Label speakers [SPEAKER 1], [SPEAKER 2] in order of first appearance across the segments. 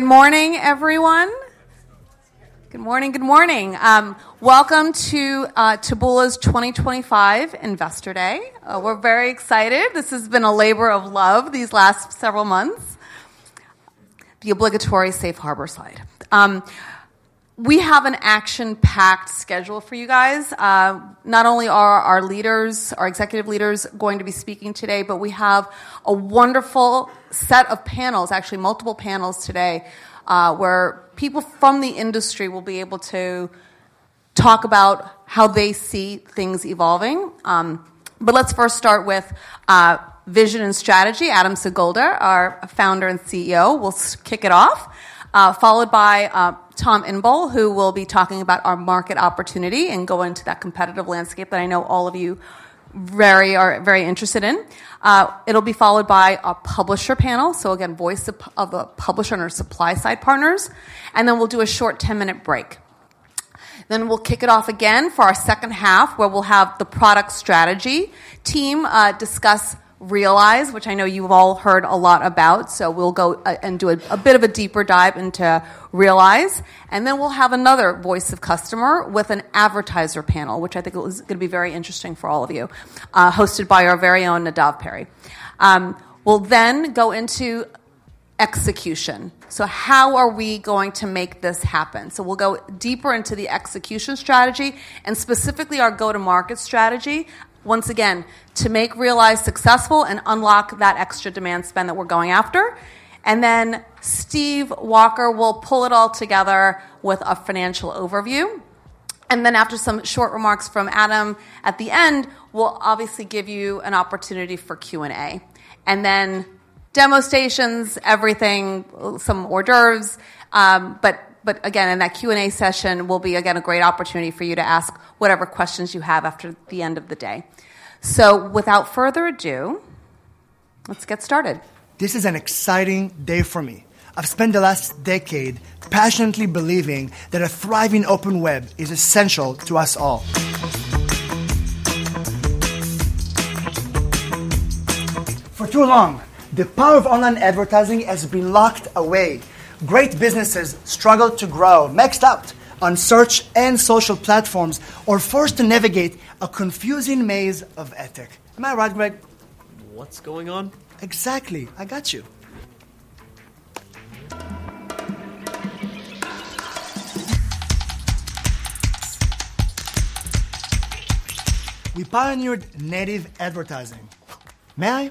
[SPEAKER 1] Good morning, everyone. Good morning, good morning. Welcome to Taboola's 2025 Investor Day. We're very excited. This has been a labor of love these last several months. The obligatory Safe Harbor slide. We have an action-packed schedule for you guys. Not only are our leaders, our executive leaders, going to be speaking today, but we have a wonderful set of panels, actually multiple panels today, where people from the industry will be able to talk about how they see things evolving. Let's first start with vision and strategy. Adam Singolda, our Founder and CEO, will kick it off, followed by Tom Inbal, who will be talking about our market opportunity and go into that competitive landscape that I know all of you are very interested in. It'll be followed by a publisher panel, so again, voice of a publisher and our supply-side partners. We'll do a short 10-minute break. Then we'll kick it off again for our second half, where we'll have the product strategy team discuss Realize, which I know you've all heard a lot about. We'll go and do a bit of a deeper dive into Realize. Then we'll have another voice of customer with an advertiser panel, which I think is going to be very interesting for all of you, hosted by our very own Nadav Perry. We'll then go into execution. How are we going to make this happen? We'll go deeper into the execution strategy and specifically our go-to-market strategy, once again, to make Realize successful and unlock that extra demand spend that we're going after. Steve Walker will pull it all together with a financial overview. After some short remarks from Adam at the end, we will obviously give you an opportunity for Q&A. Then demo stations, everything, some hors d'oeuvres. Again, in that Q&A session, it will be a great opportunity for you to ask whatever questions you have after the end of the day. Without further ado, let's get started. This is an exciting day for me. I've spent the last decade passionately believing that a thriving open web is essential to us all. For too long, the power of online advertising has been locked away. Great businesses struggle to grow, messed up on search and social platforms, or forced to navigate a confusing maze of ethics. Am I right, Greg? What's going on? Exactly. I got you. We pioneered native advertising. May I?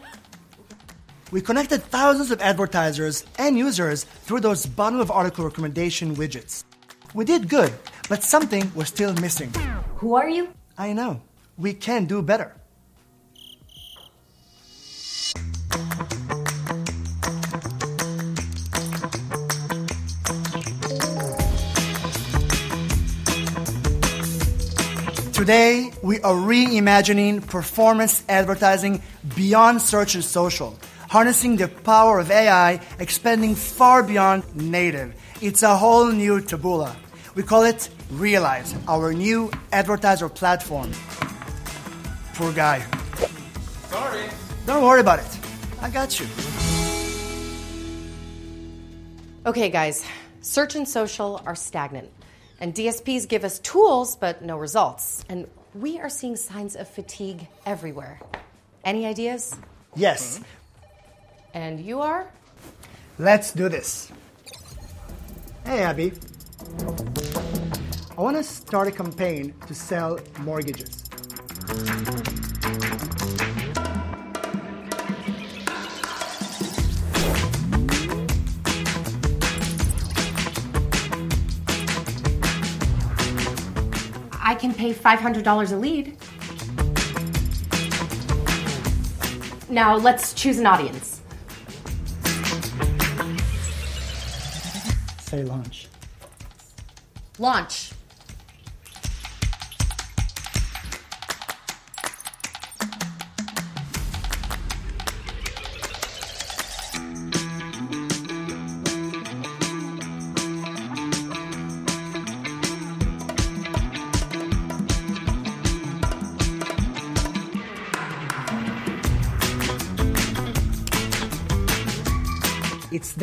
[SPEAKER 1] We connected thousands of advertisers and users through those bundle of article recommendation widgets. We did good, but something was still missing. Who are you? I know. We can do better. Today, we are reimagining performance advertising beyond search and social, harnessing the power of AI, expanding far beyond native. It's a whole new Taboola. We call it Realize, our new advertiser platform. Poor guy. Sorry. Don't worry about it. I got you. OK, guys, search and social are stagnant. DSPs give us tools, but no results. We are seeing signs of fatigue everywhere. Any ideas? Yes. You are? Let's do this. Hey, Abby. I want to start a campaign to sell mortgages. I can pay $500 a lead. Now let's choose an audience. Say launch. Launch.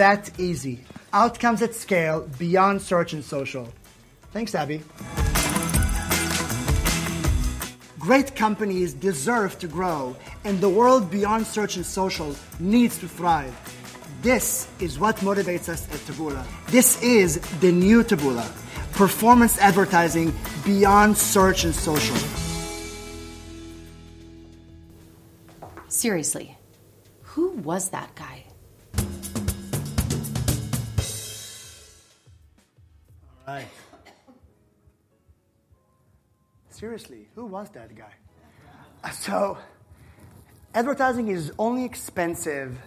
[SPEAKER 1] It's that easy. Outcomes at scale beyond search and social. Thanks, Abby. Great companies deserve to grow, and the world beyond search and social needs to thrive. This is what motivates us at Taboola. This is the new Taboola. Performance advertising beyond search and social. Seriously, who was that guy?
[SPEAKER 2] All right. Seriously, who was that guy? Advertising is only expensive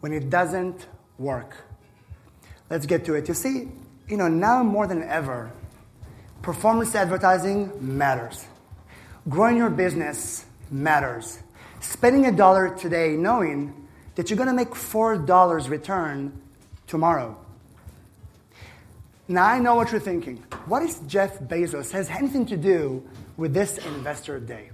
[SPEAKER 2] when it doesn't work. Let's get to it. You see, you know now more than ever, performance advertising matters. Growing your business matters. Spending a dollar today knowing that you're going to make $4 return tomorrow. Now I know what you're thinking. What if Jeff Bezos has anything to do with this Investor Day?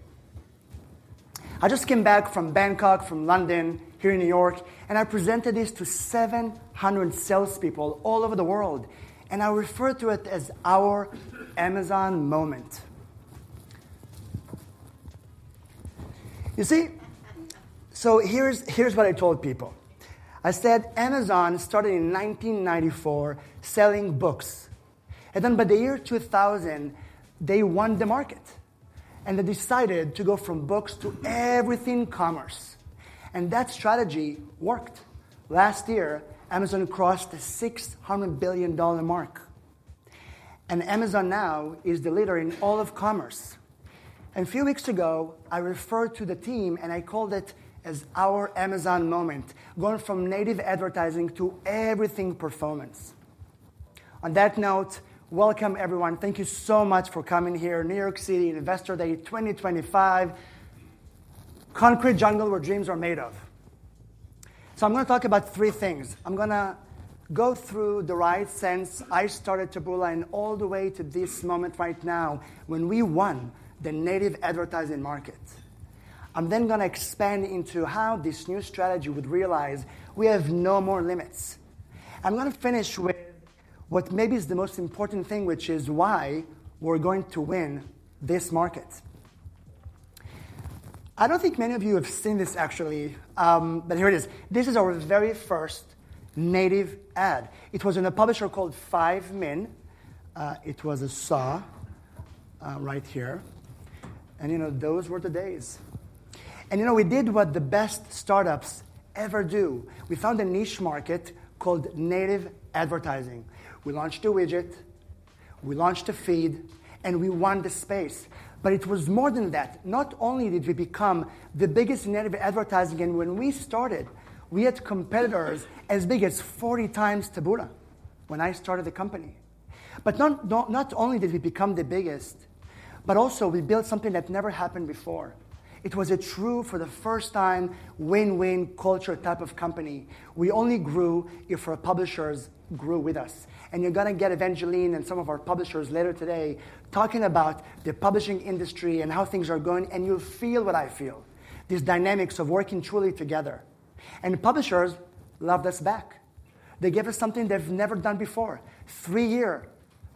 [SPEAKER 2] I just came back from Bangkok, from London, here in New York, and I presented this to 700 salespeople all over the world. I refer to it as our Amazon moment. You see? Here's what I told people. I said Amazon started in 1994 selling books. Then by the year 2000, they won the market. They decided to go from books to everything commerce. That strategy worked. Last year, Amazon crossed the $600 billion mark. Amazon now is the leader in all of commerce. A few weeks ago, I referred to the team and I called it as our Amazon moment, going from native advertising to everything performance. On that note, welcome, everyone. Thank you so much for coming here, New York City, Investor Day 2025, concrete jungle where dreams are made of. I am going to talk about three things. I am going to go through the ride since I started Taboola and all the way to this moment right now when we won the native advertising market. I am then going to expand into how this new strategy would realize we have no more limits. I am going to finish with what maybe is the most important thing, which is why we are going to win this market. I do not think many of you have seen this, actually, but here it is. This is our very first native ad. It was in a publisher called 5min. It was a saw right here. Those were the days. We did what the best startups ever do. We found a niche market called native advertising. We launched a widget. We launched a feed. We won the space. It was more than that. Not only did we become the biggest native advertiser, and when we started, we had competitors as big as 40x Taboola when I started the company. Not only did we become the biggest, but also we built something that never happened before. It was a true for the first time win-win culture type of company. We only grew if our publishers grew with us. You're going to get Evangeline and some of our publishers later today talking about the publishing industry and how things are going. You'll feel what I feel, these dynamics of working truly together. Publishers loved us back. They gave us something they've never done before: three years,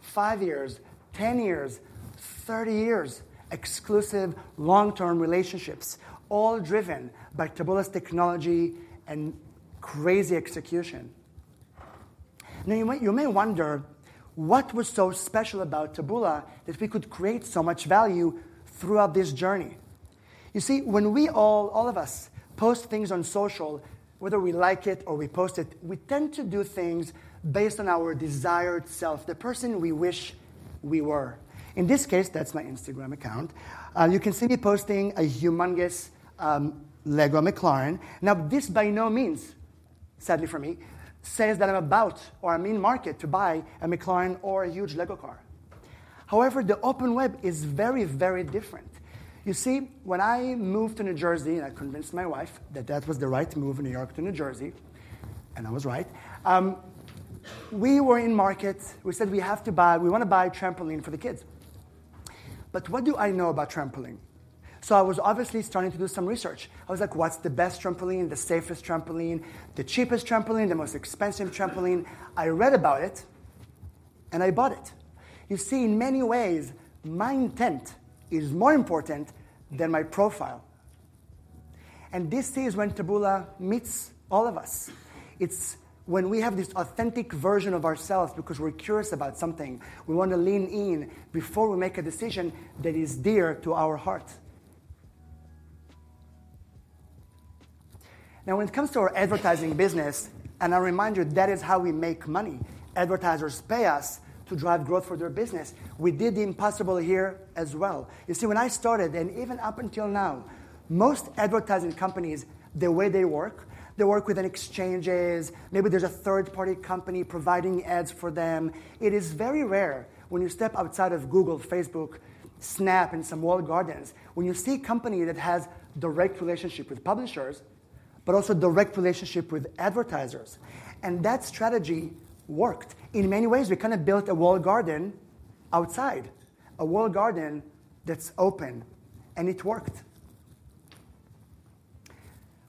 [SPEAKER 2] five years, 10 years, 30 years, exclusive long-term relationships, all driven by Taboola's technology and crazy execution. You may wonder what was so special about Taboola that we could create so much value throughout this journey. You see, when we all, all of us, post things on social, whether we like it or we post it, we tend to do things based on our desired self, the person we wish we were. In this case, that's my Instagram account. You can see me posting a humongous Lego McLaren. Now, this by no means, sadly for me, says that I'm about or I'm in market to buy a McLaren or a huge Lego car. However, the open web is very, very different. You see, when I moved to New Jersey, and I convinced my wife that that was the right move in New York to New Jersey, and I was right, we were in market. We said we have to buy, we want to buy a trampoline for the kids. What do I know about trampoline? I was obviously starting to do some research. I was like, what's the best trampoline, the safest trampoline, the cheapest trampoline, the most expensive trampoline? I read about it, and I bought it. You see, in many ways, my intent is more important than my profile. This is when Taboola meets all of us. It's when we have this authentic version of ourselves because we're curious about something. We want to lean in before we make a decision that is dear to our heart. Now, when it comes to our advertising business, and I remind you, that is how we make money. Advertisers pay us to drive growth for their business. We did the impossible here as well. You see, when I started, and even up until now, most advertising companies, the way they work, they work with exchanges. Maybe there's a third-party company providing ads for them. It is very rare when you step outside of Google, Facebook, Snap, and some walled gardens when you see a company that has a direct relationship with publishers, but also a direct relationship with advertisers. That strategy worked. In many ways, we kind of built a walled garden outside, a walled garden that's open. It worked.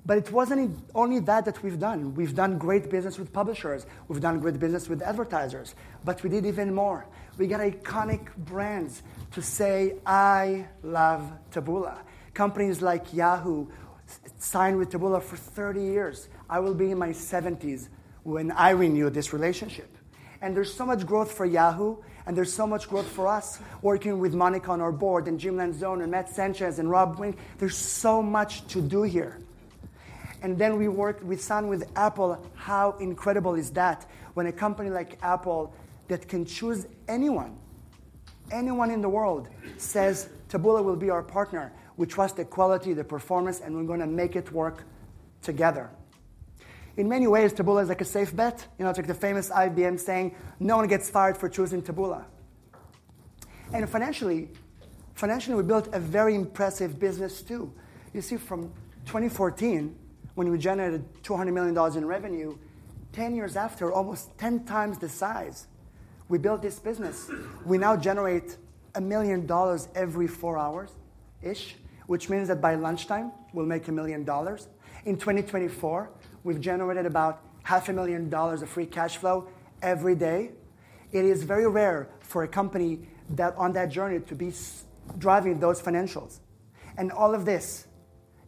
[SPEAKER 2] It was not only that that we have done. We have done great business with publishers. We have done great business with advertisers. We did even more. We got iconic brands to say, I love Taboola. Companies like Yahoo signed with Taboola for 30 years. I will be in my 70s when I renew this relationship. There is so much growth for Yahoo, and there is so much growth for us working with Monica on our Board and Jim Lanzone and Matt Sanchez and Rob Wing. There is so much to do here. We signed with Apple. How incredible is that when a company like Apple that can choose anyone, anyone in the world says Taboola will be our partner? We trust the quality, the performance, and we are going to make it work together. In many ways, Taboola is like a safe bet. It's like the famous IBM saying, no one gets fired for choosing Taboola. Financially, we built a very impressive business too. You see, from 2014, when we generated $200 million in revenue, 10 years after, almost 10x the size, we built this business. We now generate $1 million every four hours-ish, which means that by lunchtime, we'll make $1 million. In 2024, we've generated about $500,000 of free cash flow every day. It is very rare for a company on that journey to be driving those financials. All of this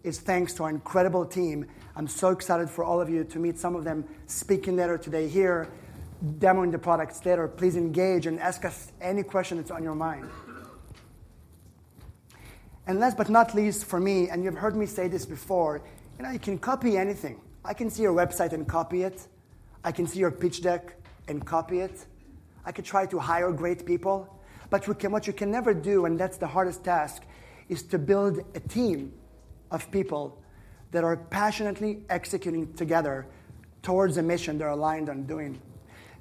[SPEAKER 2] is thanks to our incredible team. I'm so excited for all of you to meet some of them speaking later today here, demoing the products later. Please engage and ask us any question that's on your mind. Last but not least for me, and you've heard me say this before, you can copy anything. I can see your website and copy it. I can see your pitch deck and copy it. I could try to hire great people. What you can never do, and that's the hardest task, is to build a team of people that are passionately executing together towards a mission they're aligned on doing.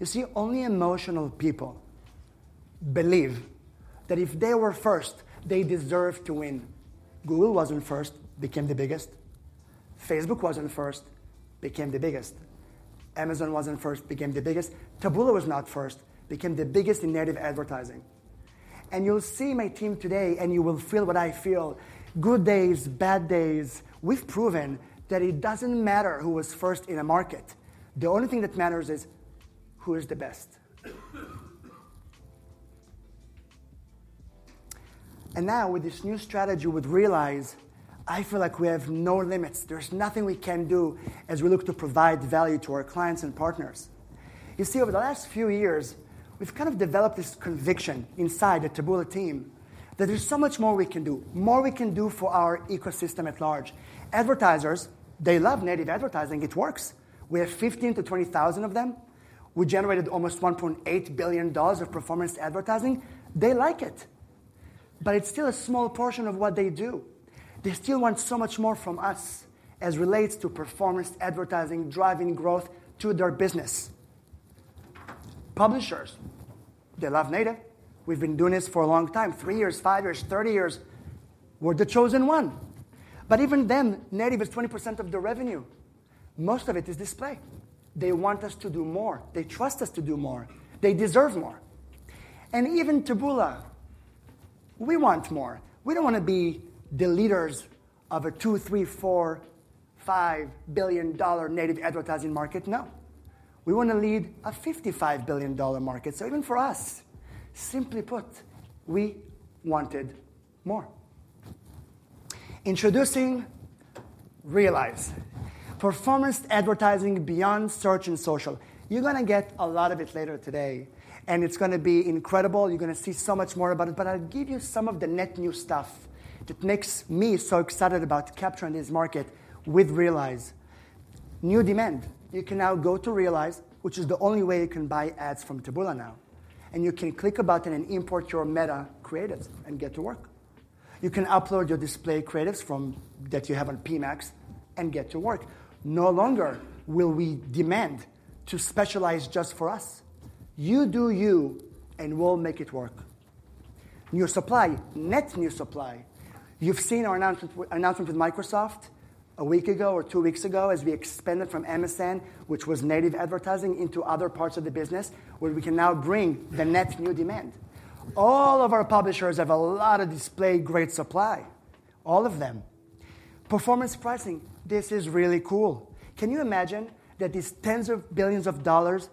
[SPEAKER 2] You see, only emotional people believe that if they were first, they deserve to win. Google wasn't first, became the biggest. Facebook wasn't first, became the biggest. Amazon wasn't first, became the biggest. Taboola was not first, became the biggest in native advertising. You'll see my team today, and you will feel what I feel. Good days, bad days, we've proven that it doesn't matter who was first in a market. The only thing that matters is who is the best. Now, with this new strategy, we realize I feel like we have no limits. There is nothing we can do as we look to provide value to our clients and partners. You see, over the last few years, we have kind of developed this conviction inside the Taboola team that there is so much more we can do, more we can do for our ecosystem at large. Advertisers, they love native advertising. It works. We have 15,000-20,000 of them. We generated almost $1.8 billion of performance advertising. They like it. It is still a small portion of what they do. They still want so much more from us as it relates to performance advertising, driving growth to their business. Publishers, they love native. We have been doing this for a long time, three years, five years, 30 years. We're the chosen one. Even then, native is 20% of the revenue. Most of it is display. They want us to do more. They trust us to do more. They deserve more. Even Taboola, we want more. We don't want to be the leaders of a $2 billion, $3 billion, $4 billion, $5 billion native advertising market. No. We want to lead a $55 billion market. Even for us, simply put, we wanted more. Introducing Realize, performance advertising beyond search and social. You're going to get a lot of it later today. It's going to be incredible. You're going to see so much more about it. I'll give you some of the net new stuff that makes me so excited about capturing this market with Realize. New demand. You can now go to Realize, which is the only way you can buy ads from Taboola now. You can click a button and import your meta creatives and get to work. You can upload your display creatives that you have on PMax and get to work. No longer will we demand to specialize just for us. You do you, and we'll make it work. New supply, net new supply. You've seen our announcement with Microsoft a week ago or two weeks ago as we expanded from MSN, which was native advertising, into other parts of the business where we can now bring the net new demand. All of our publishers have a lot of display great supply, all of them. Performance pricing, this is really cool. Can you imagine that these tens of billions of dollars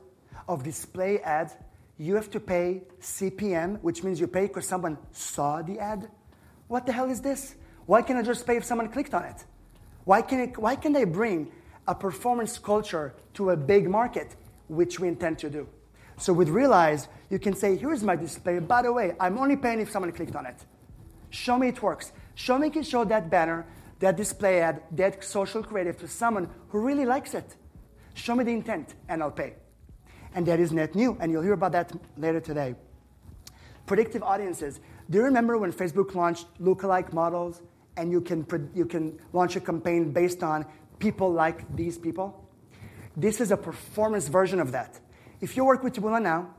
[SPEAKER 2] of display ads you have to pay CPM, which means you pay because someone saw the ad? What the hell is this? Why can't I just pay if someone clicked on it? Why can't I bring a performance culture to a big market, which we intend to do? With Realize, you can say, here's my display. By the way, I'm only paying if someone clicked on it. Show me it works. Show me you can show that banner, that display ad, that social creative to someone who really likes it. Show me the intent, and I'll pay. That is net new. You'll hear about that later today. Predictive audiences. Do you remember when Facebook launched lookalike models and you can launch a campaign based on people like these people? This is a performance version of that. If you work with Taboola now,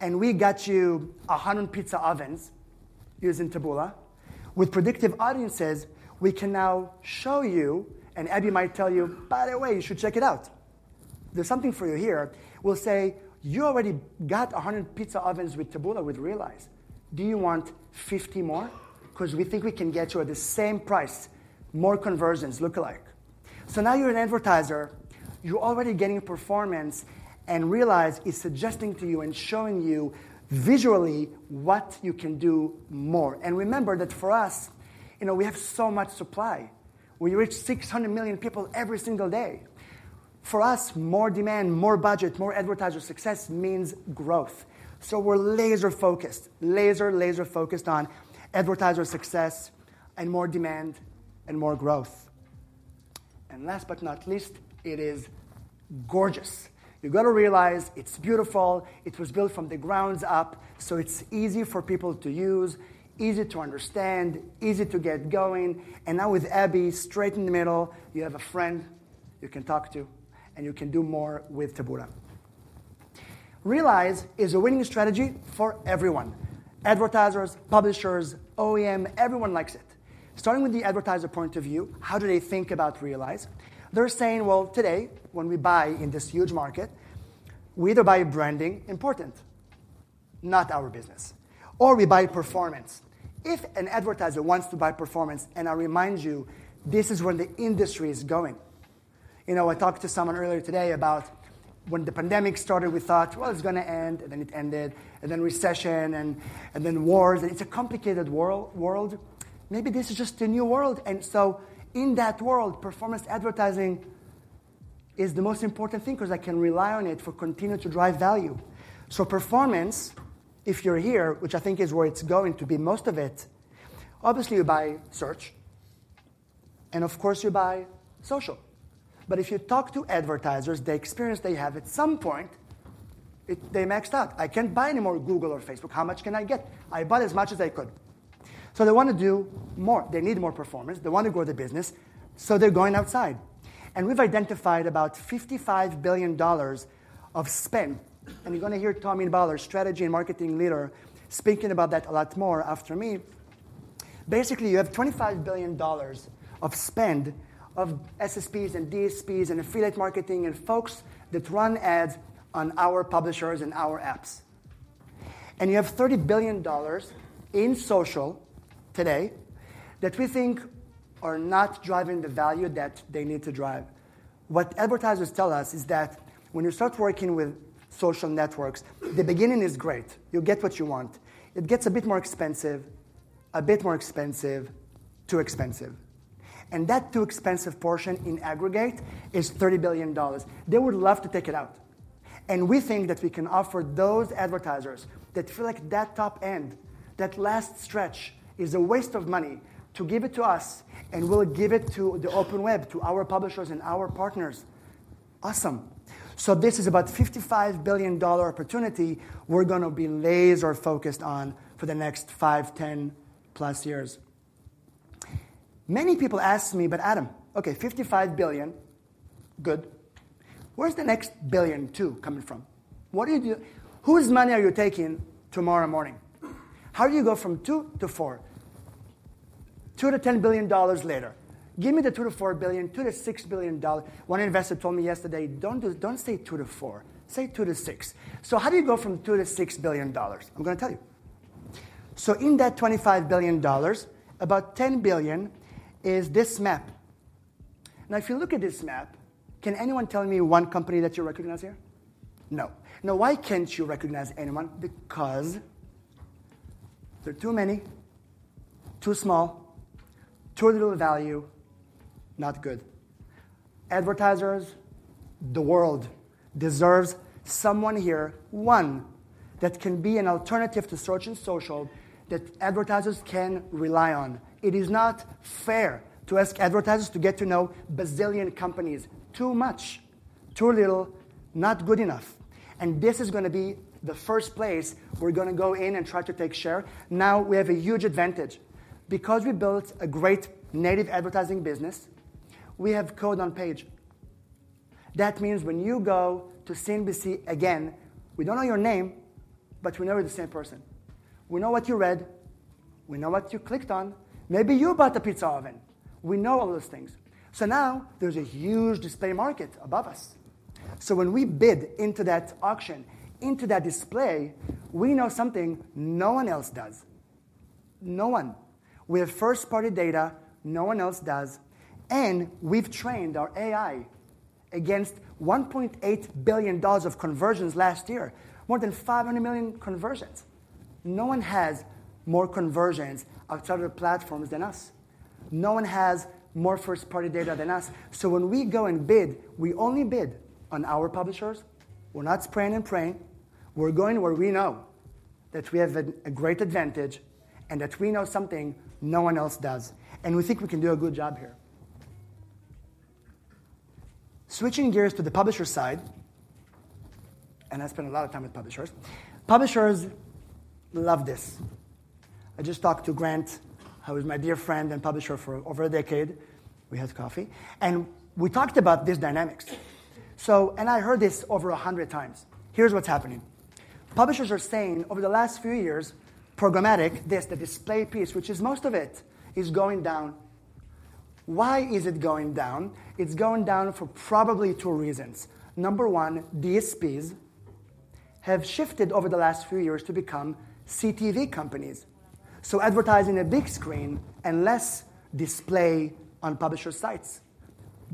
[SPEAKER 2] and we got you 100 pizza ovens using Taboola, with predictive audiences, we can now show you, and Abby might tell you, by the way, you should check it out. There's something for you here. We'll say you already got 100 pizza ovens with Taboola with Realize. Do you want 50 more? Because we think we can get you at the same price, more conversions, lookalike. Now you're an advertiser. You're already getting performance, and Realize is suggesting to you and showing you visually what you can do more. Remember that for us, we have so much supply. We reach 600 million people every single day. For us, more demand, more budget, more advertiser success means growth. We're laser-focused, laser, laser-focused on advertiser success and more demand and more growth. Last but not least, it is gorgeous. You've got to realize it's beautiful. It was built from the ground up. It's easy for people to use, easy to understand, easy to get going. Now with Abby, straight in the middle, you have a friend you can talk to, and you can do more with Taboola. Realize is a winning strategy for everyone: advertisers, publishers, OEM. Everyone likes it. Starting with the advertiser point of view, how do they think about Realize? They're saying, you know, today, when we buy in this huge market, we either buy branding, important, not our business, or we buy performance. If an advertiser wants to buy performance, and I remind you, this is where the industry is going. I talked to someone earlier today about when the pandemic started, we thought, you know, it's going to end, and then it ended, and then recession, and then wars. It's a complicated world. Maybe this is just a new world. In that world, performance advertising is the most important thing because I can rely on it for continuing to drive value. Performance, if you're here, which I think is where it's going to be most of it, obviously you buy search. Of course, you buy social. If you talk to advertisers, the experience they have, at some point, they maxed out. I can't buy any more Google or Facebook. How much can I get? I bought as much as I could. They want to do more. They need more performance. They want to grow the business. They're going outside. We've identified about $55 billion of spend. You're going to hear Tom Inbal, strategy and marketing leader, speaking about that a lot more after me. Basically, you have $25 billion of spend of SSPs and DSPs and affiliate marketing and folks that run ads on our publishers and our apps. You have $30 billion in social today that we think are not driving the value that they need to drive. What advertisers tell us is that when you start working with social networks, the beginning is great. You get what you want. It gets a bit more expensive, a bit more expensive, too expensive. That too expensive portion in aggregate is $30 billion. They would love to take it out. We think that we can offer those advertisers that feel like that top end, that last stretch is a waste of money to give it to us, and we will give it to the open web, to our publishers and our partners. Awesome. This is about a $55 billion opportunity we're going to be laser-focused on for the next 5, 10+ years. Many people ask me, but Adam, OK, $55 billion, good. Where's the next billion two coming from? What are you doing? Whose money are you taking tomorrow morning? How do you go from two to four, $2 to $10 billion later? Give me the $2 to $4 billion, $2 to $6 billion. One investor told me yesterday, don't say $2 to $4. Say $2 to $6. How do you go from $2 to $6 billion? I'm going to tell you. In that $25 billion, about $10 billion is this map. Now, if you look at this map, can anyone tell me one company that you recognize here? No. Why can't you recognize anyone? Because they're too many, too small, too little value, not good. Advertisers, the world deserves someone here, one that can be an alternative to search and social that advertisers can rely on. It is not fair to ask advertisers to get to know bazillion companies. Too much, too little, not good enough. This is going to be the first place we are going to go in and try to take share. Now we have a huge advantage. Because we built a great native advertising business, we have code on page. That means when you go to CNBC again, we do not know your name, but we know you are the same person. We know what you read. We know what you clicked on. Maybe you bought a pizza oven. We know all those things. Now there is a huge display market above us. When we bid into that auction, into that display, we know something no one else does. No one. We have first-party data no one else does. We've trained our AI against $1.8 billion of conversions last year, more than 500 million conversions. No one has more conversions outside of the platforms than us. No one has more first-party data than us. When we go and bid, we only bid on our publishers. We're not spraying and praying. We're going where we know that we have a great advantage and that we know something no one else does. We think we can do a good job here. Switching gears to the publisher side, I spend a lot of time with publishers. Publishers love this. I just talked to Grant. He was my dear friend and publisher for over a decade. We had coffee. We talked about these dynamics. I heard this over 100x. Here's what's happening. Publishers are saying over the last few years, programmatic, this, the display piece, which is most of it, is going down. Why is it going down? It's going down for probably two reasons. Number one, DSPs have shifted over the last few years to become CTV companies. Advertising a big screen and less display on publisher sites,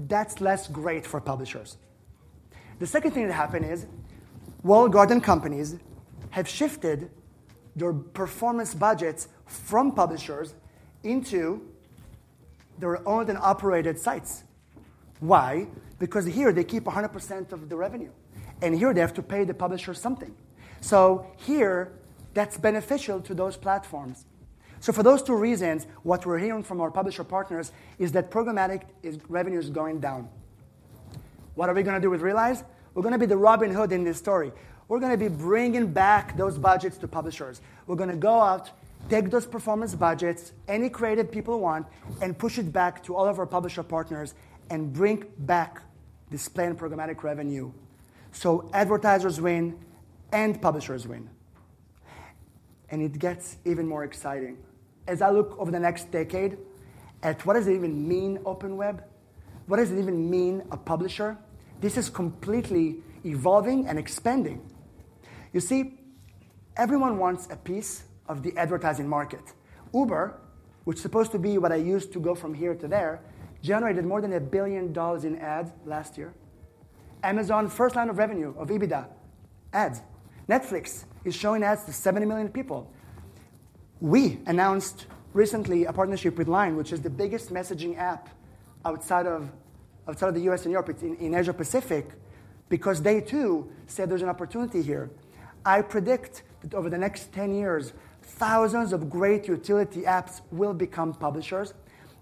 [SPEAKER 2] that's less great for publishers. The second thing that happened is walled garden companies have shifted their performance budgets from publishers into their owned and operated sites. Why? Because here they keep 100% of the revenue. And here they have to pay the publisher something. Here, that's beneficial to those platforms. For those two reasons, what we're hearing from our publisher partners is that programmatic revenue is going down. What are we going to do with Realize? We're going to be the Robin Hood in this story. We're going to be bringing back those budgets to publishers. We're going to go out, take those performance budgets, any creative people want, and push it back to all of our publisher partners and bring back display and programmatic revenue. Advertisers win and publishers win. It gets even more exciting. As I look over the next decade at what does it even mean, open web? What does it even mean, a publisher? This is completely evolving and expanding. You see, everyone wants a piece of the advertising market. Uber, which is supposed to be what I use to go from here to there, generated more than $1 billion in ads last year. Amazon, first line of revenue of EBITDA, ads. Netflix is showing ads to 70 million people. We announced recently a partnership with LINE, which is the biggest messaging app outside of the U.S. and Europe. It's in Asia Pacific because they, too, said there's an opportunity here. I predict that over the next 10 years, thousands of great utility apps will become publishers.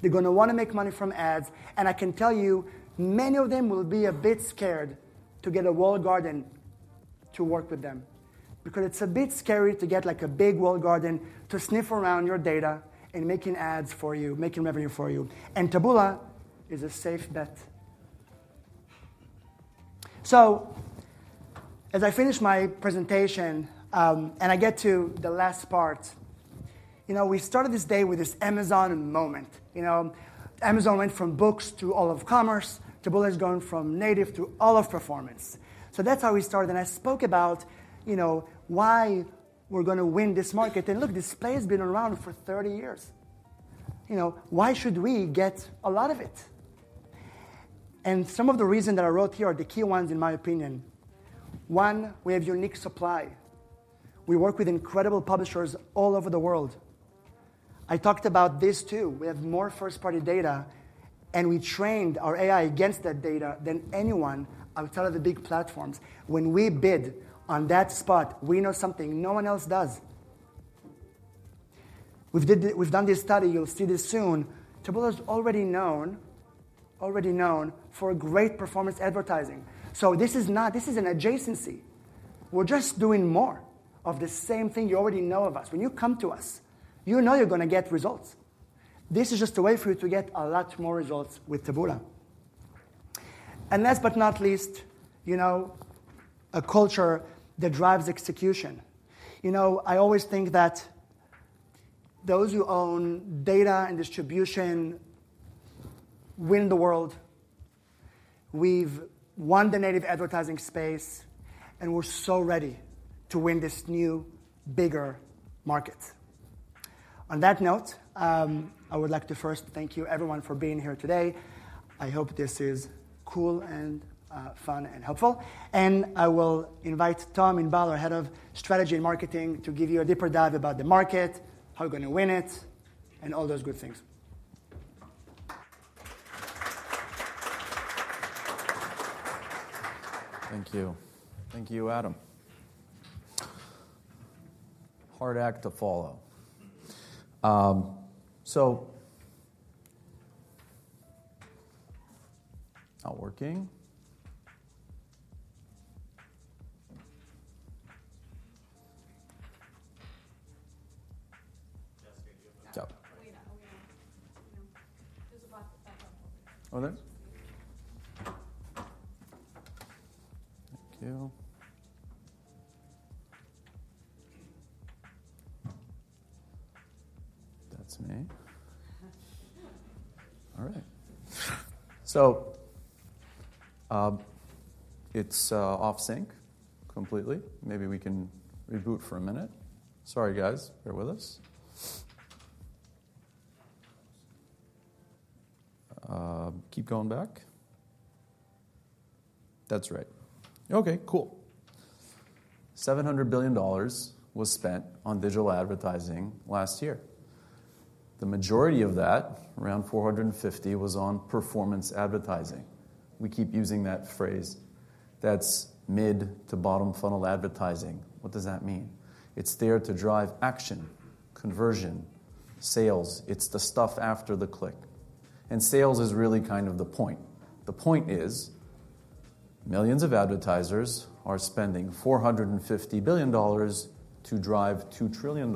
[SPEAKER 2] They're going to want to make money from ads. I can tell you, many of them will be a bit scared to get a walled garden to work with them because it's a bit scary to get like a big walled garden to sniff around your data and making ads for you, making revenue for you. Taboola is a safe bet. As I finish my presentation and I get to the last part, we started this day with this Amazon moment. Amazon went from books to all of commerce. Taboola is going from native to all of performance. That's how we started. I spoke about why we're going to win this market. Look, display has been around for 30 years. Why should we get a lot of it? Some of the reasons that I wrote here are the key ones, in my opinion. One, we have unique supply. We work with incredible publishers all over the world. I talked about this, too. We have more first-party data. We trained our AI against that data than anyone outside of the big platforms. When we bid on that spot, we know something no one else does. We've done this study. You'll see this soon. Taboola is already known for great performance advertising. This is not an adjacency. We're just doing more of the same thing you already know of us. When you come to us, you know you're going to get results. This is just a way for you to get a lot more results with Taboola. Last but not least, a culture that drives execution. I always think that those who own data and distribution win the world. We've won the native advertising space. We're so ready to win this new, bigger market. On that note, I would like to first thank you, everyone, for being here today. I hope this is cool and fun and helpful. I will invite Tom Inbal, Head of Strategy and Marketing, to give you a deeper dive about the market, how you're going to win it, and all those good things.
[SPEAKER 3] Thank you. Thank you, Adam. Hard act to follow. Not working. That's me. Thank you. That's me. All right. It's off sync completely. Maybe we can reboot for a minute. Sorry, guys. Bear with us. Keep going back. That's right. OK, cool. $700 billion was spent on digital advertising last year. The majority of that, around $450 billion, was on performance advertising. We keep using that phrase. That's mid to bottom funnel advertising. What does that mean? It's there to drive action, conversion, sales. It's the stuff after the click. Sales is really kind of the point. The point is millions of advertisers are spending $450 billion to drive $2 trillion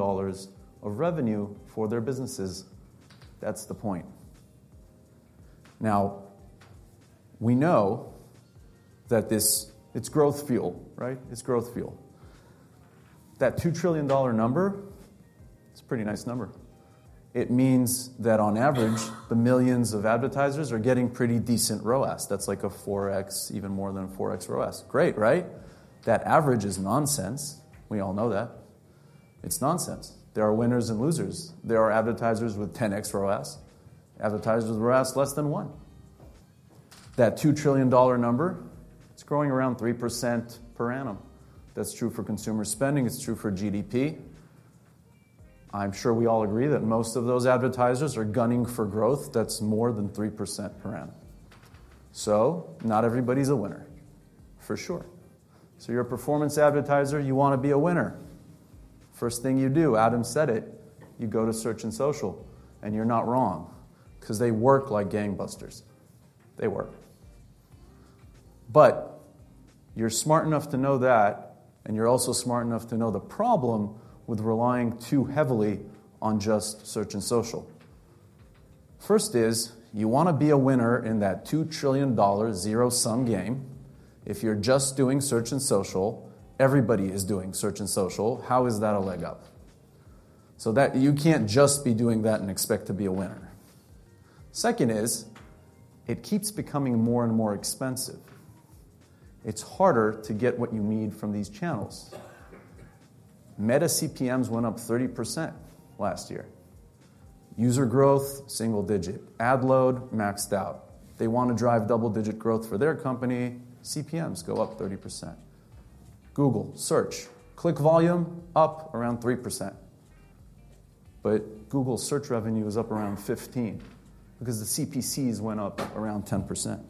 [SPEAKER 3] of revenue for their businesses. That's the point. Now, we know that this, it's growth fuel, right? It's growth fuel. That $2 trillion number, it's a pretty nice number. It means that on average, the millions of advertisers are getting pretty decent ROAS. That's like a 4x, even more than a 4x ROAS. Great, right? That average is nonsense. We all know that. It's nonsense. There are winners and losers. There are advertisers with 10x ROAS. Advertisers with ROAS less than 1. That $2 trillion number, it's growing around 3% per annum. That's true for consumer spending. It's true for GDP. I'm sure we all agree that most of those advertisers are gunning for growth that's more than 3% per annum. Not everybody's a winner, for sure. You're a performance advertiser. You want to be a winner. First thing you do, Adam said it, you go to search and social. You're not wrong because they work like gangbusters. They work. You're smart enough to know that. You're also smart enough to know the problem with relying too heavily on just search and social. First is you want to be a winner in that $2 trillion zero-sum game. If you're just doing search and social, everybody is doing search and social. How is that a leg up? You can't just be doing that and expect to be a winner. Second is it keeps becoming more and more expensive. It's harder to get what you need from these channels. Meta CPMs went up 30% last year. User growth, single digit. Ad load, maxed out. They want to drive double-digit growth for their company. CPMs go up 30%. Google search, click volume up around 3%. Google search revenue is up around 15% because the CPCs went up around 10%.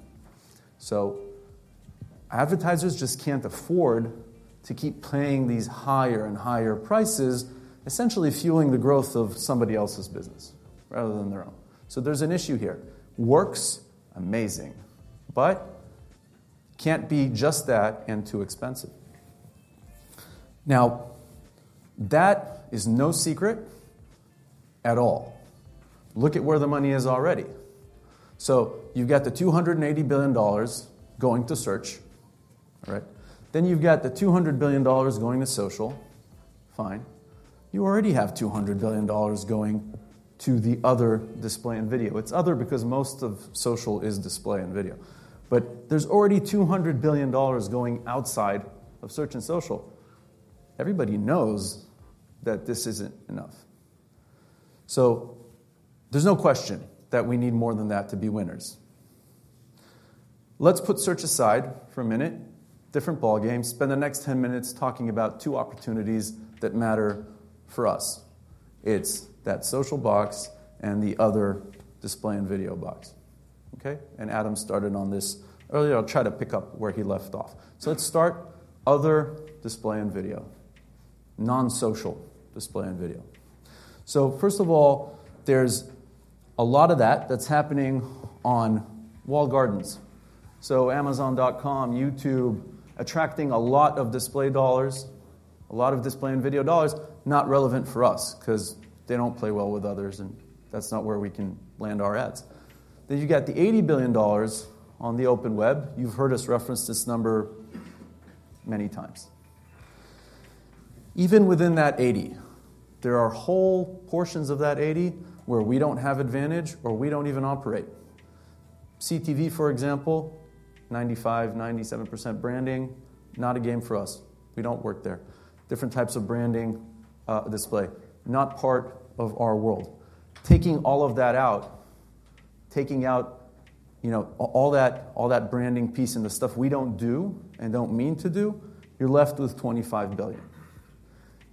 [SPEAKER 3] Advertisers just can't afford to keep paying these higher and higher prices, essentially fueling the growth of somebody else's business rather than their own. There's an issue here. Works amazing, but can't be just that and too expensive. Now, that is no secret at all. Look at where the money is already. You've got the $280 billion going to search. Then you've got the $200 billion going to social. Fine. You already have $200 billion going to the other display and video. It's other because most of social is display and video. There's already $200 billion going outside of search and social. Everybody knows that this isn't enough. There's no question that we need more than that to be winners. Let's put search aside for a minute. Different ballgame. Spend the next 10 minutes talking about two opportunities that matter for us. It's that social box and the other display and video box. Adam started on this earlier. I'll try to pick up where he left off. Let's start other display and video, non-social display and video. First of all, there's a lot of that that's happening on walled gardens. Amazon.com, YouTube, attracting a lot of display dollars, a lot of display and video dollars, not relevant for us because they don't play well with others. That's not where we can land our ads. You've got the $80 billion on the open web. You've heard us reference this number many times. Even within that 80, there are whole portions of that 80 where we don't have advantage or we don't even operate. CTV, for example, 95%-97% branding, not a game for us. We don't work there. Different types of branding, display, not part of our world. Taking all of that out, taking out all that branding piece and the stuff we don't do and don't mean to do, you're left with $25 billion.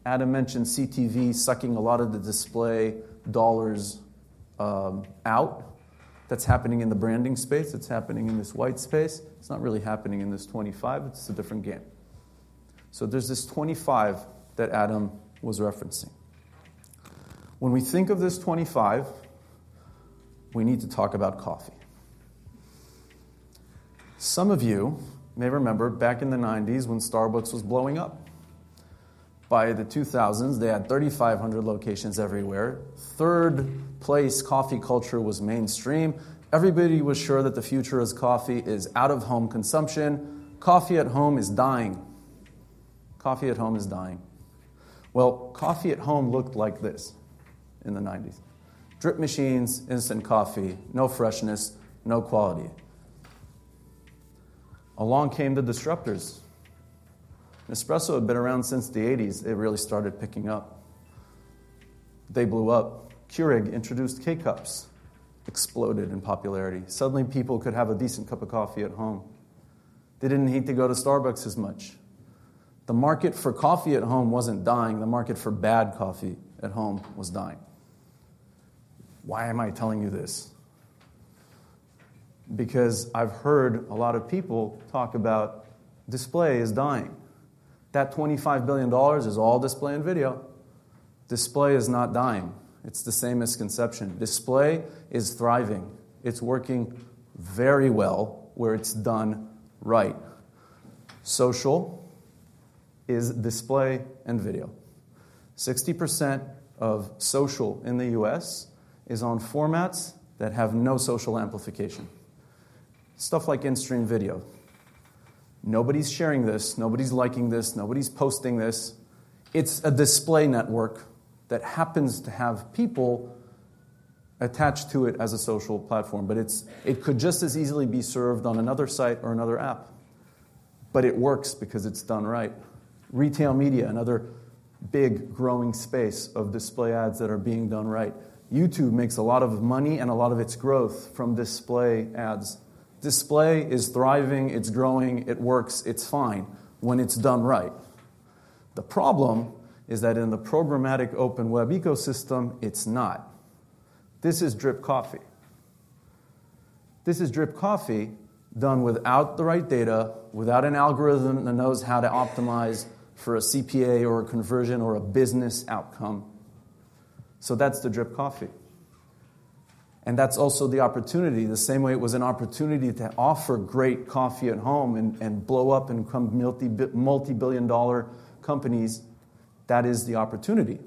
[SPEAKER 3] Adam mentioned CTV sucking a lot of the display dollars out. That's happening in the branding space. It's happening in this white space. It's not really happening in this 25. It's a different game. There is this 25 that Adam was referencing. When we think of this 25, we need to talk about coffee. Some of you may remember back in the 1990s when Starbucks was blowing up. By the 2000s, they had 3,500 locations everywhere. Third place coffee culture was mainstream. Everybody was sure that the future of coffee is out of home consumption. Coffee at home is dying. Coffee at home is dying. Coffee at home looked like this in the 1990s. Drip machines, instant coffee, no freshness, no quality. Along came the disruptors. Nespresso had been around since the 1980s. It really started picking up. They blew up. Keurig introduced K-Cups, exploded in popularity. Suddenly, people could have a decent cup of coffee at home. They did not need to go to Starbucks as much. The market for coffee at home was not dying. The market for bad coffee at home was dying. Why am I telling you this? Because I have heard a lot of people talk about display is dying. That $25 billion is all display and video. Display is not dying. It is the same misconception. Display is thriving. It is working very well where it is done right. Social is display and video. 60% of social in the U.S. is on formats that have no social amplification, stuff like instream video. Nobody is sharing this. Nobody is liking this. Nobody is posting this. It's a display network that happens to have people attached to it as a social platform. But it could just as easily be served on another site or another app. But it works because it's done right. Retail media, another big growing space of display ads that are being done right. YouTube makes a lot of money and a lot of its growth from display ads. Display is thriving. It's growing. It works. It's fine when it's done right. The problem is that in the programmatic open web ecosystem, it's not. This is drip coffee. This is drip coffee done without the right data, without an algorithm that knows how to optimize for a CPA or a conversion or a business outcome. So that's the drip coffee. That's also the opportunity, the same way it was an opportunity to offer great coffee at home and blow up and become multi-billion dollar companies. That is the opportunity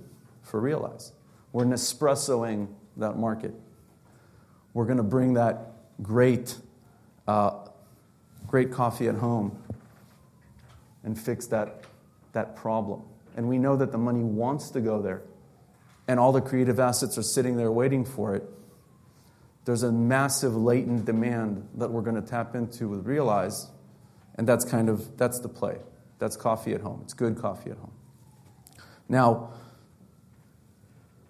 [SPEAKER 3] for Realize. We're Nespressoing that market. We're going to bring that great coffee at home and fix that problem. We know that the money wants to go there. All the creative assets are sitting there waiting for it. There's a massive latent demand that we're going to tap into with Realize. That's kind of the play. That's coffee at home. It's good coffee at home. Now,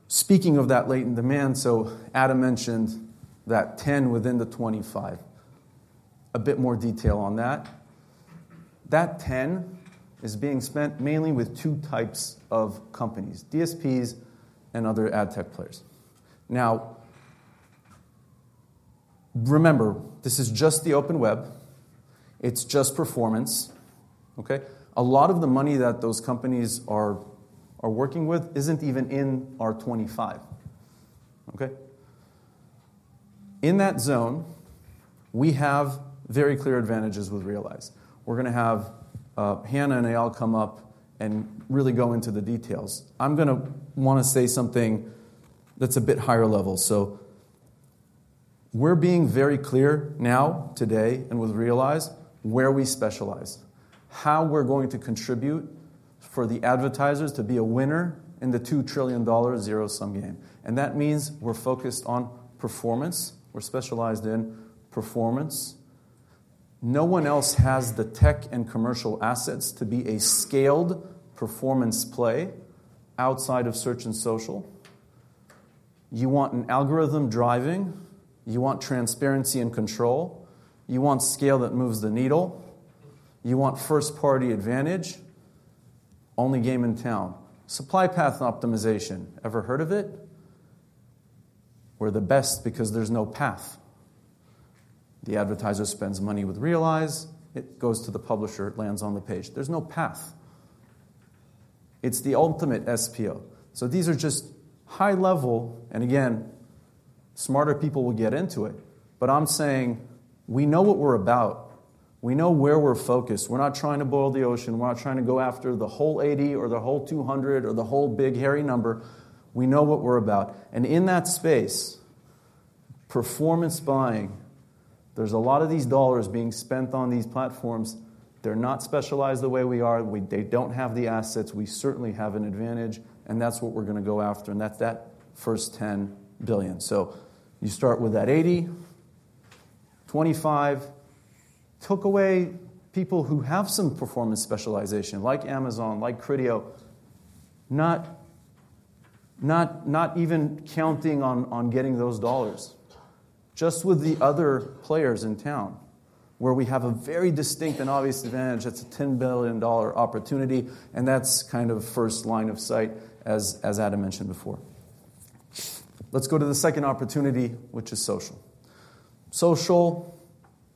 [SPEAKER 3] speaking of that latent demand, Adam mentioned that 10 within the 25. A bit more detail on that. That 10 is being spent mainly with two types of companies, DSPs and other ad tech players. Now, remember, this is just the open web. It's just performance. A lot of the money that those companies are working with is not even in our $25. In that zone, we have very clear advantages with Realize. We are going to have Hannah and Eyal come up and really go into the details. I am going to want to say something that is a bit higher level. We are being very clear now, today, and with Realize where we specialize, how we are going to contribute for the advertisers to be a winner in the $2 trillion zero-sum game. That means we are focused on performance. We are specialized in performance. No one else has the tech and commercial assets to be a scaled performance play outside of search and social. You want an algorithm driving. You want transparency and control. You want scale that moves the needle. You want first-party advantage. Only game in town. Supply path optimization. Ever heard of it? We're the best because there's no path. The advertiser spends money with Realize. It goes to the publisher. It lands on the page. There's no path. It's the ultimate SPO. These are just high level. Again, smarter people will get into it. I'm saying we know what we're about. We know where we're focused. We're not trying to boil the ocean. We're not trying to go after the whole 80 or the whole 200 or the whole big hairy number. We know what we're about. In that space, performance buying, there's a lot of these dollars being spent on these platforms. They're not specialized the way we are. They don't have the assets. We certainly have an advantage. That's what we're going to go after. That's that first $10 billion. You start with that 80, 25, took away people who have some performance specialization, like Amazon, like Criteo, not even counting on getting those dollars, just with the other players in town, where we have a very distinct and obvious advantage. That's a $10 billion opportunity. That's kind of first line of sight, as Adam mentioned before. Let's go to the second opportunity, which is social. Social,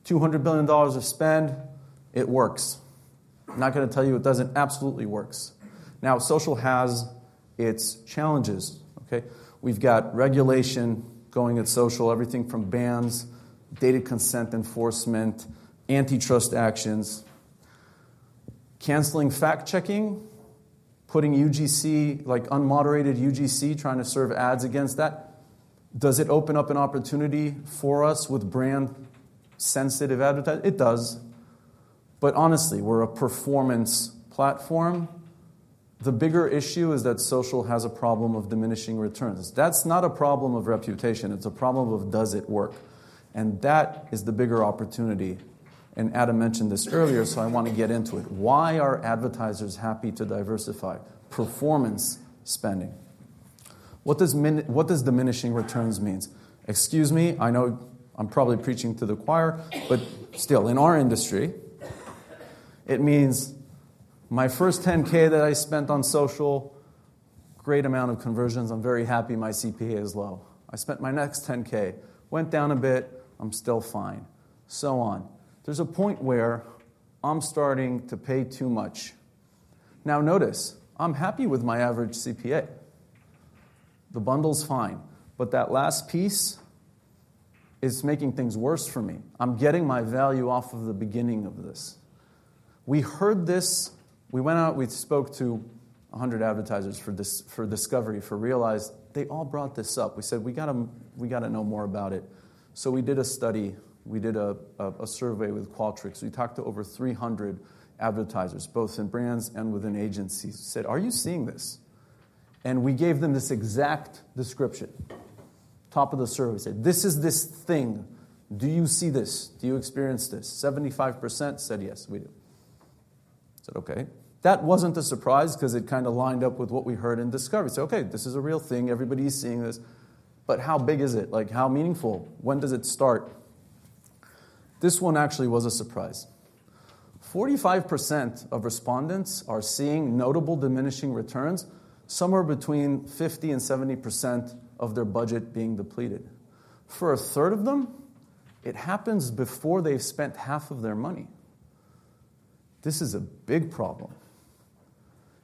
[SPEAKER 3] $200 billion of spend. It works. I'm not going to tell you it doesn't absolutely work. Now, social has its challenges. We've got regulation going at social, everything from bans, data consent enforcement, antitrust actions, canceling fact-checking, putting UGC, like unmoderated UGC, trying to serve ads against that. Does it open up an opportunity for us with brand-sensitive advertising? It does. Honestly, we're a performance platform. The bigger issue is that social has a problem of diminishing returns. That's not a problem of reputation. It's a problem of does it work. That is the bigger opportunity. Adam mentioned this earlier. I want to get into it. Why are advertisers happy to diversify performance spending? What does diminishing returns mean? Excuse me. I know I'm probably preaching to the choir. Still, in our industry, it means my first $10,000 that I spent on social, great amount of conversions. I'm very happy my CPA is low. I spent my next $10,000. Went down a bit. I'm still fine. So on. There's a point where I'm starting to pay too much. Now, notice, I'm happy with my average CPA. The bundle's fine. That last piece is making things worse for me. I'm getting my value off of the beginning of this. We heard this. We went out. We spoke to 100 advertisers for discovery, for Realize. They all brought this up. We said, we got to know more about it. So we did a study. We did a survey with Qualtrics. We talked to over 300 advertisers, both in brands and within agencies. Said, are you seeing this? And we gave them this exact description. Top of the survey. Said, this is this thing. Do you see this? Do you experience this? 75% said, yes, we do. Said, OK. That was not a surprise because it kind of lined up with what we heard in discovery. Said, OK, this is a real thing. Everybody's seeing this. But how big is it? How meaningful? When does it start? This one actually was a surprise. 45% of respondents are seeing notable diminishing returns, somewhere between 50%-70% of their budget being depleted. For a third of them, it happens before they've spent half of their money. This is a big problem.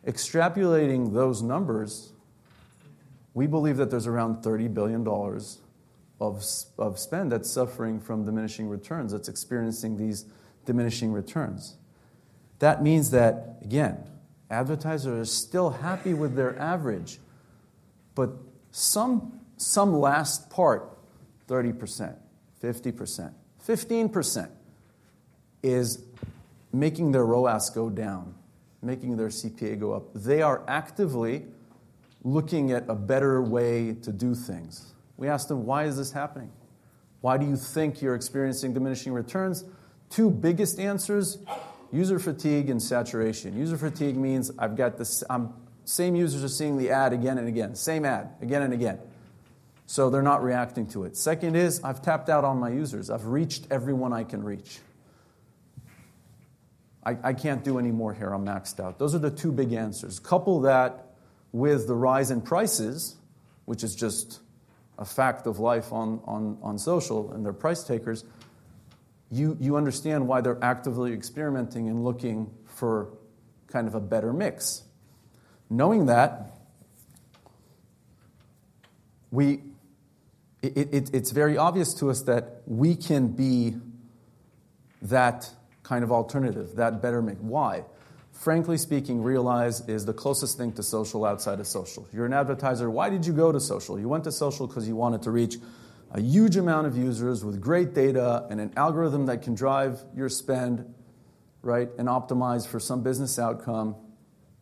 [SPEAKER 3] Extrapolating those numbers, we believe that there's around $30 billion of spend that's suffering from diminishing returns, that's experiencing these diminishing returns. That means that, again, advertisers are still happy with their average. But some last part, 30%, 50%, 15%, is making their ROAS go down, making their CPA go up. They are actively looking at a better way to do things. We asked them, why is this happening? Why do you think you're experiencing diminishing returns? Two biggest answers, user fatigue and saturation. User fatigue means I've got the same users are seeing the ad again and again, same ad again and again. So they're not reacting to it. Second is, I've tapped out on my users. I've reached everyone I can reach. I can't do any more here. I'm maxed out. Those are the two big answers. Couple that with the rise in prices, which is just a fact of life on social and their price takers, you understand why they're actively experimenting and looking for kind of a better mix. Knowing that, it's very obvious to us that we can be that kind of alternative, that better mix. Why? Frankly speaking, Realize is the closest thing to social outside of social. If you're an advertiser, why did you go to social? You went to social because you wanted to reach a huge amount of users with great data and an algorithm that can drive your spend and optimize for some business outcome.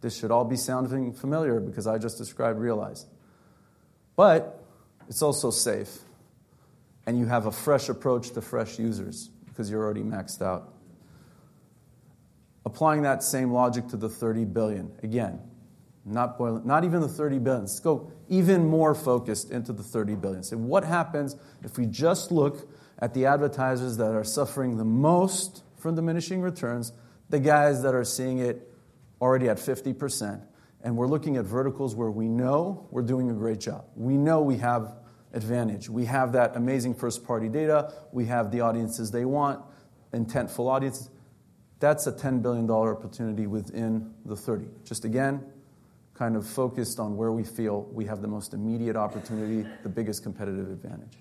[SPEAKER 3] This should all be sounding familiar because I just described Realize. But it's also safe. And you have a fresh approach to fresh users because you're already maxed out. Applying that same logic to the $30 billion. Again, not even the $30 billion. Let's go even more focused into the $30 billion. What happens if we just look at the advertisers that are suffering the most from diminishing returns, the guys that are seeing it already at 50%? We're looking at verticals where we know we're doing a great job. We know we have advantage. We have that amazing first-party data. We have the audiences they want, intentful audiences. That's a $10 billion opportunity within the 30. Just again, kind of focused on where we feel we have the most immediate opportunity, the biggest competitive advantage.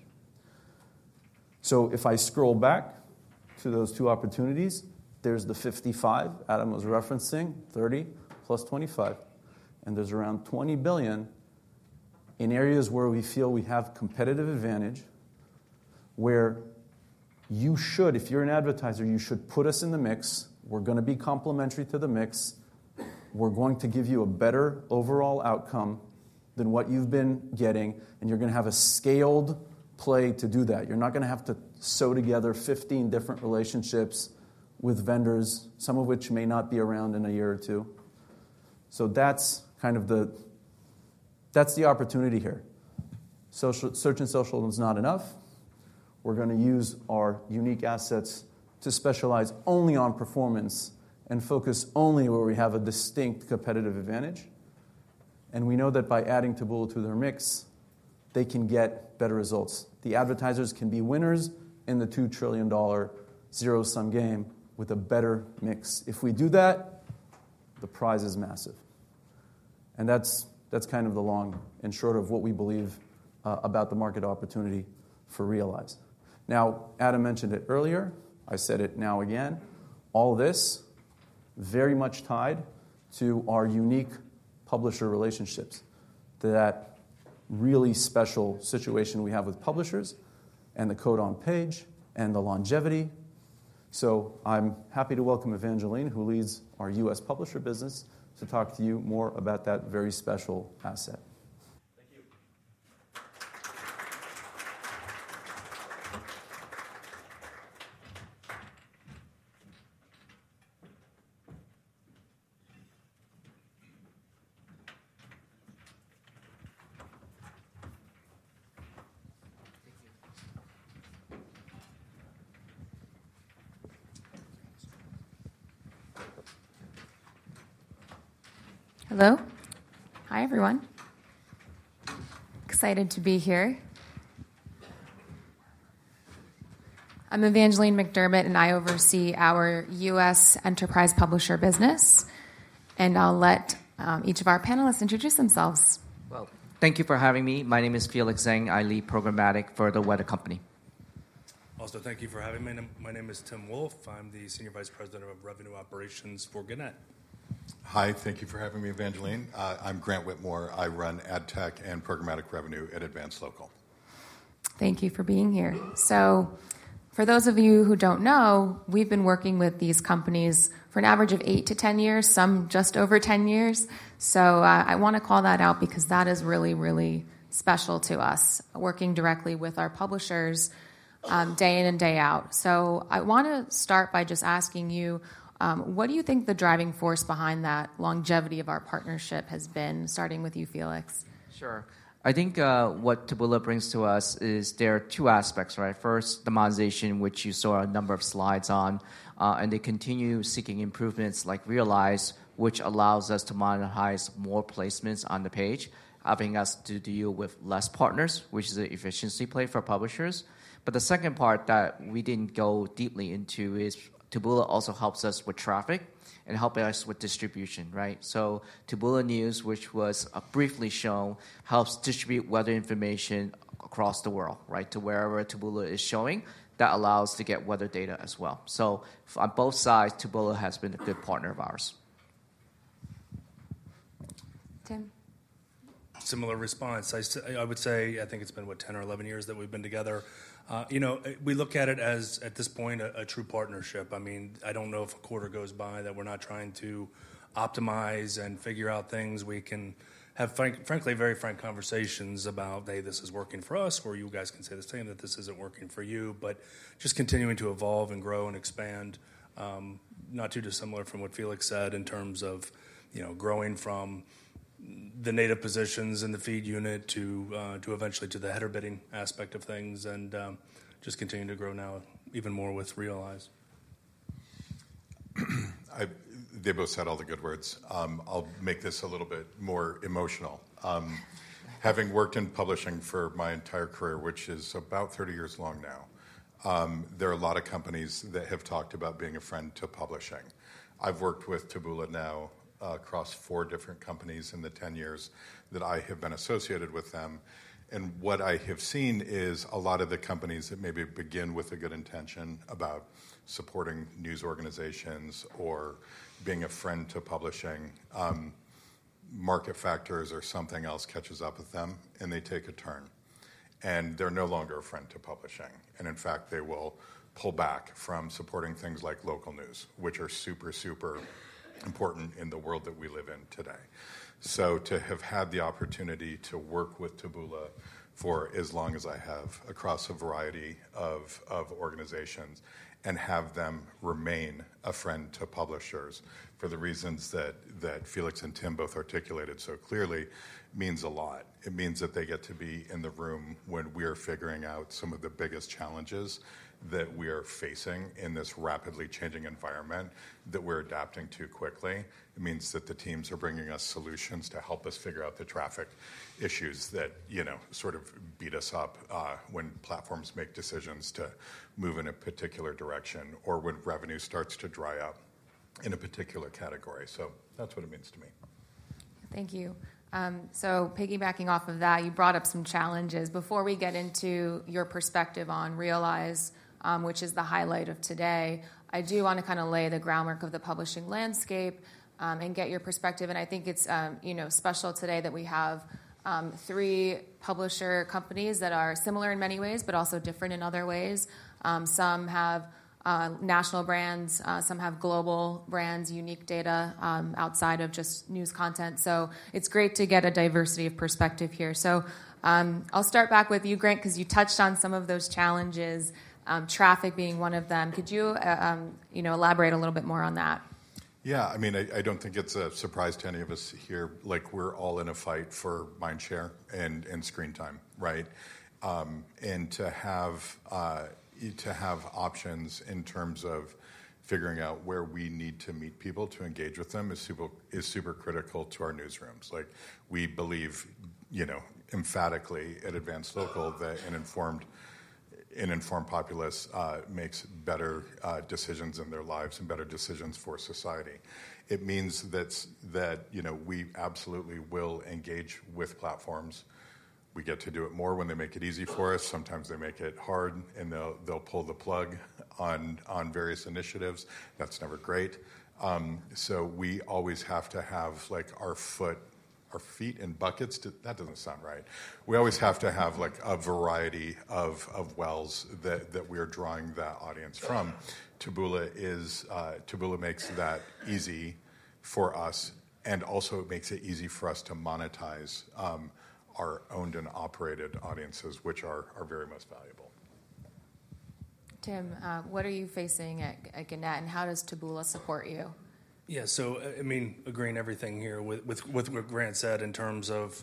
[SPEAKER 3] If I scroll back to those two opportunities, there's the $55 Adam was referencing, $30+$25. There's around $20 billion in areas where we feel we have competitive advantage, where you should, if you're an advertiser, you should put us in the mix. We're going to be complementary to the mix. We're going to give you a better overall outcome than what you've been getting. You're going to have a scaled play to do that. You're not going to have to sew together 15 different relationships with vendors, some of which may not be around in a year or two. That's kind of the opportunity here. Search and social is not enough. We're going to use our unique assets to specialize only on performance and focus only where we have a distinct competitive advantage. We know that by adding Taboola to their mix, they can get better results. The advertisers can be winners in the $2 trillion zero-sum game with a better mix. If we do that, the prize is massive. That's kind of the long and short of what we believe about the market opportunity for Realize. Now, Adam mentioned it earlier. I said it now again. All this very much tied to our unique publisher relationships, that really special situation we have with publishers and the code on page and the longevity. I'm happy to welcome Evangeline, who leads our U.S. publisher business, to talk to you more about that very special asset.
[SPEAKER 4] Thank you. Hello. Hi, everyone. Excited to be here. I'm Evangeline McDermott, and I oversee our U.S. Enterprise Publisher business. I'll let each of our panelists introduce themselves.
[SPEAKER 5] Thank you for having me. My name is Felix Zeng. I lead programmatic for The Weather Company.
[SPEAKER 6] Also, thank you for having me. My name is Tim Wolfe. I'm the Senior Vice President of Revenue Operations for Gannett.
[SPEAKER 7] Hi. Thank you for having me, Evangeline. I'm Grant Whitmore. I run ad tech and programmatic revenue at Advance Local.
[SPEAKER 4] Thank you for being here. For those of you who do not know, we have been working with these companies for an average of 8 to 10 years, some just over 10 years. I want to call that out because that is really, really special to us, working directly with our publishers day in and day out. I want to start by just asking you, what do you think the driving force behind that longevity of our partnership has been, starting with you, Felix?
[SPEAKER 5] Sure. I think what Taboola brings to us is there are two aspects. First, the monetization, which you saw a number of slides on. They continue seeking improvements like Realize, which allows us to monetize more placements on the page, helping us to deal with fewer partners, which is an efficiency play for publishers. The second part that we did not go deeply into is Taboola also helps us with traffic and helping us with distribution. Taboola News, which was briefly shown, helps distribute weather information across the world to wherever Taboola is showing. That allows us to get weather data as well. On both sides, Taboola has been a good partner of ours.
[SPEAKER 4] Tim?
[SPEAKER 6] Similar response. I would say I think it has been, what, 10 or 11 years that we have been together. We look at it as, at this point, a true partnership. I mean, I do not know if a quarter goes by that we are not trying to optimize and figure out things. We can have, frankly, very frank conversations about, hey, this is working for us, or you guys can say the same that this is not working for you. Just continuing to evolve and grow and expand, not too dissimilar from what Felix said in terms of growing from the native positions in the feed unit to eventually to the header bidding aspect of things and just continuing to grow now even more with Realize.
[SPEAKER 7] They both said all the good words. I'll make this a little bit more emotional. Having worked in publishing for my entire career, which is about 30 years long now, there are a lot of companies that have talked about being a friend to publishing. I've worked with Taboola now across four different companies in the 10 years that I have been associated with them. What I have seen is a lot of the companies that maybe begin with a good intention about supporting news organizations or being a friend to publishing, market factors or something else catches up with them, and they take a turn. They are no longer a friend to publishing. In fact, they will pull back from supporting things like local news, which are super, super important in the world that we live in today. To have had the opportunity to work with Taboola for as long as I have across a variety of organizations and have them remain a friend to publishers for the reasons that Felix and Tim both articulated so clearly means a lot. It means that they get to be in the room when we are figuring out some of the biggest challenges that we are facing in this rapidly changing environment that we're adapting to quickly. It means that the teams are bringing us solutions to help us figure out the traffic issues that sort of beat us up when platforms make decisions to move in a particular direction or when revenue starts to dry up in a particular category. That is what it means to me.
[SPEAKER 4] Thank you. Piggybacking off of that, you brought up some challenges. Before we get into your perspective on Realize, which is the highlight of today, I do want to kind of lay the groundwork of the publishing landscape and get your perspective. I think it's special today that we have three publisher companies that are similar in many ways, but also different in other ways. Some have national brands. Some have global brands, unique data outside of just news content. It's great to get a diversity of perspective here. I'll start back with you, Grant, because you touched on some of those challenges, traffic being one of them. Could you elaborate a little bit more on that?
[SPEAKER 7] Yeah. I mean, I don't think it's a surprise to any of us here. We're all in a fight for mind share and screen time. To have options in terms of figuring out where we need to meet people to engage with them is super critical to our newsrooms. We believe emphatically at Advance Local that an informed populace makes better decisions in their lives and better decisions for society. It means that we absolutely will engage with platforms. We get to do it more when they make it easy for us. Sometimes they make it hard, and they'll pull the plug on various initiatives. That's never great. We always have to have our feet in buckets. That doesn't sound right. We always have to have a variety of wells that we are drawing that audience from. Taboola makes that easy for us. It also makes it easy for us to monetize our owned and operated audiences, which are very much valuable.
[SPEAKER 4] Tim, what are you facing at Gannett? How does Taboola support you?
[SPEAKER 6] Yeah. I mean, agreeing everything here with what Grant said in terms of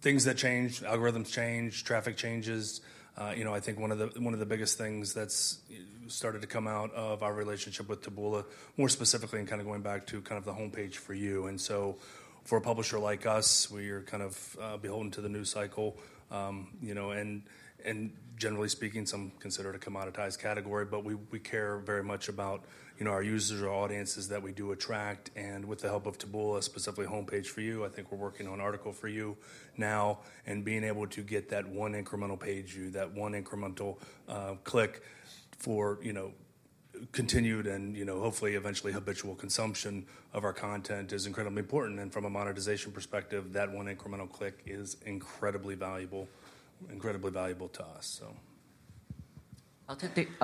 [SPEAKER 6] things that change, algorithms change, traffic changes. I think one of the biggest things that's started to come out of our relationship with Taboola, more specifically in kind of going back to kind of the Homepage For You. For a publisher like us, we are kind of beholden to the news cycle. Generally speaking, some consider it a commoditized category. We care very much about our users, our audiences that we do attract. With the help of Taboola, specifically Homepage For You, I think we're working on an Article for You now. Being able to get that one incremental page view, that one incremental click for continued and hopefully eventually habitual consumption of our content is incredibly important. From a monetization perspective, that one incremental click is incredibly valuable, incredibly valuable to us.
[SPEAKER 5] I'll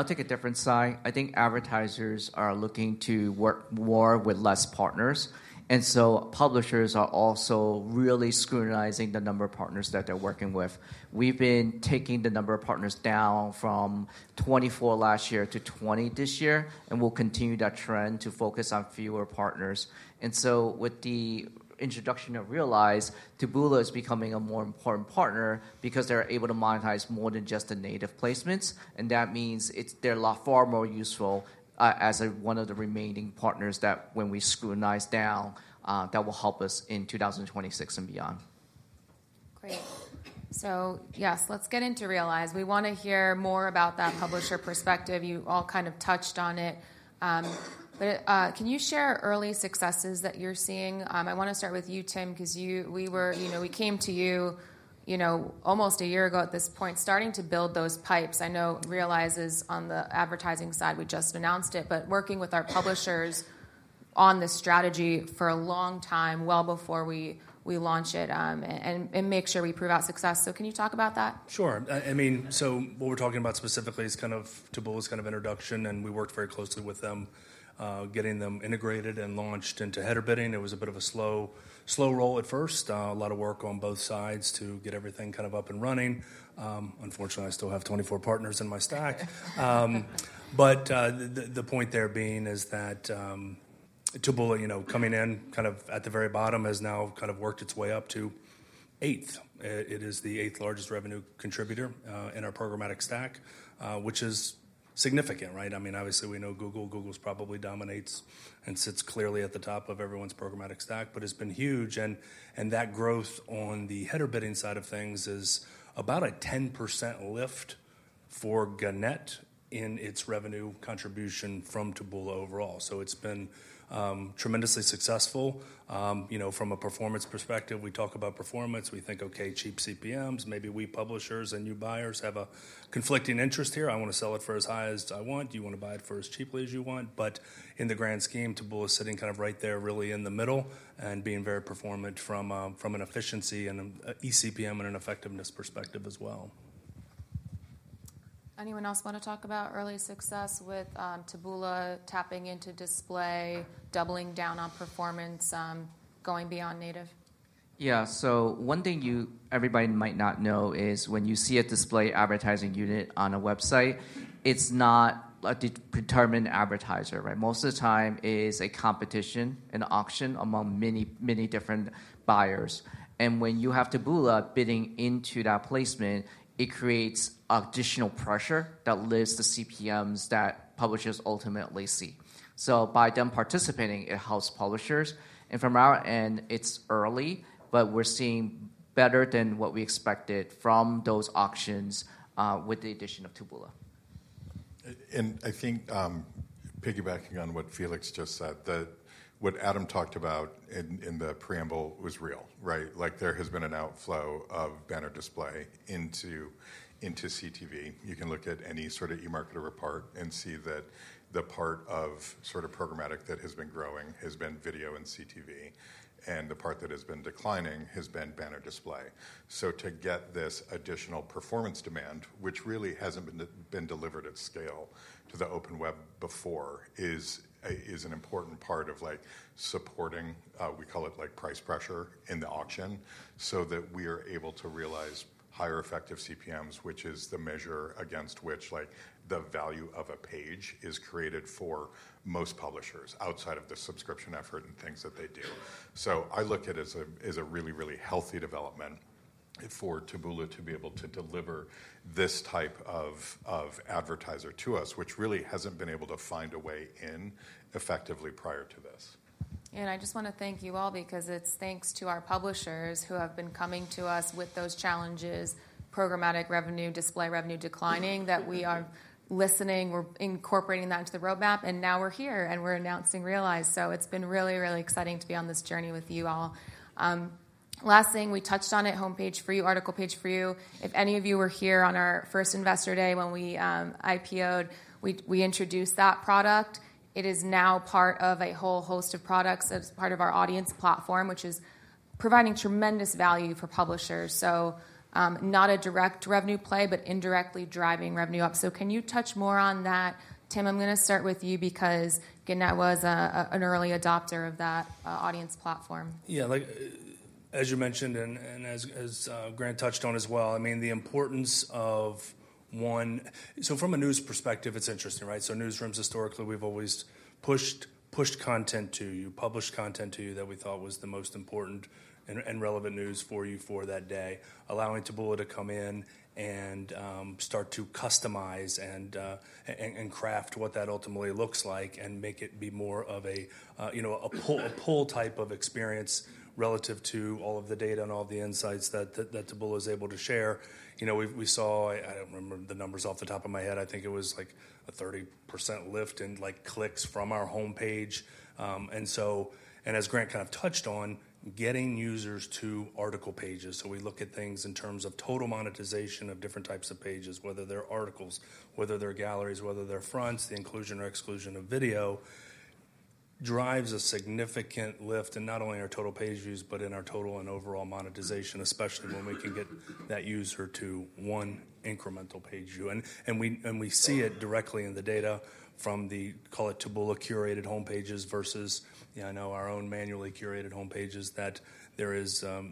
[SPEAKER 5] take a different side. I think advertisers are looking to work more with less partners. Publishers are also really scrutinizing the number of partners that they're working with. We've been taking the number of partners down from 24 last year to 20 this year. We'll continue that trend to focus on fewer partners. With the introduction of Realize, Taboola is becoming a more important partner because they're able to monetize more than just the native placements. That means they're far more useful as one of the remaining partners that when we scrutinize down, that will help us in 2026 and beyond.
[SPEAKER 4] Great. Yes, let's get into Realize. We want to hear more about that publisher perspective. You all kind of touched on it. Can you share early successes that you're seeing? I want to start with you, Tim, because we came to you almost a year ago at this point, starting to build those pipes. I know Realize is on the advertising side. We just announced it. Working with our publishers on this strategy for a long time, well before we launch it and make sure we prove out success. Can you talk about that?
[SPEAKER 6] Sure. I mean, what we're talking about specifically is kind of Taboola's kind of introduction. We worked very closely with them, getting them integrated and launched into header bidding. It was a bit of a slow roll at first, a lot of work on both sides to get everything kind of up and running. Unfortunately, I still have 24 partners in my stack. The point there being is that Taboola coming in kind of at the very bottom has now kind of worked its way up to eighth. It is the eighth largest revenue contributor in our programmatic stack, which is significant. I mean, obviously, we know Google. Google probably dominates and sits clearly at the top of everyone's programmatic stack. It has been huge. That growth on the header bidding side of things is about a 10% lift for Gannett in its revenue contribution from Taboola overall. It has been tremendously successful. From a performance perspective, we talk about performance. We think, OK, cheap CPMs, maybe we publishers and new buyers have a conflicting interest here. I want to sell it for as high as I want. You want to buy it for as cheaply as you want. In the grand scheme, Taboola is sitting kind of right there, really in the middle, and being very performant from an efficiency and an eCPM and an effectiveness perspective as well.
[SPEAKER 4] Anyone else want to talk about early success with Taboola tapping into display, doubling down on performance, going beyond native?
[SPEAKER 5] Yeah. One thing everybody might not know is when you see a display advertising unit on a website, it's not a determined advertiser. Most of the time, it is a competition, an auction among many, many different buyers. When you have Taboola bidding into that placement, it creates additional pressure that lifts the CPMs that publishers ultimately see. By them participating, it helps publishers. From our end, it's early, but we're seeing better than what we expected from those auctions with the addition of Taboola.
[SPEAKER 7] I think piggybacking on what Felix just said, that what Adam talked about in the preamble was real. There has been an outflow of banner display into CTV. You can look at any sort of EMARKETER report and see that the part of sort of programmatic that has been growing has been video and CTV. The part that has been declining has been banner display. To get this additional performance demand, which really hasn't been delivered at scale to the open web before, is an important part of supporting, we call it price pressure in the auction, so that we are able to realize higher effective CPMs, which is the measure against which the value of a page is created for most publishers outside of the subscription effort and things that they do. I look at it as a really, really healthy development for Taboola to be able to deliver this type of advertiser to us, which really hasn't been able to find a way in effectively prior to this.
[SPEAKER 4] I just want to thank you all because it's thanks to our publishers who have been coming to us with those challenges, programmatic revenue, display revenue declining, that we are listening. We're incorporating that into the roadmap. Now we're here, and we're announcing Realize. It's been really, really exciting to be on this journey with you all. Last thing, we touched on it, Homepage For You, Article Page for You. If any of you were here on our first Investor Day when we IPOed, we introduced that product. It is now part of a whole host of products. It's part of our audience platform, which is providing tremendous value for publishers. Not a direct revenue play, but indirectly driving revenue up. Can you touch more on that? Tim, I'm going to start with you because Gannett was an early adopter of that audience platform.
[SPEAKER 6] Yeah. As you mentioned, and as Grant touched on as well, I mean, the importance of one so from a news perspective, it's interesting. Newsrooms, historically, we've always pushed content to you, published content to you that we thought was the most important and relevant news for you for that day, allowing Taboola to come in and start to customize and craft what that ultimately looks like and make it be more of a pull type of experience relative to all of the data and all the insights that Taboola is able to share. We saw, I don't remember the numbers off the top of my head. I think it was like a 30% lift in clicks from our homepage. As Grant kind of touched on, getting users to article pages. We look at things in terms of total monetization of different types of pages, whether they're articles, whether they're galleries, whether they're fronts. The inclusion or exclusion of video drives a significant lift in not only our total page views, but in our total and overall monetization, especially when we can get that user to one incremental page view. We see it directly in the data from the, call it Taboola curated homepages versus, I know, our own manually curated homepages, that there is a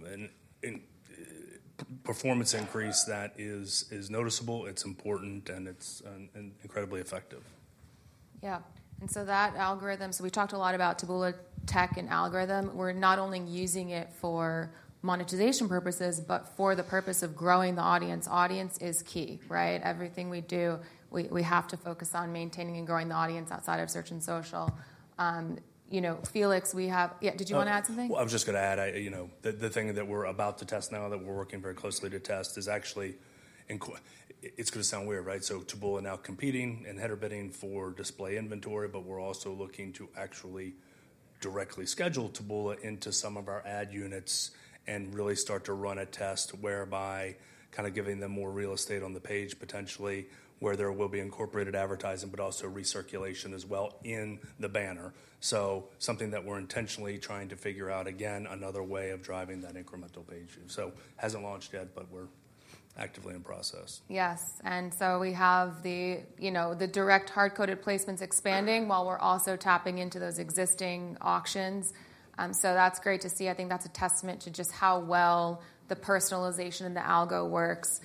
[SPEAKER 6] performance increase that is noticeable. It's important, and it's incredibly effective.
[SPEAKER 4] Yeah. That algorithm, we talked a lot about Taboola tech and algorithm. We're not only using it for monetization purposes, but for the purpose of growing the audience. Audience is key. Everything we do, we have to focus on maintaining and growing the audience outside of search and social. Felix, we have, yeah, did you want to add something?
[SPEAKER 6] I was just going to add the thing that we're about to test now that we're working very closely to test is actually, it's going to sound weird. Taboola now competing in header bidding for display inventory. We're also looking to actually directly schedule Taboola into some of our ad units and really start to run a test whereby kind of giving them more real estate on the page, potentially, where there will be incorporated advertising, but also recirculation as well in the banner. That is something that we're intentionally trying to figure out, again, another way of driving that incremental page view. It hasn't launched yet, but we're actively in process.
[SPEAKER 4] Yes. We have the direct hard-coded placements expanding while we're also tapping into those existing auctions. That is great to see. I think that's a testament to just how well the personalization and the algo works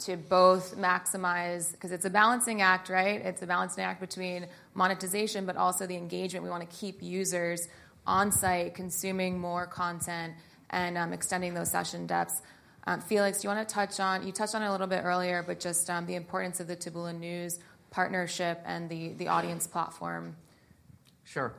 [SPEAKER 4] to both maximize because it's a balancing act, right? It's a balancing act between monetization, but also the engagement. We want to keep users on site, consuming more content, and extending those session depths. Felix, you want to touch on you touched on it a little bit earlier, but just the importance of the Taboola News partnership and the audience platform.
[SPEAKER 5] Sure.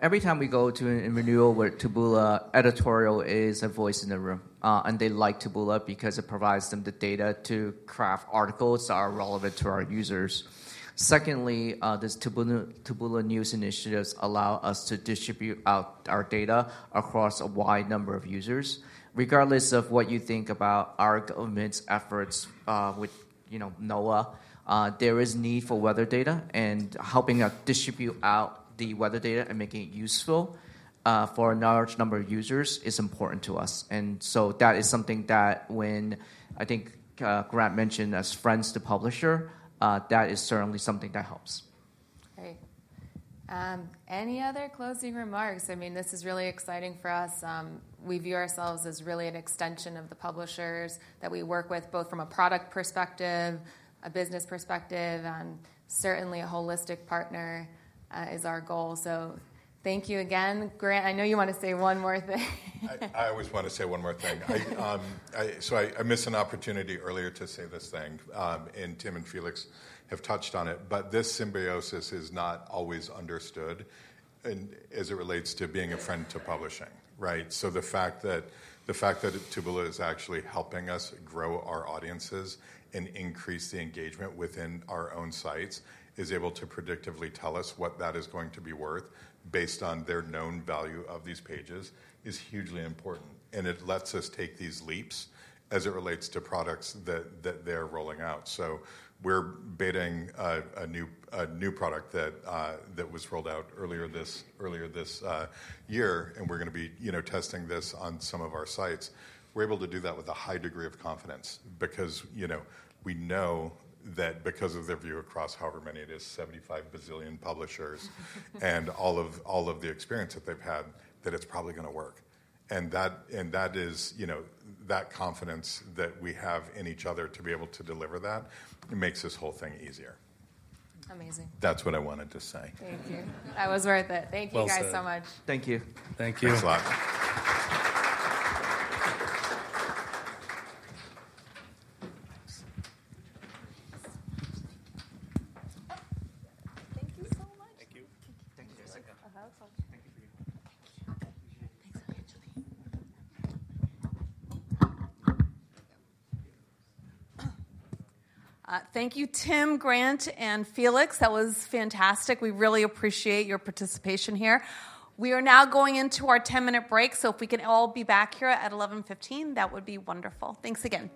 [SPEAKER 5] Every time we go to a renewal where Taboola editorial is a voice in the room, and they like Taboola because it provides them the data to craft articles that are relevant to our users. Secondly, these Taboola News initiatives allow us to distribute out our data across a wide number of users. Regardless of what you think about our government's efforts with NOAA, there is need for weather data. Helping us distribute out the weather data and making it useful for a large number of users is important to us. That is something that, when I think Grant mentioned as friends to publisher, that is certainly something that helps.
[SPEAKER 4] Great. Any other closing remarks? I mean, this is really exciting for us. We view ourselves as really an extension of the publishers that we work with, both from a product perspective, a business perspective, and certainly a holistic partner is our goal. Thank you again, Grant. I know you want to say one more thing.
[SPEAKER 7] I always want to say one more thing. I missed an opportunity earlier to say this thing. Tim and Felix have touched on it. This symbiosis is not always understood as it relates to being a friend to publishing. The fact that Taboola is actually helping us grow our audiences and increase the engagement within our own sites is able to predictively tell us what that is going to be worth based on their known value of these pages is hugely important. It lets us take these leaps as it relates to products that they're rolling out. We're bidding a new product that was rolled out earlier this year. We're going to be testing this on some of our sites. We're able to do that with a high degree of confidence because we know that because of their view across however many it is, 75 bazillion publishers and all of the experience that they've had, that it's probably going to work. That confidence that we have in each other to be able to deliver that makes this whole thing easier.
[SPEAKER 4] Amazing.
[SPEAKER 7] That's what I wanted to say.
[SPEAKER 4] Thank you. I was worth it. Thank you guys so much.
[SPEAKER 5] Thank you.
[SPEAKER 6] Thank you.
[SPEAKER 7] Thanks a lot.
[SPEAKER 1] Thank you so much.
[SPEAKER 7] Thank you.
[SPEAKER 5] Thank you, Jessica. Thank you for your help.
[SPEAKER 1] Thanks, Evangeline. Thank you, Tim, Grant, and Felix. That was fantastic. We really appreciate your participation here. We are now going into our 10-minute break. If we can all be back here at 11:15, that would be wonderful. Thanks again.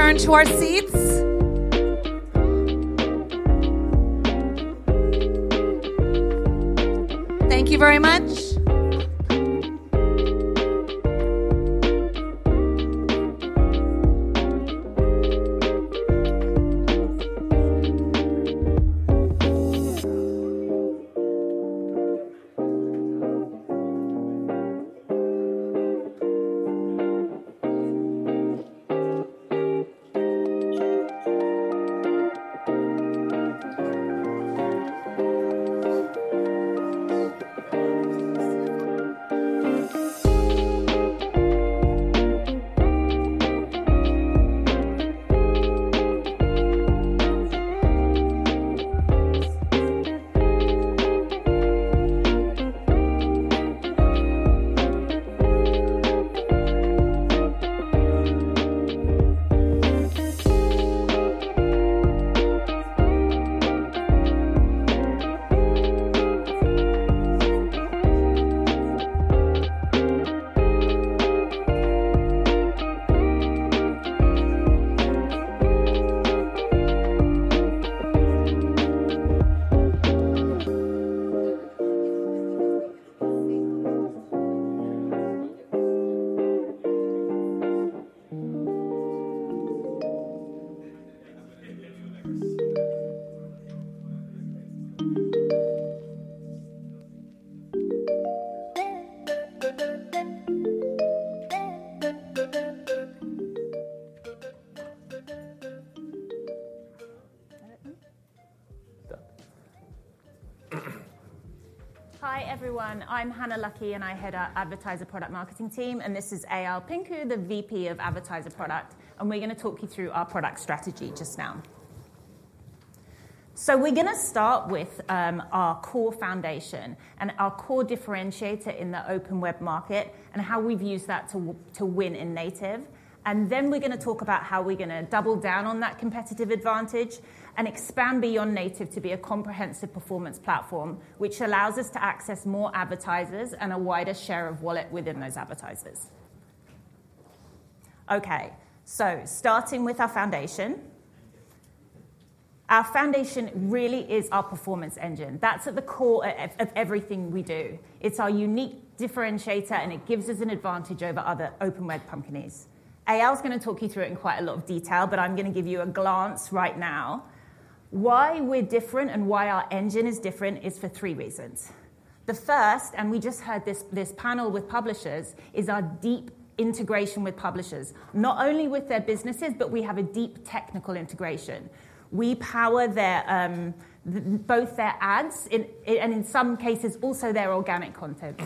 [SPEAKER 1] Excuse me, everyone. If we can now return to our seats. Thank you very much.
[SPEAKER 8] Hi, everyone. I'm Hannah Luckie, and I head our advertiser product marketing team. This is Eyal Pincu, the VP of advertiser product. We are going to talk you through our product strategy just now. We're going to start with our core foundation and our core differentiator in the open web market and how we've used that to win in native. Then we're going to talk about how we're going to double down on that competitive advantage and expand beyond native to be a comprehensive performance platform, which allows us to access more advertisers and a wider share of wallet within those advertisers. OK, starting with our foundation. Our foundation really is our performance engine. That's at the core of everything we do. It's our unique differentiator, and it gives us an advantage over other open web companies. Eyal is going to talk you through it in quite a lot of detail, but I'm going to give you a glance right now. Why we're different and why our engine is different is for three reasons. The first, and we just heard this panel with publishers, is our deep integration with publishers, not only with their businesses, but we have a deep technical integration. We power both their ads and, in some cases, also their organic content.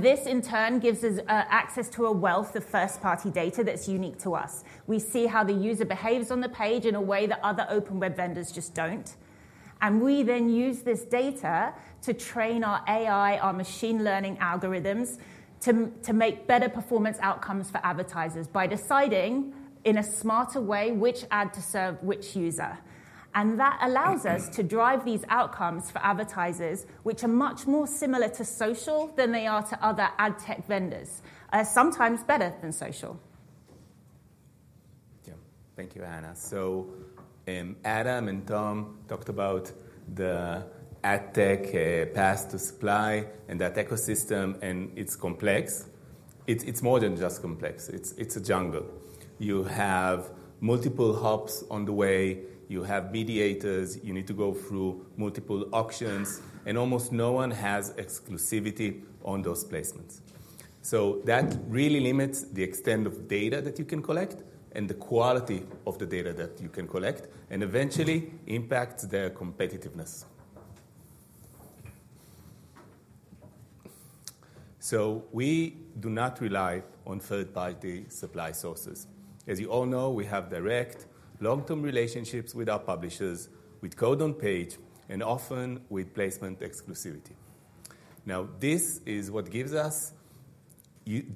[SPEAKER 8] This, in turn, gives us access to a wealth of first-party data that's unique to us. We see how the user behaves on the page in a way that other open web vendors just don't. We then use this data to train our AI, our machine learning algorithms to make better performance outcomes for advertisers by deciding in a smarter way which ad to serve which user. That allows us to drive these outcomes for advertisers, which are much more similar to social than they are to other ad tech vendors, sometimes better than social.
[SPEAKER 9] Yeah, thank you, Hannah. Adam and Tom talked about the ad tech path to supply and that ecosystem, and it's complex. It's more than just complex. It's a jungle. You have multiple hops on the way. You have mediators. You need to go through multiple auctions. Almost no one has exclusivity on those placements. That really limits the extent of data that you can collect and the quality of the data that you can collect and eventually impacts their competitiveness. We do not rely on third-party supply sources. As you all know, we have direct long-term relationships with our publishers, with code on page, and often with placement exclusivity. This is what gives us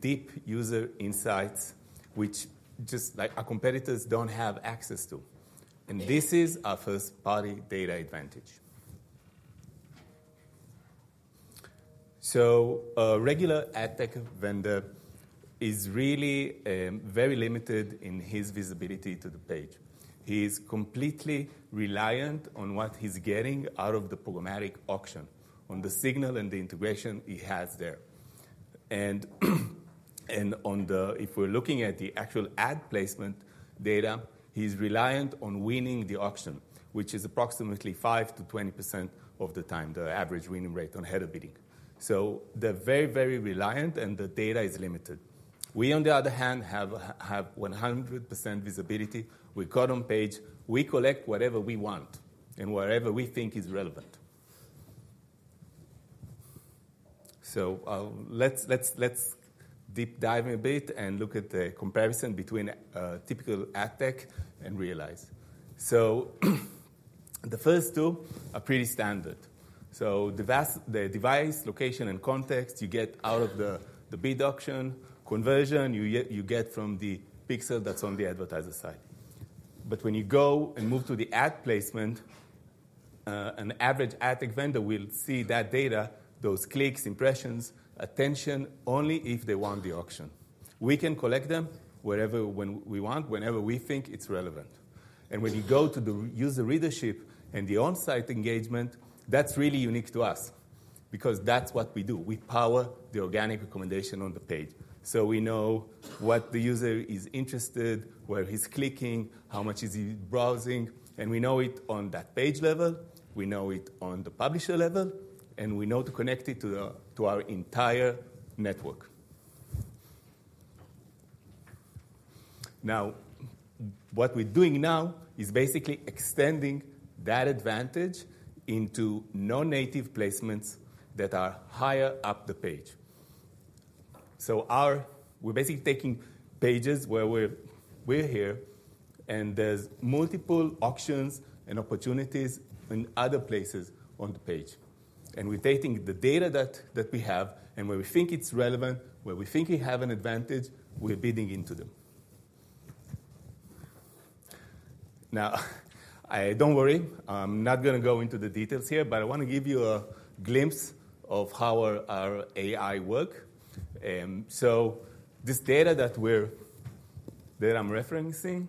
[SPEAKER 9] deep user insights, which just our competitors don't have access to. This is our first-party data advantage. A regular ad tech vendor is really very limited in his visibility to the page. He is completely reliant on what he's getting out of the programmatic auction, on the signal and the integration he has there. If we're looking at the actual ad placement data, he's reliant on winning the auction, which is approximately 5%-20% of the time, the average winning rate on ahead of bidding. They're very, very reliant, and the data is limited. We, on the other hand, have 100% visibility. We're code on page. We collect whatever we want and wherever we think is relevant. Let's deep dive a bit and look at the comparison between typical ad tech and Realize. The first two are pretty standard. The device, location, and context you get out of the bid auction, conversion you get from the pixel that's on the advertiser side. When you go and move to the ad placement, an average ad tech vendor will see that data, those clicks, impressions, attention only if they won the auction. We can collect them whenever we want, whenever we think it's relevant. When you go to the user readership and the on-site engagement, that's really unique to us because that's what we do. We power the organic recommendation on the page. We know what the user is interested in, where he's clicking, how much is he browsing. We know it on that page level. We know it on the publisher level. We know to connect it to our entire network. What we're doing now is basically extending that advantage into non-native placements that are higher up the page. We're basically taking pages where we're here, and there's multiple auctions and opportunities in other places on the page. We're taking the data that we have, and where we think it's relevant, where we think we have an advantage, we're bidding into them. Now, don't worry. I'm not going to go into the details here, but I want to give you a glimpse of how our AI works. This data that I'm referencing,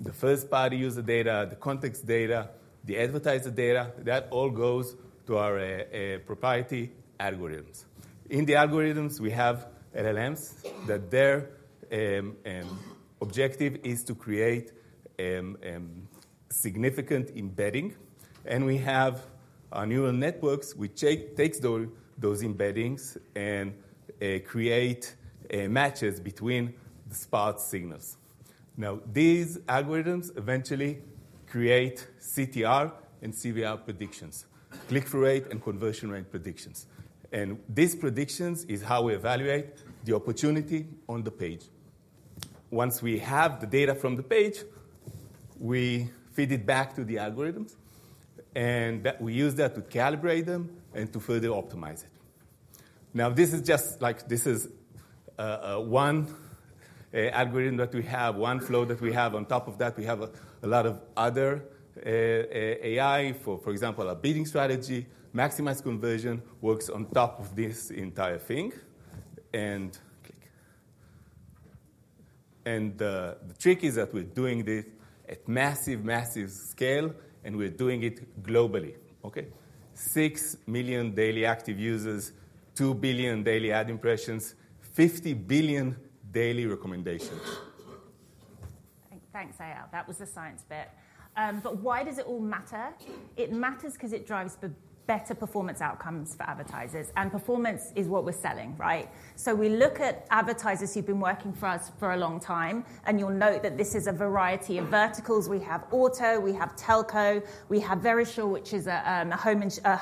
[SPEAKER 9] the first-party user data, the context data, the advertiser data, that all goes to our proprietary algorithms. In the algorithms, we have LLMs that their objective is to create significant embedding. We have neural networks which take those embeddings and create matches between the sparse signals. These algorithms eventually create CTR and CVR predictions, click-through rate and conversion rate predictions. These predictions are how we evaluate the opportunity on the page. Once we have the data from the page, we feed it back to the algorithms. We use that to calibrate them and to further optimize it. Now, this is just like this is one algorithm that we have, one flow that we have. On top of that, we have a lot of other AI, for example, our bidding strategy, maximize conversion, works on top of this entire thing. The trick is that we're doing this at massive, massive scale, and we're doing it globally. OK, 6 million daily active users, 2 billion daily ad impressions, 50 billion daily recommendations.
[SPEAKER 8] Thanks, Eyal. That was the science bit. Why does it all matter? It matters because it drives better performance outcomes for advertisers. Performance is what we're selling, right? We look at advertisers who've been working for us for a long time. You'll note that this is a variety of verticals. We have auto. We have telco. We have Verisure, which is a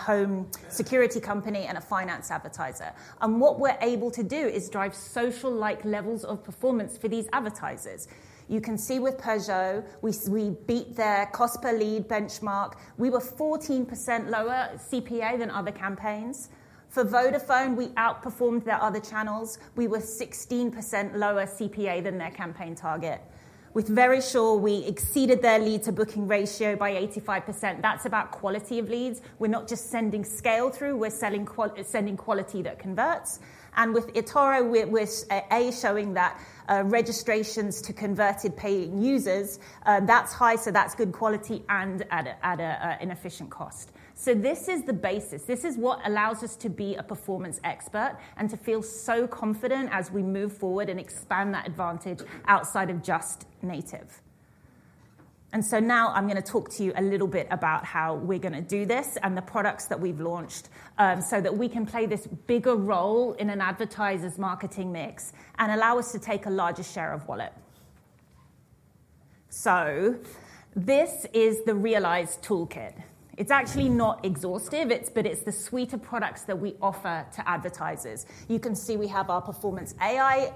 [SPEAKER 8] home security company and a finance advertiser. What we're able to do is drive social-like levels of performance for these advertisers. You can see with Peugeot, we beat their cost per lead benchmark. We were 14% lower CPA than other campaigns. For Vodafone, we outperformed their other channels. We were 16% lower CPA than their campaign target. With Verisure, we exceeded their lead-to-booking ratio by 85%. That's about quality of leads. We're not just sending scale through. We're sending quality that converts. With eToro, we're A, showing that registrations to converted paying users, that's high. That's good quality and at an efficient cost. This is the basis. This is what allows us to be a performance expert and to feel so confident as we move forward and expand that advantage outside of just native. Now I'm going to talk to you a little bit about how we're going to do this and the products that we've launched so that we can play this bigger role in an advertiser's marketing mix and allow us to take a larger share of wallet. This is the Realize toolkit. It's actually not exhaustive, but it's the suite of products that we offer to advertisers. You can see we have our performance AI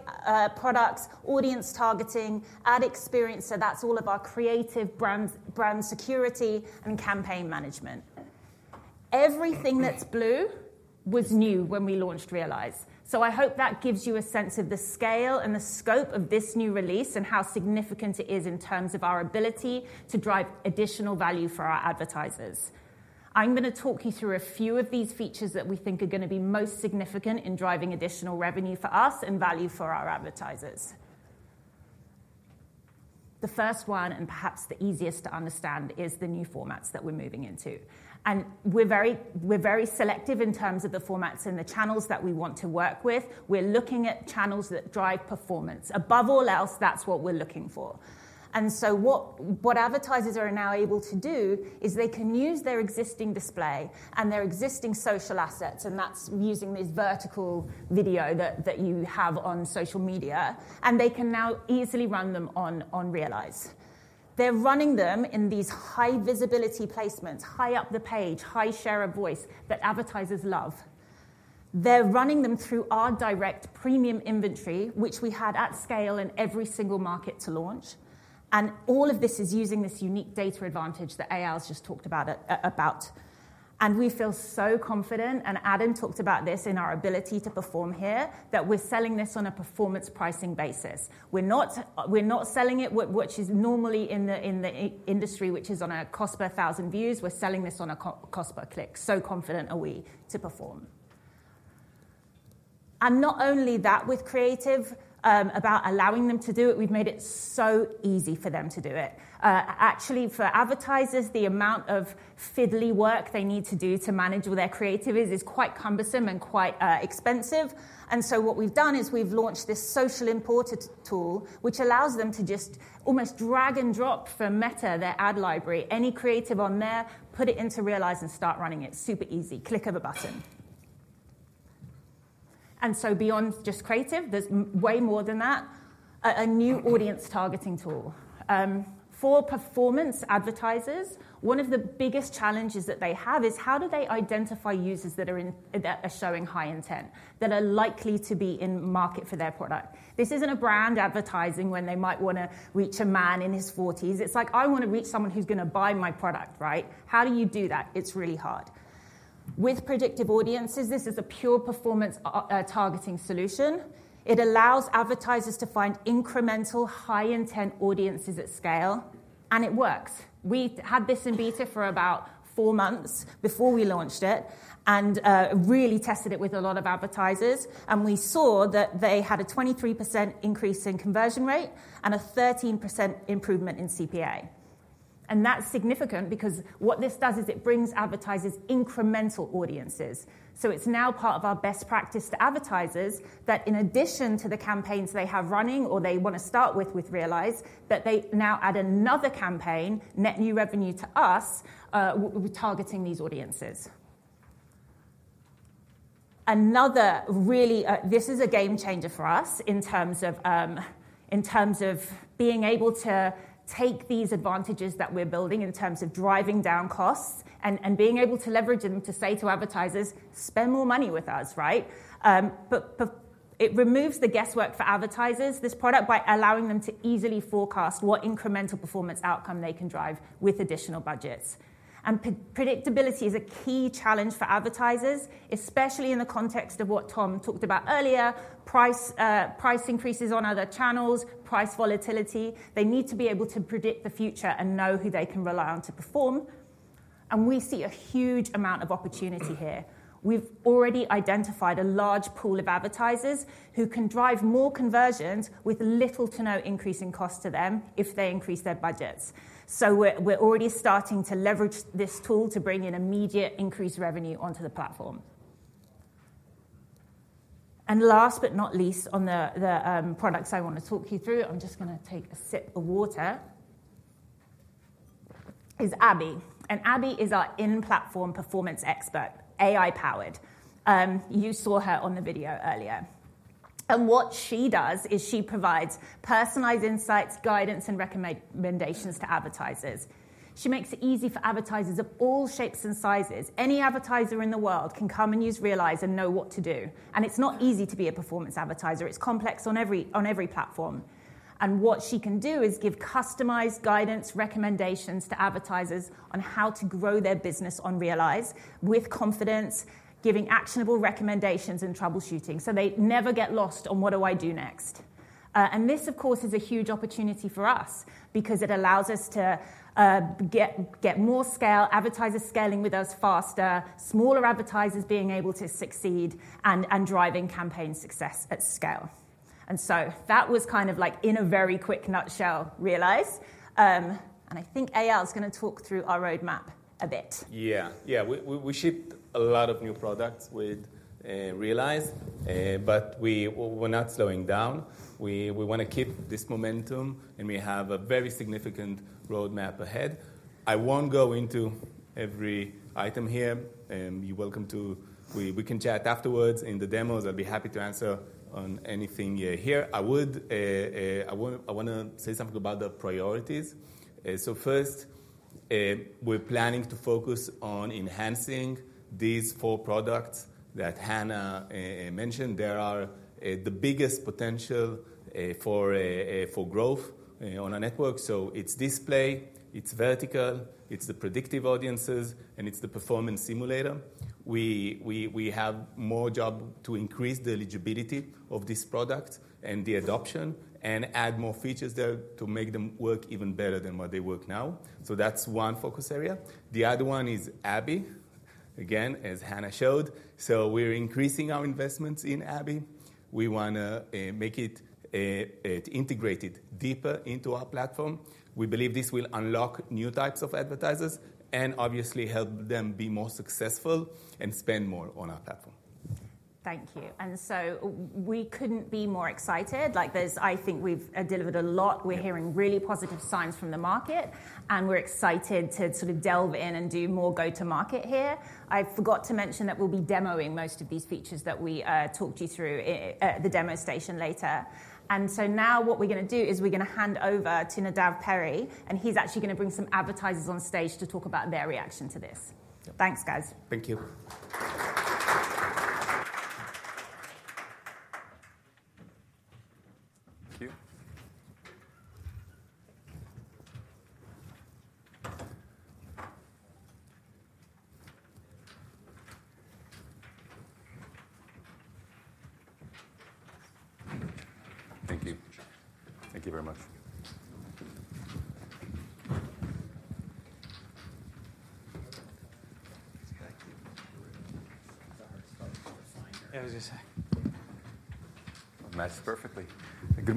[SPEAKER 8] products, audience targeting, ad experience. That's all of our creative brand security and campaign management. Everything that's blue was new when we launched Realize. I hope that gives you a sense of the scale and the scope of this new release and how significant it is in terms of our ability to drive additional value for our advertisers. I'm going to talk you through a few of these features that we think are going to be most significant in driving additional revenue for us and value for our advertisers. The first one, and perhaps the easiest to understand, is the new formats that we're moving into. We're very selective in terms of the formats and the channels that we want to work with. We're looking at channels that drive performance. Above all else, that's what we're looking for. What advertisers are now able to do is they can use their existing display and their existing social assets. That's using this vertical video that you have on social media. They can now easily run them on Realize. They're running them in these high-visibility placements, high up the page, high share of voice that advertisers love. They're running them through our direct premium inventory, which we had at scale in every single market to launch. All of this is using this unique data advantage that Al has just talked about. We feel so confident, and Adam talked about this, in our ability to perform here, that we're selling this on a performance pricing basis. We're not selling it, which is normally in the industry, which is on a cost per 1,000 views. We're selling this on a cost per click. So confident are we to perform. Not only that with creative, about allowing them to do it, we've made it so easy for them to do it. Actually, for advertisers, the amount of fiddly work they need to do to manage all their creative is quite cumbersome and quite expensive. What we've done is we've launched this Social Importer tool, which allows them to just almost drag and drop from Meta, their ad library, any creative on there, put it into Realize and start running it. Super easy. Click of a button. Beyond just creative, there's way more than that, a new audience targeting tool. For performance advertisers, one of the biggest challenges that they have is how do they identify users that are showing high intent, that are likely to be in market for their product? This isn't a brand advertising when they might want to reach a man in his 40s. It's like, I want to reach someone who's going to buy my product, right? How do you do that? It's really hard. With predictive audiences, this is a pure performance targeting solution. It allows advertisers to find incremental high-intent audiences at scale. It works. We had this in beta for about four months before we launched it and really tested it with a lot of advertisers. We saw that they had a 23% increase in conversion rate and a 13% improvement in CPA. That's significant because what this does is it brings advertisers incremental audiences. It's now part of our best practice to advertisers that in addition to the campaigns they have running or they want to start with with Realize, they now add another campaign, net new revenue to us, targeting these audiences. This is a game changer for us in terms of being able to take these advantages that we're building in terms of driving down costs and being able to leverage them to say to advertisers, spend more money with us, right? It removes the guesswork for advertisers, this product, by allowing them to easily forecast what incremental performance outcome they can drive with additional budgets. Predictability is a key challenge for advertisers, especially in the context of what Tom talked about earlier, price increases on other channels, price volatility. They need to be able to predict the future and know who they can rely on to perform. We see a huge amount of opportunity here. We've already identified a large pool of advertisers who can drive more conversions with little to no increase in cost to them if they increase their budgets. We're already starting to leverage this tool to bring in immediate increased revenue onto the platform. Last but not least, on the products I want to talk you through, I'm just going to take a sip of water, is Abby. Abby is our in-platform performance expert, AI-powered. You saw her on the video earlier. What she does is she provides personalized insights, guidance, and recommendations to advertisers. She makes it easy for advertisers of all shapes and sizes. Any advertiser in the world can come and use Realize and know what to do. It's not easy to be a performance advertiser. It's complex on every platform. What she can do is give customized guidance, recommendations to advertisers on how to grow their business on Realize with confidence, giving actionable recommendations and troubleshooting. They never get lost on what do I do next. This, of course, is a huge opportunity for us because it allows us to get more scale, advertisers scaling with us faster, smaller advertisers being able to succeed and driving campaign success at scale. That was kind of like in a very quick nutshell, Realize. I think Eyal is going to talk through our roadmap a bit.
[SPEAKER 9] Yeah, yeah. We shipped a lot of new products with Realize. We're not slowing down. We want to keep this momentum. We have a very significant roadmap ahead. I won't go into every item here. You're welcome to. We can chat afterwards in the demos. I'd be happy to answer on anything here. I want to say something about the priorities. First, we're planning to focus on enhancing these four products that Hannah mentioned. They are the biggest potential for growth on our network. It's display. It's vertical. It's the predictive audiences. It's the performance simulator. We have more job to increase the eligibility of these products and the adoption and add more features there to make them work even better than what they work now. That's one focus area. The other one is Abby, again, as Hannah showed. We're increasing our investments in Abby. We want to make it integrated deeper into our platform. We believe this will unlock new types of advertisers and obviously help them be more successful and spend more on our platform.
[SPEAKER 8] Thank you. We couldn't be more excited. I think we've delivered a lot. We're hearing really positive signs from the market. We're excited to sort of delve in and do more go-to-market here. I forgot to mention that we'll be demoing most of these features that we talked you through at the demo station later. Now what we're going to do is we're going to hand over to Nadav Perry. He's actually going to bring some advertisers on stage to talk about their reaction to this. Thanks, guys.
[SPEAKER 9] Thank you.
[SPEAKER 10] Thank you.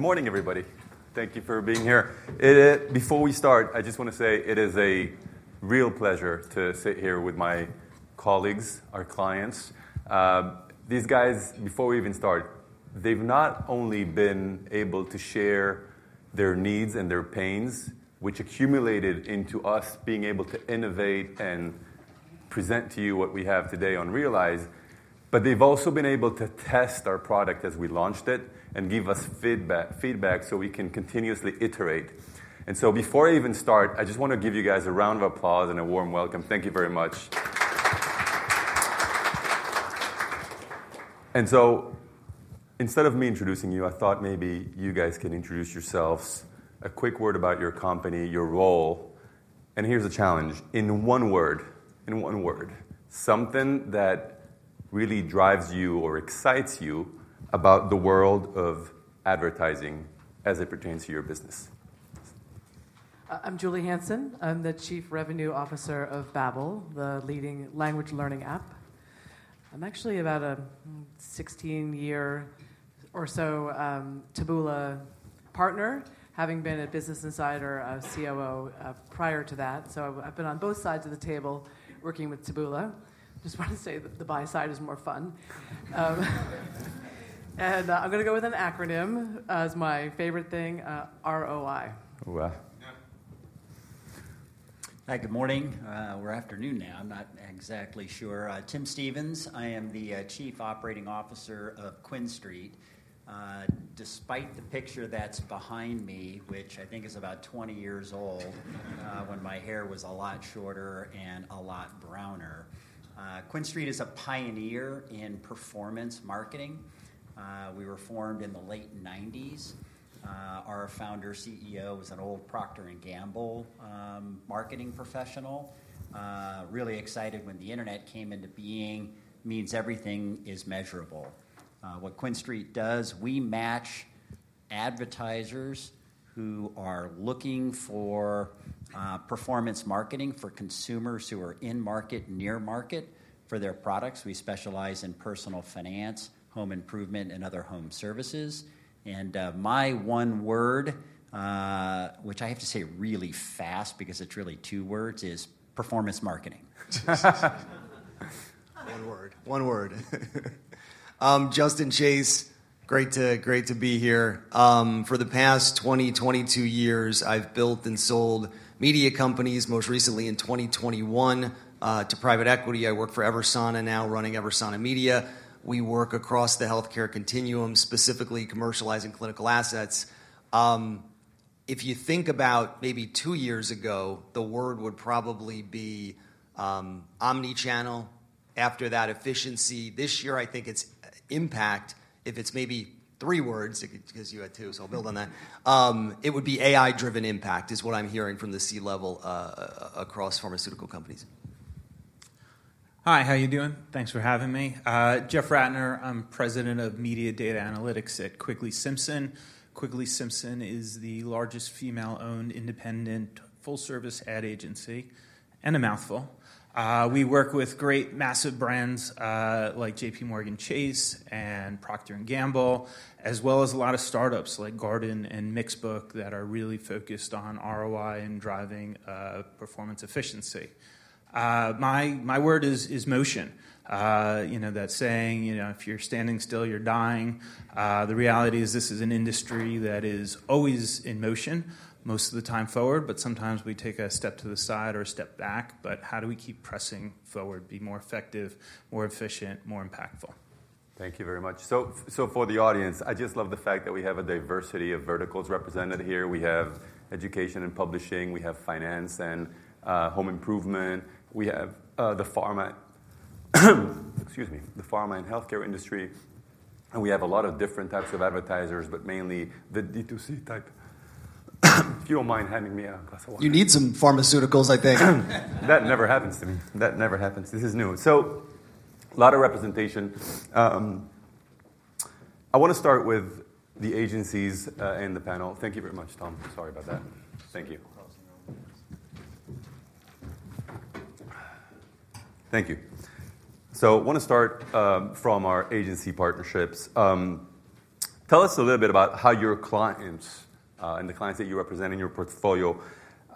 [SPEAKER 10] Thank you. Thank you very much. That was just perfectly. Good morning, everybody. Thank you for being here. Before we start, I just want to say it is a real pleasure to sit here with my colleagues, our clients. These guys, before we even start, they've not only been able to share their needs and their pains, which accumulated into us being able to innovate and present to you what we have today on Realize, but they've also been able to test our product as we launched it and give us feedback so we can continuously iterate. Before I even start, I just want to give you guys a round of applause and a warm welcome. Thank you very much. Instead of me introducing you, I thought maybe you guys can introduce yourselves, a quick word about your company, your role. Here's a challenge. In one word, something that really drives you or excites you about the world of advertising as it pertains to your business.
[SPEAKER 11] I'm Julie Hansen. I'm the Chief Revenue Officer of Babbel, the leading language learning app. I'm actually about a 16-year or so Taboola partner, having been a Business Insider COO prior to that. I have been on both sides of the table working with Taboola. Just want to say the buy side is more fun. I'm going to go with an acronym as my favorite thing, ROI.
[SPEAKER 12] Hi, good morning. Or afternoon now. I'm not exactly sure. Tim Stevens. I am the Chief Operating Officer of QuinStreet. Despite the picture that's behind me, which I think is about 20 years old when my hair was a lot shorter and a lot browner, QuinStreet is a pioneer in performance marketing. We were formed in the late 1990s. Our Founder CEO was an old Procter & Gamble marketing professional. Really excited when the internet came into being, means everything is measurable. What QuinStreet does, we match advertisers who are looking for performance marketing for consumers who are in market, near market for their products. We specialize in personal finance, home improvement, and other home services. My one word, which I have to say really fast because it's really two words, is performance marketing.
[SPEAKER 13] One word. One word. Justin Chase, great to be here. For the past 20, 22 years, I've built and sold media companies, most recently in 2021 to private equity. I work for Eversana now, running Eversana Media. We work across the healthcare continuum, specifically commercializing clinical assets. If you think about maybe two years ago, the word would probably be omnichannel. After that efficiency, this year, I think it's impact. If it's maybe three words, because you had two, so I'll build on that, it would be AI-driven impact is what I'm hearing from the C-level across pharmaceutical companies.
[SPEAKER 14] Hi, how are you doing? Thanks for having me. Jeff Ratner, I'm president of Media Data Analytics at Quigley-Simpson. Quigley-Simpson is the largest female-owned independent full-service ad agency and a mouthful. We work with great massive brands like JPMorgan Chase and Procter & Gamble, as well as a lot of startups like Guardian and Mixbook that are really focused on ROI and driving performance efficiency. My word is motion. That saying, if you're standing still, you're dying. The reality is this is an industry that is always in motion, most of the time forward, but sometimes we take a step to the side or a step back. How do we keep pressing forward, be more effective, more efficient, more impactful.
[SPEAKER 10] Thank you very much. For the audience, I just love the fact that we have a diversity of verticals represented here. We have education and publishing. We have finance and home improvement. We have the pharma, excuse me, the pharma and healthcare industry. We have a lot of different types of advertisers, but mainly the D2C type. If you do not mind handing me a glass of water.
[SPEAKER 13] You need some pharmaceuticals, I think.
[SPEAKER 10] That never happens to me. That never happens. This is new. A lot of representation. I want to start with the agencies and the panel. Thank you very much, Tom. Sorry about that. Thank you. Thank you. I want to start from our agency partnerships. Tell us a little bit about how your clients and the clients that you represent in your portfolio,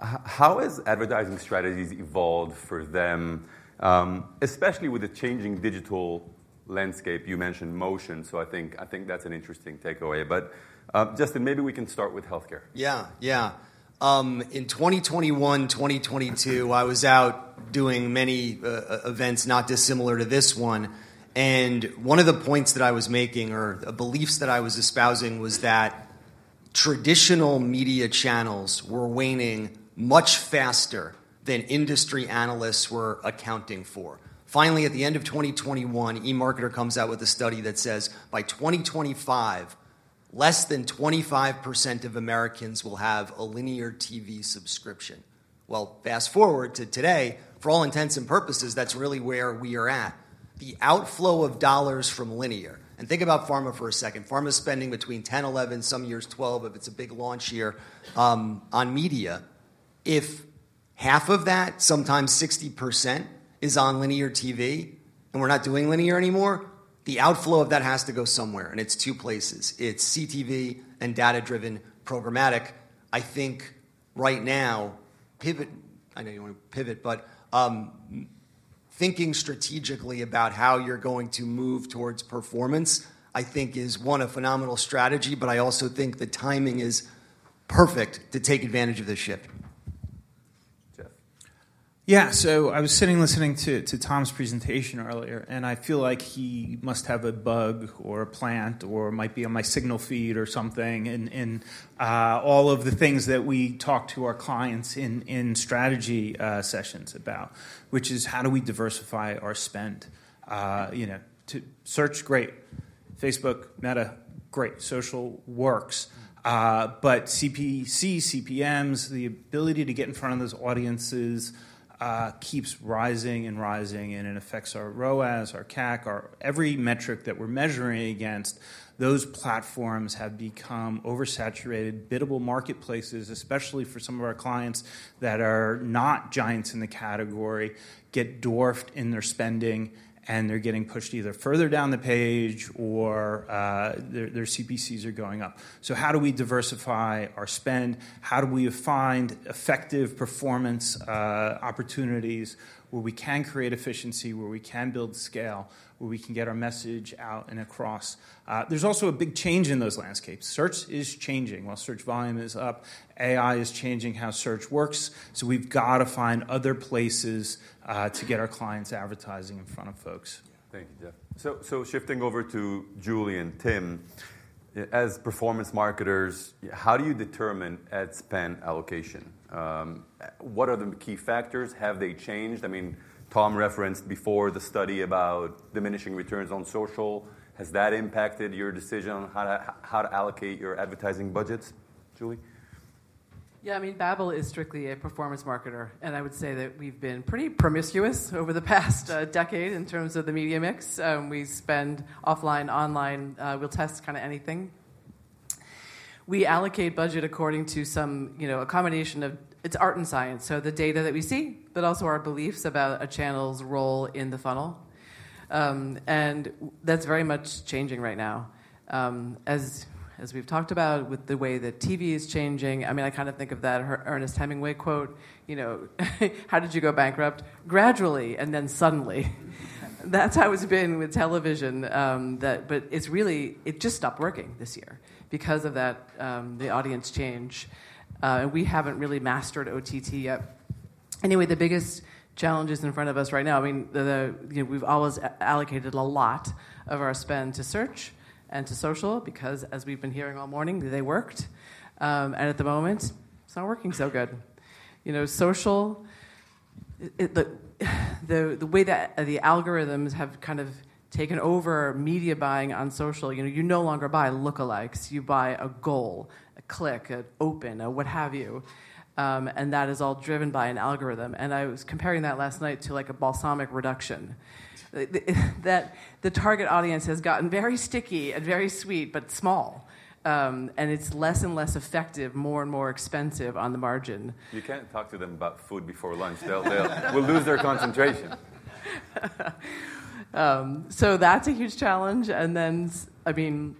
[SPEAKER 10] how has advertising strategies evolved for them, especially with the changing digital landscape? You mentioned motion. I think that's an interesting takeaway. Justin, maybe we can start with healthcare.
[SPEAKER 13] Yeah, yeah. In 2021, 2022, I was out doing many events not dissimilar to this one. One of the points that I was making or the beliefs that I was espousing was that traditional media channels were waning much faster than industry analysts were accounting for. Finally, at the end of 2021, EMARKETER comes out with a study that says by 2025, less than 25% of Americans will have a linear TV subscription. Fast forward to today, for all intents and purposes, that's really where we are at. The outflow of dollars from linear. Think about pharma for a second. Pharma is spending between $10 billion, $11 billion, some years $12 billion, if it's a big launch year on media. If half of that, sometimes 60%, is on linear TV and we're not doing linear anymore, the outflow of that has to go somewhere. It's two places. It's CTV and data-driven programmatic. I think right now, pivot, I know you want to pivot, but thinking strategically about how you're going to move towards performance, I think is one phenomenal strategy. I also think the timing is perfect to take advantage of this shift.
[SPEAKER 10] Jeff.
[SPEAKER 14] Yeah, I was sitting listening to Tom's presentation earlier. I feel like he must have a bug or a plant or might be on my signal feed or something in all of the things that we talk to our clients in strategy sessions about, which is how do we diversify our spend? Search, great. Facebook, Meta, great. Social works. But CPC, CPMs, the ability to get in front of those audiences keeps rising and rising. It affects our ROAS, our CAC. Every metric that we're measuring against, those platforms have become oversaturated. Biddable marketplaces, especially for some of our clients that are not giants in the category, get dwarfed in their spending. They're getting pushed either further down the page or their CPCs are going up. How do we diversify our spend? How do we find effective performance opportunities where we can create efficiency, where we can build scale, where we can get our message out and across? There's also a big change in those landscapes. Search is changing. While search volume is up, AI is changing how search works. We've got to find other places to get our clients advertising in front of folks.
[SPEAKER 10] Thank you, Jeff. Shifting over to Julie and Tim. As performance marketers, how do you determine ad spend allocation? What are the key factors? Have they changed? I mean, Tom referenced before the study about diminishing returns on social. Has that impacted your decision on how to allocate your advertising budgets? Julie?
[SPEAKER 11] Yeah, I mean, Babbel is strictly a performance marketer. I would say that we've been pretty promiscuous over the past decade in terms of the media mix. We spend offline, online. We'll test kind of anything. We allocate budget according to some combination of it's art and science. So the data that we see, but also our beliefs about a channel's role in the funnel. That is very much changing right now. As we've talked about with the way that TV is changing, I mean, I kind of think of that Ernest Hemingway quote, "How did you go bankrupt?" Gradually and then suddenly. That is how it's been with television. It just stopped working this year because of the audience change. We haven't really mastered OTT yet. Anyway, the biggest challenges in front of us right now, I mean, we've always allocated a lot of our spend to search and to social because, as we've been hearing all morning, they worked. At the moment, it's not working so good. Social, the way that the algorithms have kind of taken over media buying on social, you no longer buy lookalikes. You buy a goal, a click, an open, a what have you. That is all driven by an algorithm. I was comparing that last night to like a balsamic reduction. The target audience has gotten very sticky and very sweet, but small. It is less and less effective, more and more expensive on the margin.
[SPEAKER 10] You cannot talk to them about food before lunch. They will lose their concentration.
[SPEAKER 11] That is a huge challenge. I mean,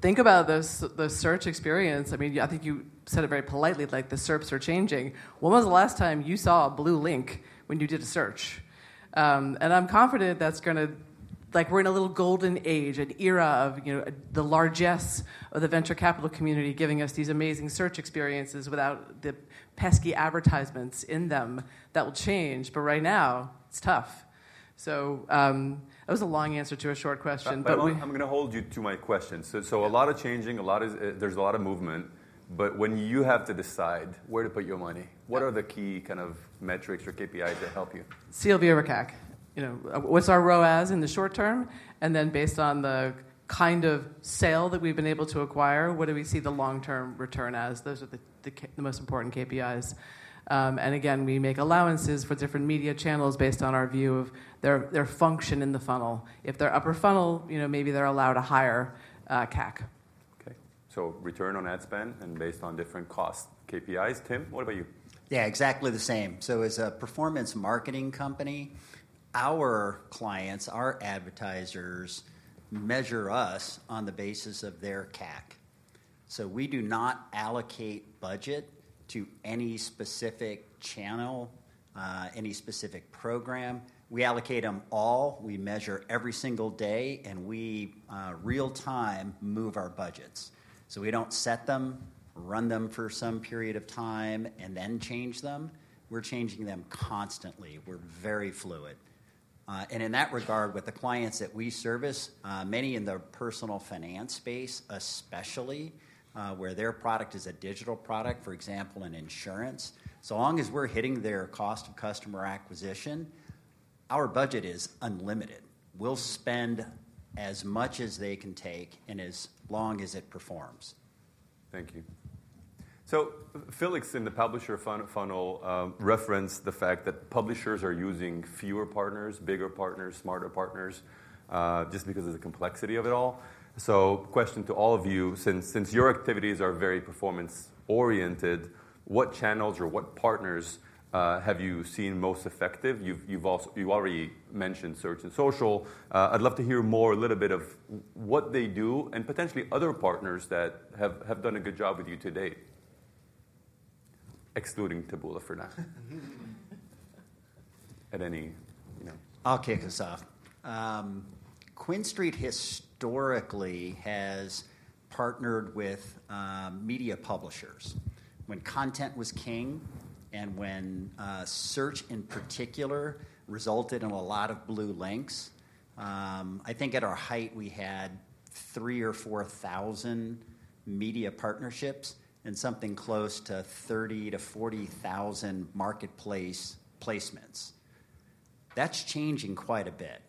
[SPEAKER 11] think about the search experience. I mean, I think you said it very politely, like the SERPs are changing. When was the last time you saw a blue link when you did a search? I'm confident that's going to, like we're in a little golden age, an era of the largess of the venture capital community giving us these amazing search experiences without the pesky advertisements in them. That will change. Right now, it's tough. That was a long answer to a short question.
[SPEAKER 10] I'm going to hold you to my question. A lot of changing, there's a lot of movement. When you have to decide where to put your money, what are the key kind of metrics or KPIs that help you?
[SPEAKER 11] Sylvia Rackack. What's our ROAS in the short term? Then based on the kind of sale that we've been able to acquire, what do we see the long-term return as? Those are the most important KPIs. Again, we make allowances for different media channels based on our view of their function in the funnel. If they're upper funnel, maybe they're allowed a higher CAC.
[SPEAKER 10] Okay. So return on ad spend and based on different cost KPIs. Tim, what about you?
[SPEAKER 12] Yeah, exactly the same. As a performance marketing company, our clients, our advertisers measure us on the basis of their CAC. We do not allocate budget to any specific channel, any specific program. We allocate them all. We measure every single day. We real-time move our budgets. We don't set them, run them for some period of time, and then change them. We're changing them constantly. We're very fluid. In that regard, with the clients that we service, many in the personal finance space, especially where their product is a digital product, for example, in insurance, so long as we're hitting their cost of customer acquisition, our budget is unlimited. We'll spend as much as they can take and as long as it performs.
[SPEAKER 10] Thank you. Felix in the publisher funnel referenced the fact that publishers are using fewer partners, bigger partners, smarter partners, just because of the complexity of it all. Question to all of you, since your activities are very performance-oriented, what channels or what partners have you seen most effective? You've already mentioned Search and Social. I'd love to hear more, a little bit of what they do and potentially other partners that have done a good job with you to date. Excluding Taboola for now. At any, you know.
[SPEAKER 12] I'll kick us off. QuinStreet historically has partnered with media publishers. When content was king and when search in particular resulted in a lot of blue links, I think at our height we had three or four thousand media partnerships and something close to 30,000-40,000 marketplace placements. That is changing quite a bit.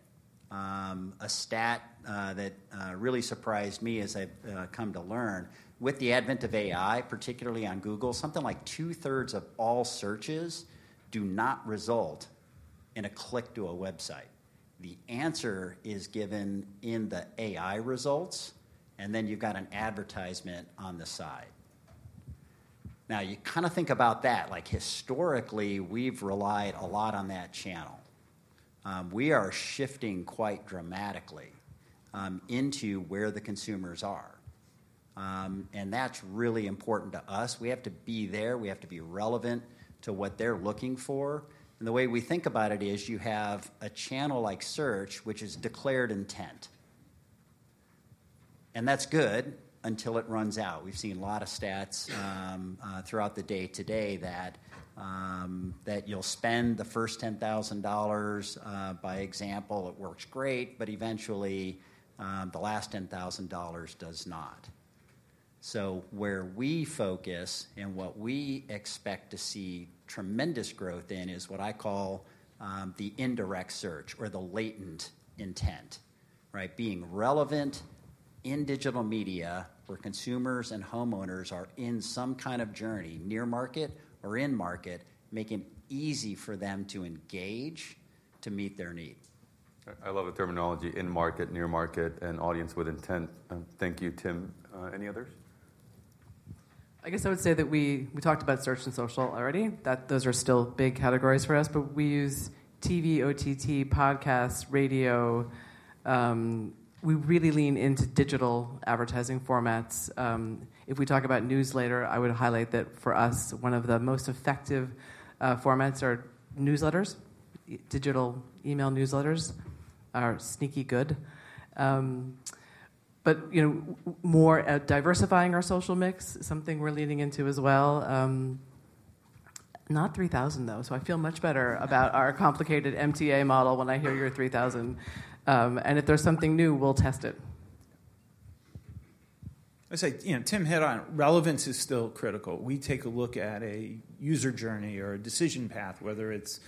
[SPEAKER 12] A stat that really surprised me as I have come to learn, with the advent of AI, particularly on Google, something like 2/3 of all searches do not result in a click to a website. The answer is given in the AI results. You have got an advertisement on the side. You kind of think about that. Historically, we have relied a lot on that channel. We are shifting quite dramatically into where the consumers are. That is really important to us. We have to be there. We have to be relevant to what they are looking for. The way we think about it is you have a channel like Search, which is declared intent. That is good until it runs out. We have seen a lot of stats throughout the day today that you will spend the first $10,000. By example, it works great. Eventually, the last $10,000 does not. Where we focus and what we expect to see tremendous growth in is what I call the indirect search or the latent intent, right? Being relevant in digital media where consumers and homeowners are in some kind of journey, near market or in market, making it easy for them to engage to meet their need.
[SPEAKER 10] I love the terminology in market, near market, and audience with intent. Thank you, Tim. Any others?
[SPEAKER 11] I guess I would say that we talked about Search and Social already, that those are still big categories for us. We use TV, OTT, podcasts, radio. We really lean into digital advertising formats. If we talk about newsletter, I would highlight that for us, one of the most effective formats are newsletters. Digital email newsletters are sneaky good. More at diversifying our social mix, something we're leaning into as well. Not 3,000, though. I feel much better about our complicated MTA model when I hear your 3,000. If there's something new, we'll test it.
[SPEAKER 14] I'd say, Tim, head on. Relevance is still critical. We take a look at a user journey or a decision path, whether it's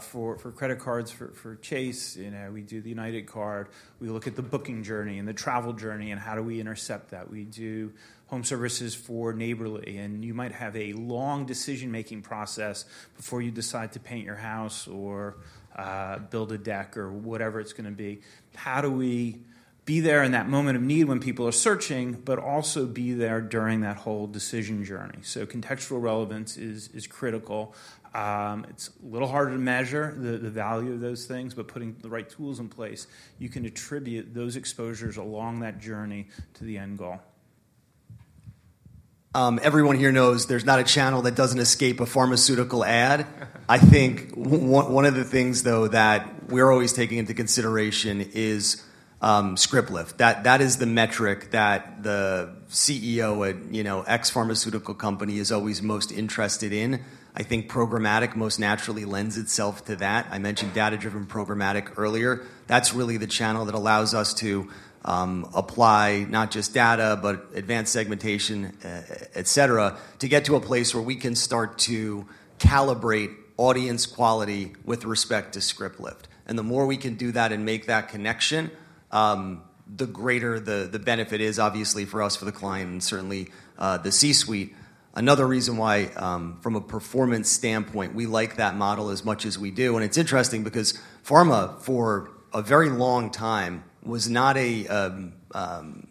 [SPEAKER 14] for credit cards, for Chase. We do the UnitedCard. We look at the booking journey and the travel journey and how do we intercept that. We do home services for Neighborly. You might have a long decision-making process before you decide to paint your house or build a deck or whatever it's going to be. How do we be there in that moment of need when people are searching, but also be there during that whole decision journey? Contextual relevance is critical. It's a little harder to measure the value of those things. Putting the right tools in place, you can attribute those exposures along that journey to the end goal.
[SPEAKER 13] Everyone here knows there's not a channel that doesn't escape a pharmaceutical ad. I think one of the things, though, that we're always taking into consideration is script lift. That is the metric that the CEO at X pharmaceutical company is always most interested in. I think programmatic most naturally lends itself to that. I mentioned data-driven programmatic earlier. That's really the channel that allows us to apply not just data, but advanced segmentation, et cetera, to get to a place where we can start to calibrate audience quality with respect to script lift. The more we can do that and make that connection, the greater the benefit is, obviously, for us, for the client, and certainly the C-suite. Another reason why, from a performance standpoint, we like that model as much as we do. It's interesting because pharma, for a very long time, was not a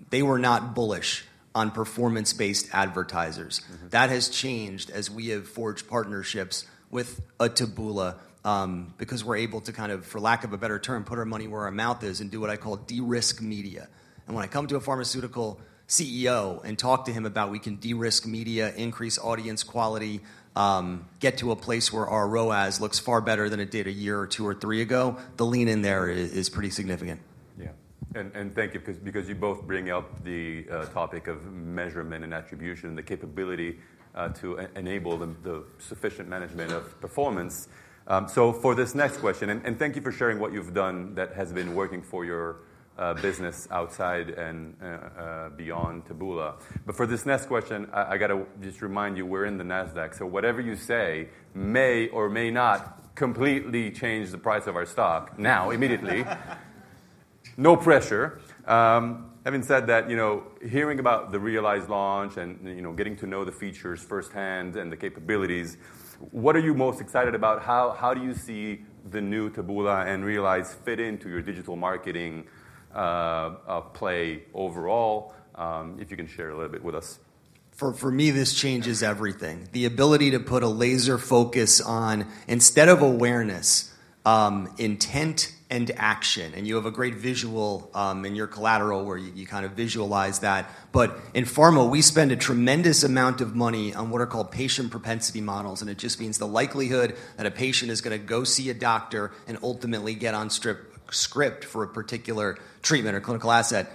[SPEAKER 13] they were not bullish on performance-based advertisers. That has changed as we have forged partnerships with Taboola because we're able to kind of, for lack of a better term, put our money where our mouth is and do what I call de-risk media. When I come to a pharmaceutical CEO and talk to him about we can de-risk media, increase audience quality, get to a place where our ROAS looks far better than it did a year or two or three ago, the lean in there is pretty significant.
[SPEAKER 10] Yeah. Thank you because you both bring up the topic of measurement and attribution and the capability to enable the sufficient management of performance. For this next question, thank you for sharing what you've done that has been working for your business outside and beyond Taboola. For this next question, I got to just remind you we're in the Nasdaq. Whatever you say may or may not completely change the price of our stock now, immediately. No pressure. Having said that, hearing about the Realize launch and getting to know the features firsthand and the capabilities, what are you most excited about? How do you see the new Taboola and Realize fit into your digital marketing play overall? If you can share a little bit with us.
[SPEAKER 13] For me, this changes everything. The ability to put a laser focus on, instead of awareness, intent and action. You have a great visual in your collateral where you kind of visualize that. In pharma, we spend a tremendous amount of money on what are called patient propensity models. It just means the likelihood that a patient is going to go see a doctor and ultimately get on script for a particular treatment or clinical asset.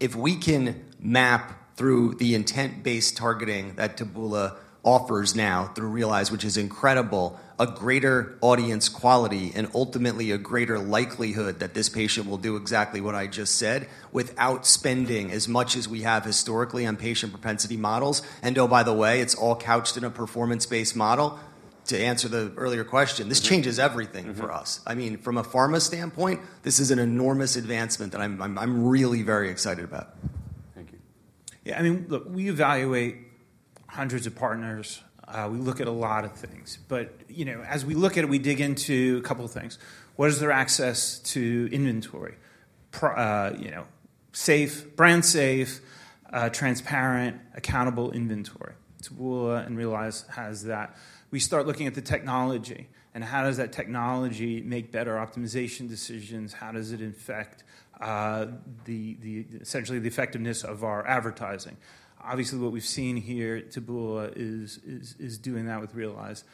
[SPEAKER 13] If we can map through the intent-based targeting that Taboola offers now through Realize, which is incredible, a greater audience quality and ultimately a greater likelihood that this patient will do exactly what I just said without spending as much as we have historically on patient propensity models. Oh, by the way, it's all couched in a performance-based model. To answer the earlier question, this changes everything for us. I mean, from a pharma standpoint, this is an enormous advancement that I'm really very excited about.
[SPEAKER 10] Thank you.
[SPEAKER 14] Yeah. I mean, look, we evaluate hundreds of partners. We look at a lot of things. As we look at it, we dig into a couple of things. What is their access to inventory? Safe, brand-safe, transparent, accountable inventory. Taboola and Realize has that. We start looking at the technology. How does that technology make better optimization decisions? How does it affect essentially the effectiveness of our advertising? Obviously, what we've seen here, Taboola is doing that with Realize.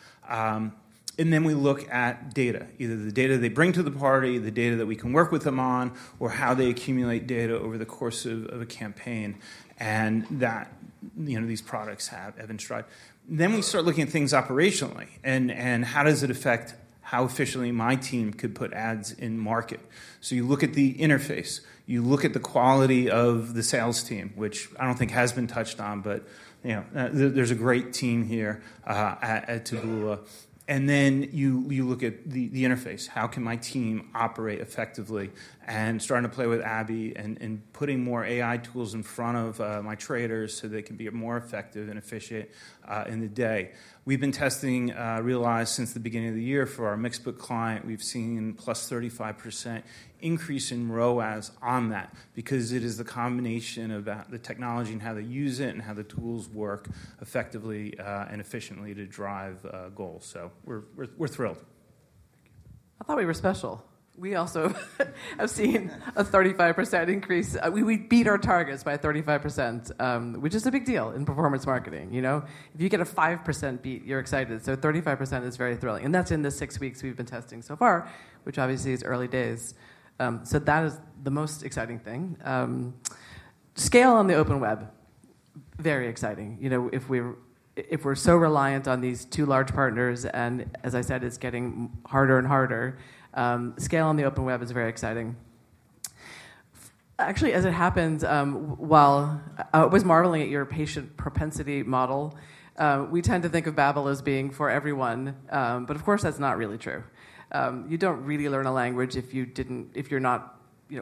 [SPEAKER 14] You look at data, either the data they bring to the party, the data that we can work with them on, or how they accumulate data over the course of a campaign and that these products have been strived. We start looking at things operationally. How does it affect how efficiently my team could put ads in market? You look at the interface. You look at the quality of the sales team, which I don't think has been touched on. There's a great team here at Taboola. You look at the interface. How can my team operate effectively? Starting to play with Abby and putting more AI tools in front of my traders so they can be more effective and efficient in the day. We've been testing Realize since the beginning of the year for our Mixbook client. We've seen a +35% increase in ROAS on that because it is the combination of the technology and how they use it and how the tools work effectively and efficiently to drive goals. We're thrilled.
[SPEAKER 11] I thought we were special. We also have seen a 35% increase. We beat our targets by 35%, which is a big deal in performance marketing. If you get a 5% beat, you're excited. 35% is very thrilling. That is in the six weeks we've been testing so far, which obviously is early days. That is the most exciting thing. Scale on the open web, very exciting. If we're so reliant on these two large partners, and as I said, it's getting harder and harder, scale on the open web is very exciting. Actually, as it happens, while I was marveling at your patient propensity model, we tend to think of Babbel as being for everyone. But of course, that's not really true. You don't really learn a language if you're not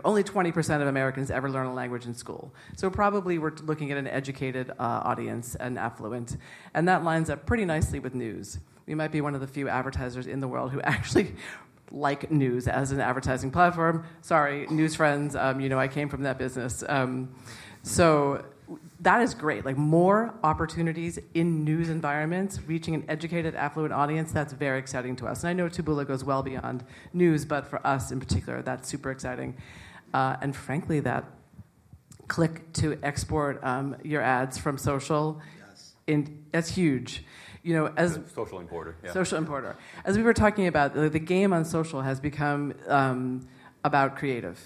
[SPEAKER 11] only 20% of Americans ever learn a language in school. So probably we're looking at an educated audience and affluent. And that lines up pretty nicely with news. We might be one of the few advertisers in the world who actually like news as an advertising platform. Sorry, news friends. I came from that business. That is great. More opportunities in news environments, reaching an educated, affluent audience, that's very exciting to us. I know Taboola goes well beyond news. For us in particular, that's super exciting. Frankly, that click to export your ads from social, that's huge.
[SPEAKER 10] Social importer. Yeah.
[SPEAKER 11] Social importer. As we were talking about, the game on social has become about creative.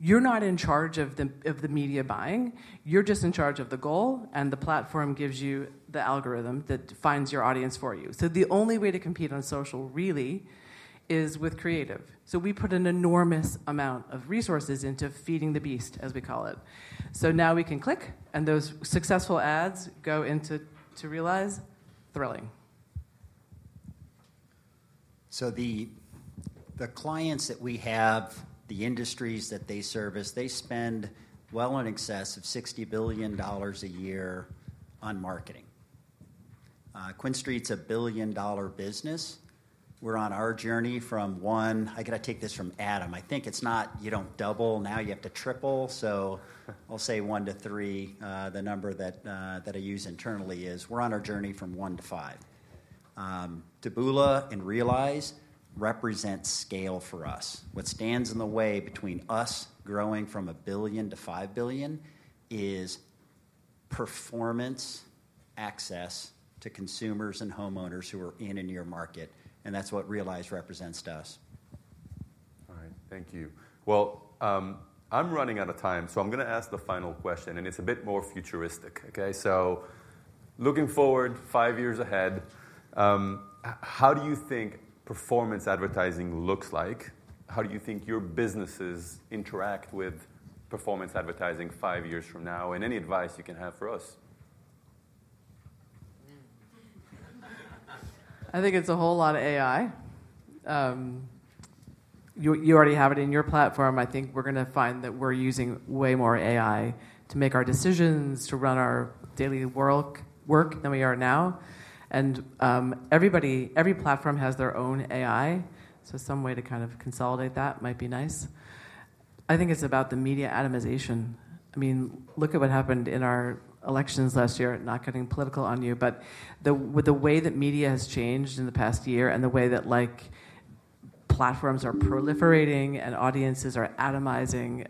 [SPEAKER 11] You're not in charge of the media buying. You're just in charge of the goal. The platform gives you the algorithm that finds your audience for you. The only way to compete on social, really, is with creative. We put an enormous amount of resources into feeding the beast, as we call it. Now we can click, and those successful ads go into Realize? Thrilling.
[SPEAKER 12] The clients that we have, the industries that they service, they spend well in excess of $60 billion a year on marketing. QuinStreet's a billion-dollar business. We're on our journey from one--I got to take this from Adam. I think it's not you don't double. Now you have to triple. So I'll say one to three. The number that I use internally is we're on our journey from one to five. Taboola and Realize represent scale for us. What stands in the way between us growing from a billion to five billion is performance access to consumers and homeowners who are in and near market. And that's what Realize represents to us.
[SPEAKER 10] All right. Thank you. I'm running out of time. I'm going to ask the final question. It's a bit more futuristic. Okay? Looking forward five years ahead, how do you think performance advertising looks like? How do you think your businesses interact with performance advertising five years from now? Any advice you can have for us?
[SPEAKER 11] I think it's a whole lot of AI. You already have it in your platform. I think we're going to find that we're using way more AI to make our decisions, to run our daily work than we are now. Everybody, every platform has their own AI. Some way to kind of consolidate that might be nice. I think it's about the media atomization. I mean, look at what happened in our elections last year. Not getting political on you. With the way that media has changed in the past year and the way that platforms are proliferating and audiences are atomizing,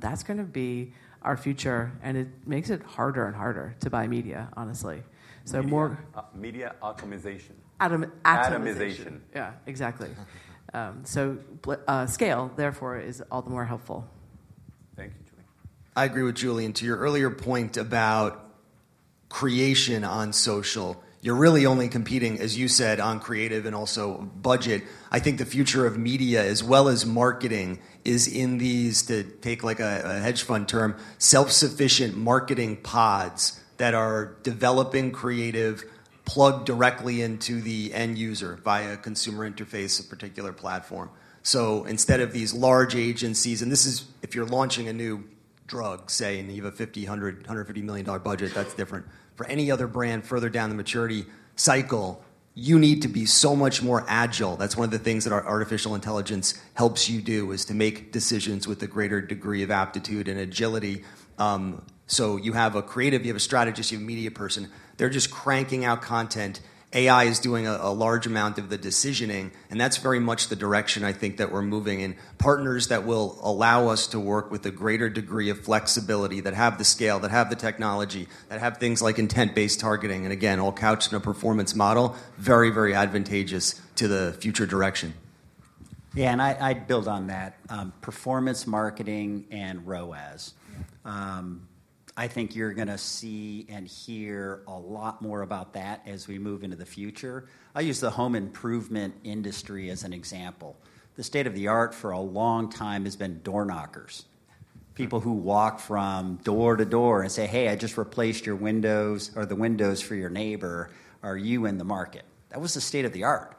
[SPEAKER 11] that's going to be our future. It makes it harder and harder to buy media, honestly.
[SPEAKER 10] More media atomization.
[SPEAKER 11] Atomization. Yeah. Exactly. Scale, therefore, is all the more helpful.
[SPEAKER 10] Thank you, Julie.
[SPEAKER 13] I agree with Julie. To your earlier point about creation on social, you're really only competing, as you said, on creative and also budget. I think the future of media, as well as marketing, is in these, to take a hedge fund term, self-sufficient marketing pods that are developing creative, plugged directly into the end user via a consumer interface of a particular platform. Instead of these large agencies--and this is if you're launching a new drug, say, and you have a $50 million-$150 million budget, that's different. For any other brand further down the maturity cycle, you need to be so much more agile. That's one of the things that artificial intelligence helps you do, is to make decisions with a greater degree of aptitude and agility. You have a creative, you have a strategist, you have a media person. They're just cranking out content. AI is doing a large amount of the decisioning. That's very much the direction I think that we're moving in. Partners that will allow us to work with a greater degree of flexibility, that have the scale, that have the technology, that have things like intent-based targeting, and again, all couched in a performance model, very, very advantageous to the future direction.
[SPEAKER 12] Yeah. I'd build on that. Performance marketing and ROAS. I think you're going to see and hear a lot more about that as we move into the future. I use the home improvement industry as an example. The state of the art for a long time has been door knockers. People who walk from door to door and say, "Hey, I just replaced your windows or the windows for your neighbor. Are you in the market?" That was the state of the art.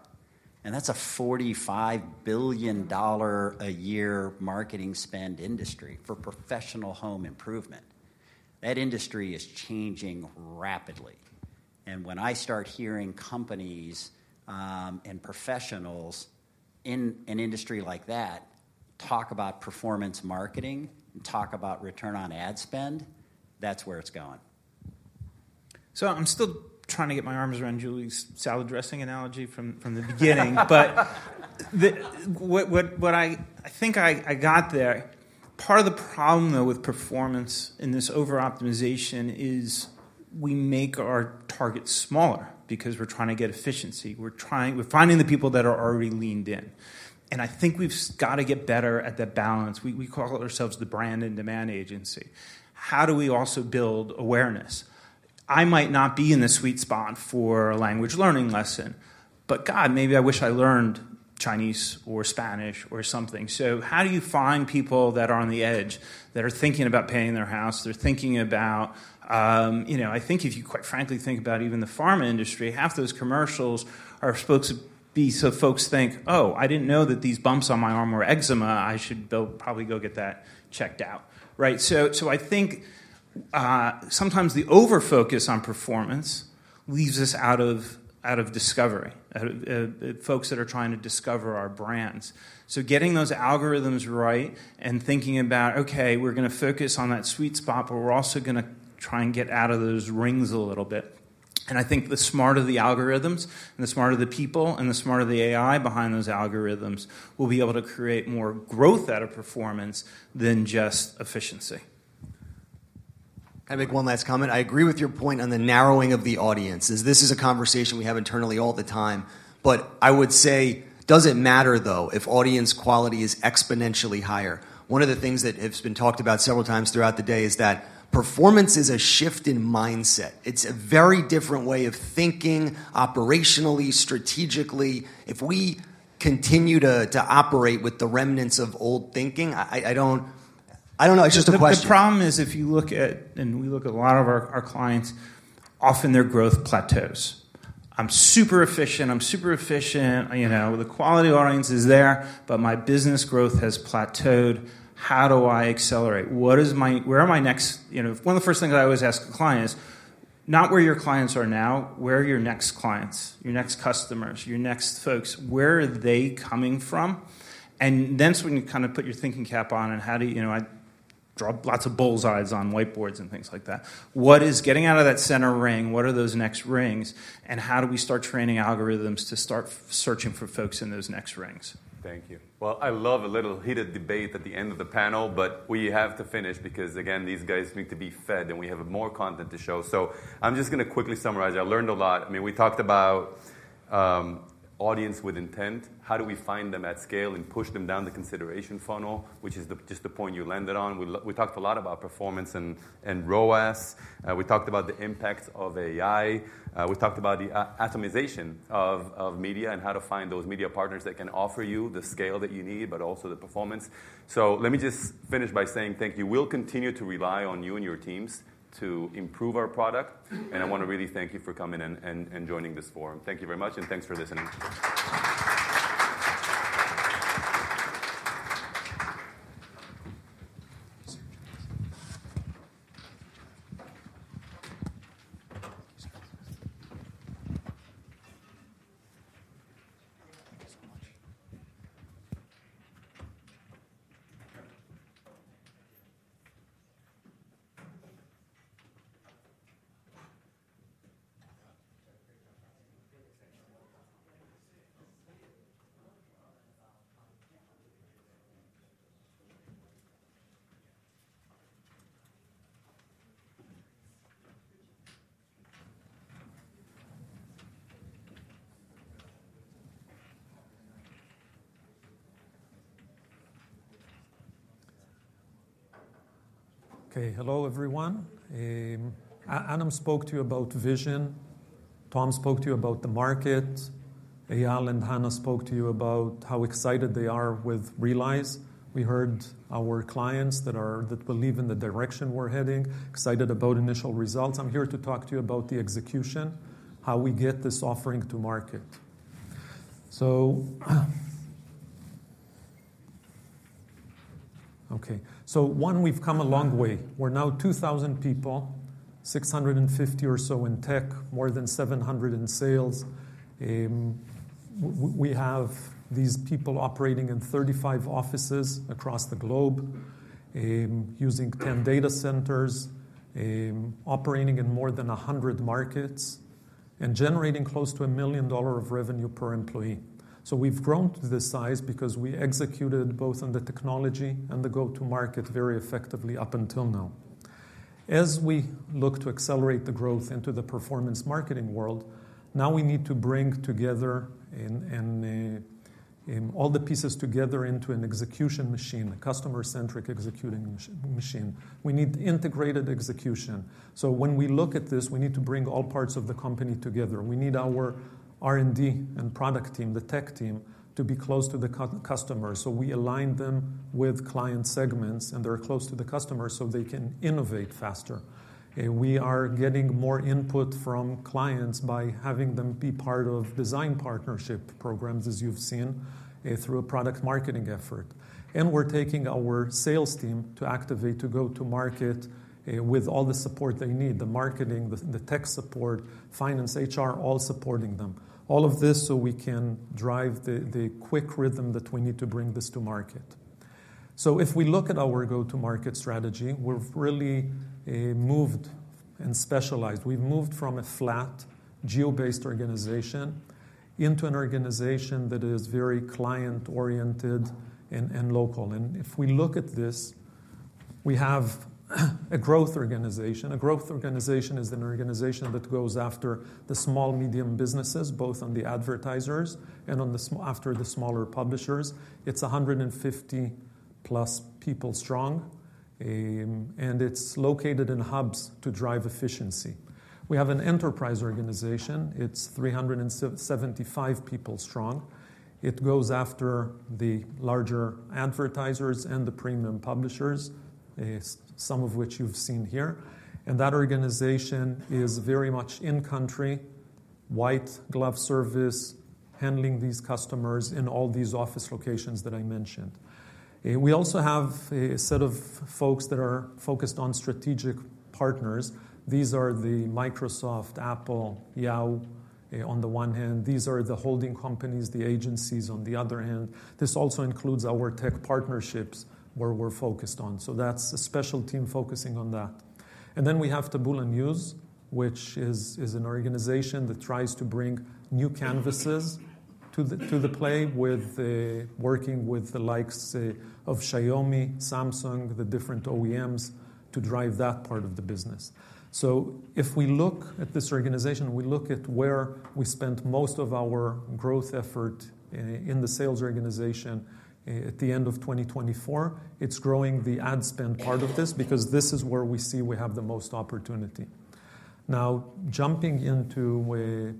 [SPEAKER 12] That's a $45 billion a year marketing spend industry for professional home improvement. That industry is changing rapidly. When I start hearing companies and professionals in an industry like that talk about performance marketing and talk about return on ad spend, that's where it's going.
[SPEAKER 14] I'm still trying to get my arms around Julie's salad dressing analogy from the beginning. What I think I got there, part of the problem, though, with performance in this over-optimization is we make our targets smaller because we're trying to get efficiency. We're finding the people that are already leaned in. I think we've got to get better at that balance. We call ourselves the brand and demand agency. How do we also build awareness? I might not be in the sweet spot for a language learning lesson. God, maybe I wish I learned Chinese or Spanish or something. How do you find people that are on the edge, that are thinking about paying their house, they're thinking about, I think if you, quite frankly, think about even the pharma industry, half those commercials are supposed to be so folks think, "Oh, I didn't know that these bumps on my arm were eczema. I should probably go get that checked out." Right? I think sometimes the over-focus on performance leaves us out of discovery, folks that are trying to discover our brands. Getting those algorithms right and thinking about, "Okay, we're going to focus on that sweet spot, but we're also going to try and get out of those rings a little bit." I think the smarter the algorithms and the smarter the people and the smarter the AI behind those algorithms will be able to create more growth out of performance than just efficiency.
[SPEAKER 13] Can I make one last comment? I agree with your point on the narrowing of the audience. This is a conversation we have internally all the time. I would say, does it matter, though, if audience quality is exponentially higher? One of the things that has been talked about several times throughout the day is that performance is a shift in mindset. It's a very different way of thinking operationally, strategically. If we continue to operate with the remnants of old thinking, I don't know. It's just a question.
[SPEAKER 14] The problem is if you look at, and we look at a lot of our clients, often their growth plateaus. I'm super efficient. I'm super efficient. The quality audience is there. My business growth has plateaued. How do I accelerate? Where are my next? One of the first things I always ask a client is, not where your clients are now, where are your next clients, your next customers, your next folks? Where are they coming from? When you kind of put your thinking cap on, how do you—I draw lots of bull's eyes on whiteboards and things like that. What is getting out of that center ring? What are those next rings? How do we start training algorithms to start searching for folks in those next rings?
[SPEAKER 10] Thank you. I love a little heated debate at the end of the panel. We have to finish because, again, these guys need to be fed. We have more content to show. I'm just going to quickly summarize. I learned a lot. I mean, we talked about audience with intent. How do we find them at scale and push them down the consideration funnel, which is just the point you landed on? We talked a lot about performance and ROAS. We talked about the impact of AI. We talked about the atomization of media and how to find those media partners that can offer you the scale that you need, but also the performance. Let me just finish by saying thank you. We'll continue to rely on you and your teams to improve our product. I want to really thank you for coming and joining this forum. Thank you very much. Thanks for listening.
[SPEAKER 15] Okay. Hello, everyone. Adam spoke to you about vision. Tom spoke to you about the market. Eyala and Hannah spoke to you about how excited they are with Realize. We heard our clients that believe in the direction we're heading, excited about initial results. I'm here to talk to you about the execution, how we get this offering to market. Okay. One, we've come a long way. We're now 2,000 people, 650 or so in tech, more than 700 in sales. We have these people operating in 35 offices across the globe, using 10 data centers, operating in more than 100 markets, and generating close to $1 million of revenue per employee. We've grown to this size because we executed both on the technology and the go-to-market very effectively up until now. As we look to accelerate the growth into the performance marketing world, now we need to bring together all the pieces together into an execution machine, a customer-centric executing machine. We need integrated execution. When we look at this, we need to bring all parts of the company together. We need our R&D and product team, the tech team, to be close to the customer. We align them with client segments. And they're close to the customer so they can innovate faster. We are getting more input from clients by having them be part of design partnership programs, as you've seen, through a product marketing effort. We're taking our sales team to activate to go-to-market with all the support they need, the marketing, the tech support, finance, HR, all supporting them. All of this so we can drive the quick rhythm that we need to bring this to market. If we look at our go-to-market strategy, we've really moved and specialized. We've moved from a flat, geo-based organization into an organization that is very client-oriented and local. If we look at this, we have a growth organization. A growth organization is an organization that goes after the small, medium businesses, both on the advertisers and after the smaller publishers. It is 150+ people strong. It is located in hubs to drive efficiency. We have an enterprise organization. It is 375 people strong. It goes after the larger advertisers and the premium publishers, some of which you have seen here. That organization is very much in-country, white-glove service, handling these customers in all these office locations that I mentioned. We also have a set of folks that are focused on strategic partners. These are the Microsoft, Apple, Yahoo on the one hand. These are the holding companies, the agencies on the other hand. This also includes our tech partnerships where we are focused on. That is a special team focusing on that. We have Taboola News, which is an organization that tries to bring new canvases to the play with working with the likes of Xiaomi, Samsung, the different OEMs to drive that part of the business. If we look at this organization, we look at where we spent most of our growth effort in the sales organization at the end of 2024. It's growing the ad spend part of this because this is where we see we have the most opportunity. Now, jumping into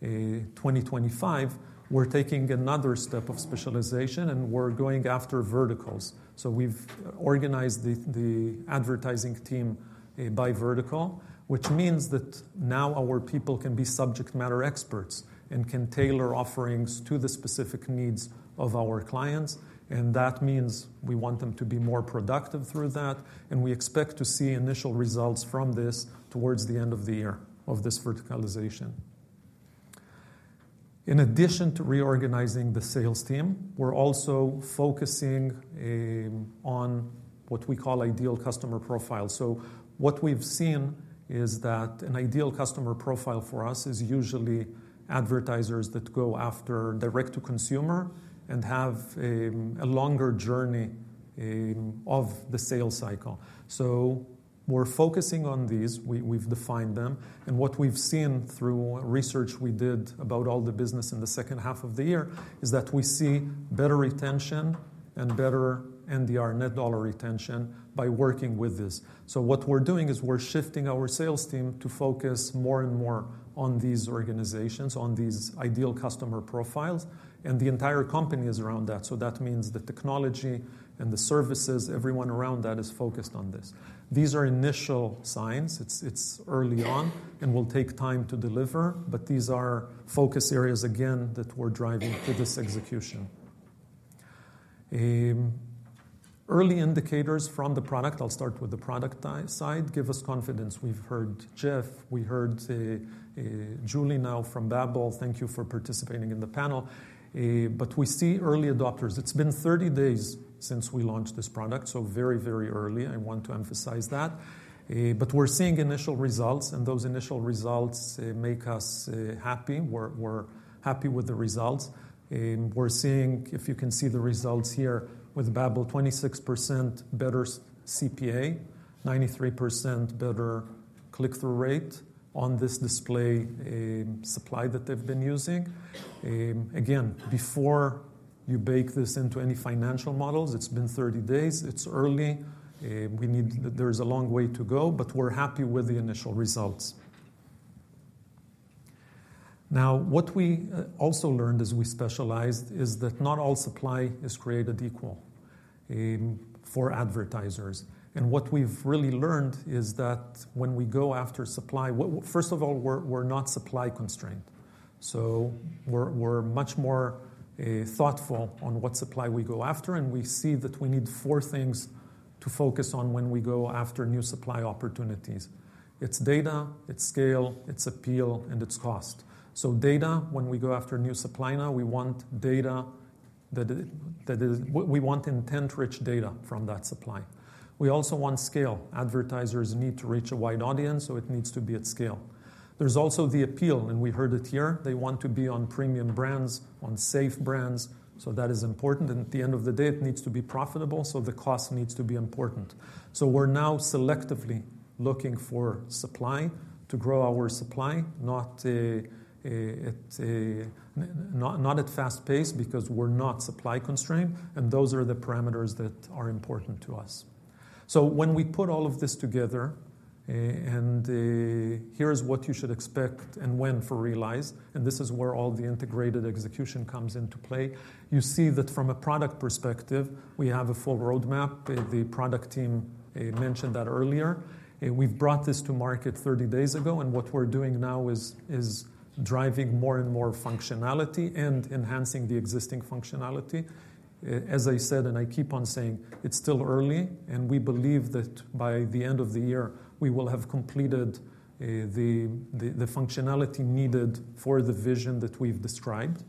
[SPEAKER 15] 2025, we're taking another step of specialization. We're going after verticals. We've organized the advertising team by vertical, which means that now our people can be subject matter experts and can tailor offerings to the specific needs of our clients. That means we want them to be more productive through that. We expect to see initial results from this towards the end of the year of this verticalization. In addition to reorganizing the sales team, we're also focusing on what we call ideal customer profiles. What we've seen is that an ideal customer profile for us is usually advertisers that go after direct-to-consumer and have a longer journey of the sales cycle. We're focusing on these. We've defined them. What we've seen through research we did about all the business in the second half of the year is that we see better retention and better NDR, net dollar retention, by working with this. What we're doing is we're shifting our sales team to focus more and more on these organizations, on these ideal customer profiles. The entire company is around that. That means the technology and the services, everyone around that is focused on this. These are initial signs. It's early on. It will take time to deliver. These are focus areas, again, that we're driving through this execution. Early indicators from the product, I'll start with the product side, give us confidence. We've heard Jeff. We heard Julie now from Babbel. Thank you for participating in the panel. We see early adopters. It's been 30 days since we launched this product. Very, very early. I want to emphasize that. We're seeing initial results. Those initial results make us happy. We're happy with the results. We're seeing, if you can see the results here with Babbel, 26% better CPA, 93% better click-through rate on this display supply that they've been using. Again, before you bake this into any financial models, it's been 30 days. It's early. There's a long way to go. We're happy with the initial results. What we also learned as we specialized is that not all supply is created equal for advertisers. What we've really learned is that when we go after supply, first of all, we're not supply constrained. We're much more thoughtful on what supply we go after. We see that we need four things to focus on when we go after new supply opportunities. It's data. It's scale. It's appeal. It's cost. Data, when we go after new supply now, we want data. We want intent-rich data from that supply. We also want scale. Advertisers need to reach a wide audience. It needs to be at scale. There's also the appeal. We heard it here. They want to be on premium brands, on safe brands. That is important. At the end of the day, it needs to be profitable. The cost needs to be important. We are now selectively looking for supply to grow our supply, not at a fast pace because we are not supply constrained. Those are the parameters that are important to us. When we put all of this together, here is what you should expect and win for Realize. This is where all the integrated execution comes into play. You see that from a product perspective, we have a full roadmap. The product team mentioned that earlier. We brought this to market 30 days ago. What we are doing now is driving more and more functionality and enhancing the existing functionality. As I said, and I keep on saying, it is still early. We believe that by the end of the year, we will have completed the functionality needed for the vision that we've described.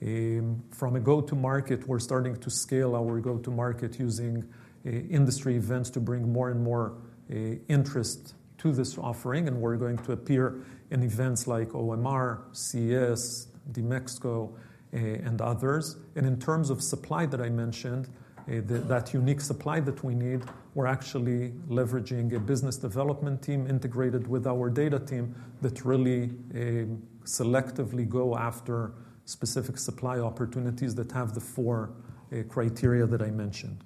[SPEAKER 15] From a go-to-market, we're starting to scale our go-to-market using industry events to bring more and more interest to this offering. We're going to appear in events like OMR, CES, DMEXCO, and others. In terms of supply that I mentioned, that unique supply that we need, we're actually leveraging a business development team integrated with our data team that really selectively go after specific supply opportunities that have the four criteria that I mentioned.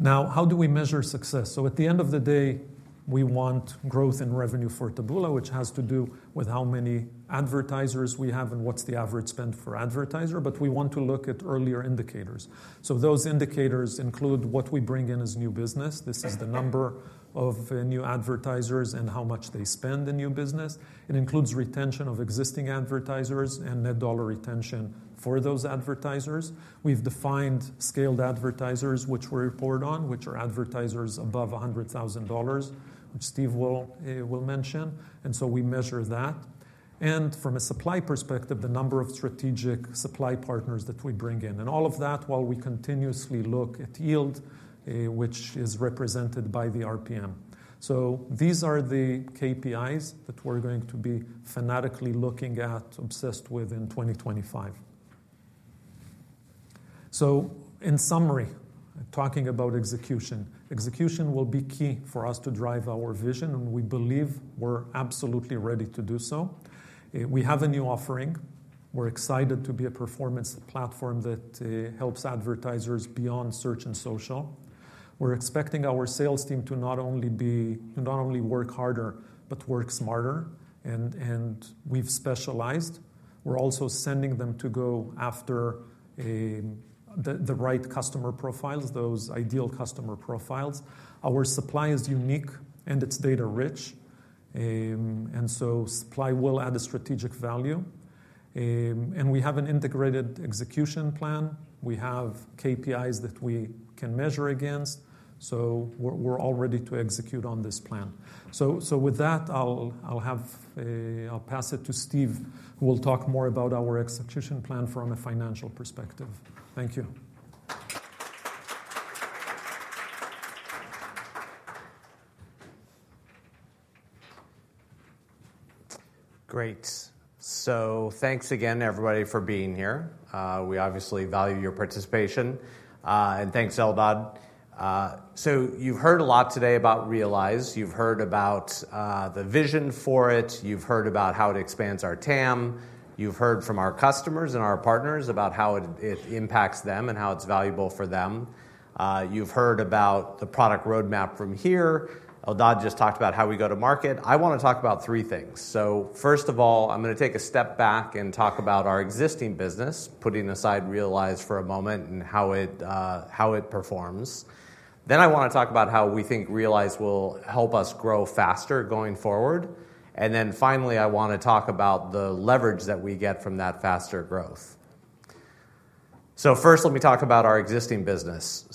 [SPEAKER 15] Now, how do we measure success? At the end of the day, we want growth in revenue for Taboola, which has to do with how many advertisers we have and what's the average spend for advertiser. We want to look at earlier indicators. Those indicators include what we bring in as new business. This is the number of new advertisers and how much they spend in new business. It includes retention of existing advertisers and net dollar retention for those advertisers. We have defined scaled advertisers, which we report on, which are advertisers above $100,000, which Steve will mention. We measure that. From a supply perspective, the number of strategic supply partners that we bring in. All of that while we continuously look at yield, which is represented by the RPM. These are the KPIs that we are going to be fanatically looking at, obsessed with in 2025. In summary, talking about execution, execution will be key for us to drive our vision. We believe we are absolutely ready to do so. We have a new offering. We're excited to be a performance platform that helps advertisers beyond Search and Social. We're expecting our sales team to not only work harder but work smarter. We've specialized. We're also sending them to go after the right customer profiles, those ideal customer profiles. Our supply is unique. It's data-rich. Supply will add a strategic value. We have an integrated execution plan. We have KPIs that we can measure against. We're all ready to execute on this plan. With that, I'll pass it to Steve, who will talk more about our execution plan from a financial perspective. Thank you.
[SPEAKER 16] Great. Thanks again, everybody, for being here. We obviously value your participation. Thanks, Eldad. You've heard a lot today about Realize. You've heard about the vision for it. You've heard about how it expands our TAM. You've heard from our customers and our partners about how it impacts them and how it's valuable for them. You've heard about the product roadmap from here. Eldad just talked about how we go to market. I want to talk about three things. First of all, I'm going to take a step back and talk about our existing business, putting aside Realize for a moment and how it performs. Then I want to talk about how we think Realize will help us grow faster going forward. Finally, I want to talk about the leverage that we get from that faster growth. First, let me talk about our existing business.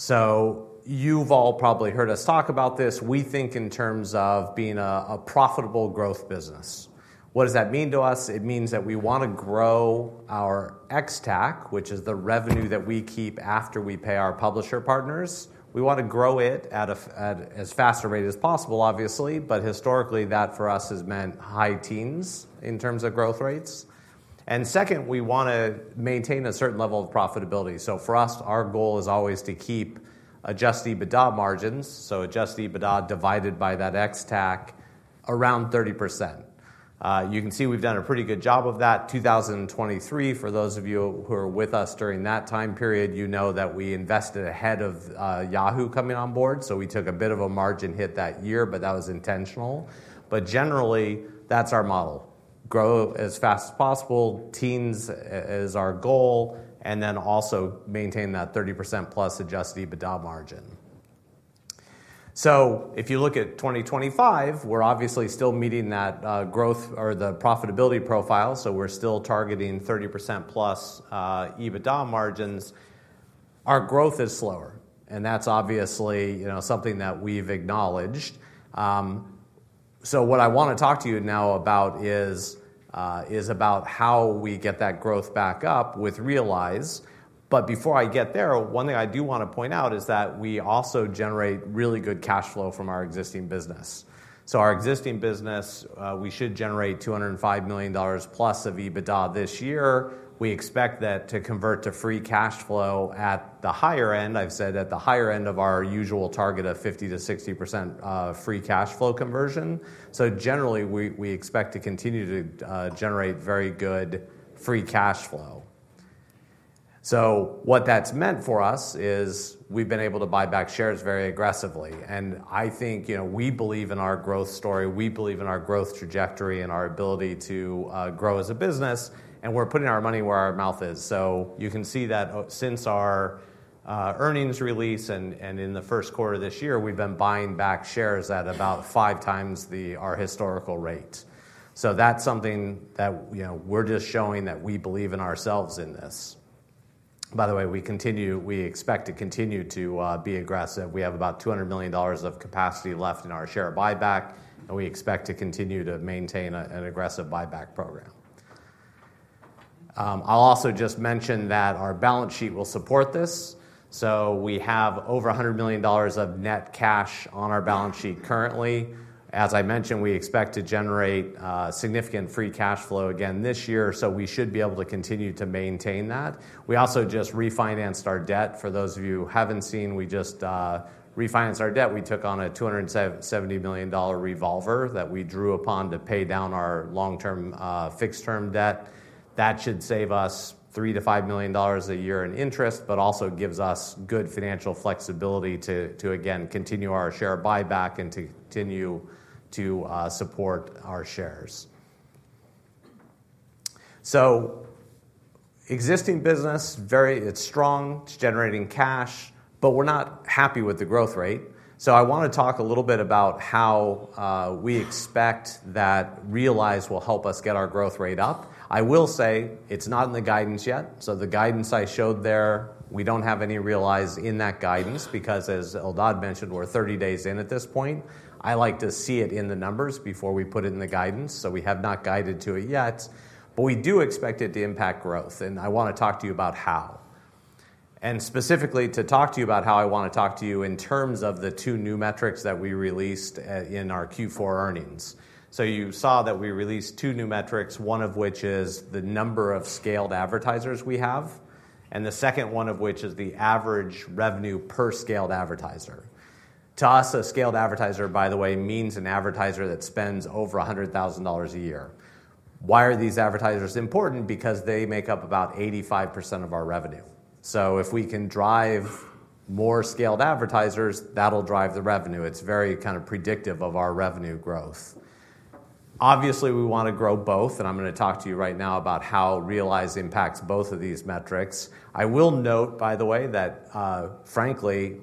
[SPEAKER 16] You've all probably heard us talk about this. We think in terms of being a profitable growth business. What does that mean to us? It means that we want to grow our ex-TAC, which is the revenue that we keep after we pay our publisher partners. We want to grow it at as fast a rate as possible, obviously. Historically, that for us has meant high teens in terms of growth rates. Second, we want to maintain a certain level of profitability. For us, our goal is always to keep adjusted EBITDA margins, so adjusted EBITDA divided by that ex-TAC, around 30%. You can see we've done a pretty good job of that. In 2023, for those of you who were with us during that time period, you know that we invested ahead of Yahoo coming on board. We took a bit of a margin hit that year. That was intentional. Generally, that's our model. Grow as fast as possible. Teens is our goal. We also maintain that 30%+ adjusted EBITDA margin. If you look at 2025, we're obviously still meeting that growth or the profitability profile. We're still targeting 30%+ EBITDA margins. Our growth is slower, and that's obviously something that we've acknowledged. What I want to talk to you now about is how we get that growth back up with Realize. Before I get there, one thing I do want to point out is that we also generate really good cash flow from our existing business. Our existing business, we should generate $205 million+ of EBITDA this year. We expect that to convert to free cash flow at the higher end. I've said at the higher end of our usual target of 50%-60% free cash flow conversion. Generally, we expect to continue to generate very good free cash flow. What that's meant for us is we've been able to buy back shares very aggressively. I think we believe in our growth story. We believe in our growth trajectory and our ability to grow as a business. We're putting our money where our mouth is. You can see that since our earnings release and in the first quarter of this year, we've been buying back shares at about 5x our historical rate. That's something that we're just showing that we believe in ourselves in this. By the way, we expect to continue to be aggressive. We have about $200 million of capacity left in our share buyback. We expect to continue to maintain an aggressive buyback program. I'll also just mention that our balance sheet will support this. We have over $100 million of net cash on our balance sheet currently. As I mentioned, we expect to generate significant free cash flow again this year. We should be able to continue to maintain that. We also just refinanced our debt. For those of you who haven't seen, we just refinanced our debt. We took on a $270 million revolver that we drew upon to pay down our long-term fixed-term debt. That should save us $3 million-$5 million a year in interest, but also gives us good financial flexibility to, again, continue our share buyback and to continue to support our shares. Existing business, it's strong. It's generating cash. We're not happy with the growth rate. I want to talk a little bit about how we expect that Realize will help us get our growth rate up. I will say it's not in the guidance yet. The guidance I showed there, we do not have any Realize in that guidance. Because as Eldad mentioned, we are 30 days in at this point. I like to see it in the numbers before we put it in the guidance. We have not guided to it yet. We do expect it to impact growth. I want to talk to you about how. Specifically, to talk to you about how, I want to talk to you in terms of the two new metrics that we released in our Q4 earnings. You saw that we released two new metrics, one of which is the number of scaled advertisers we have. The second one of which is the average revenue per scaled advertiser. To us, a scaled advertiser, by the way, means an advertiser that spends over $100,000 a year. Why are these advertisers important? Because they make up about 85% of our revenue. If we can drive more scaled advertisers, that'll drive the revenue. It's very kind of predictive of our revenue growth. Obviously, we want to grow both. I'm going to talk to you right now about how Realize impacts both of these metrics. I will note, by the way, that frankly,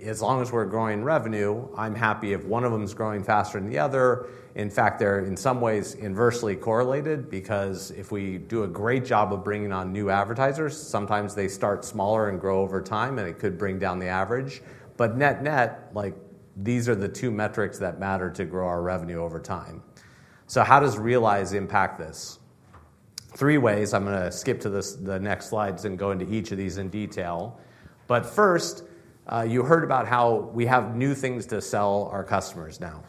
[SPEAKER 16] as long as we're growing revenue, I'm happy if one of them is growing faster than the other. In fact, they're in some ways inversely correlated. If we do a great job of bringing on new advertisers, sometimes they start smaller and grow over time. It could bring down the average. Net net, these are the two metrics that matter to grow our revenue over time. How does Realize impact this? Three ways. I'm going to skip to the next slides and go into each of these in detail. First, you heard about how we have new things to sell our customers now.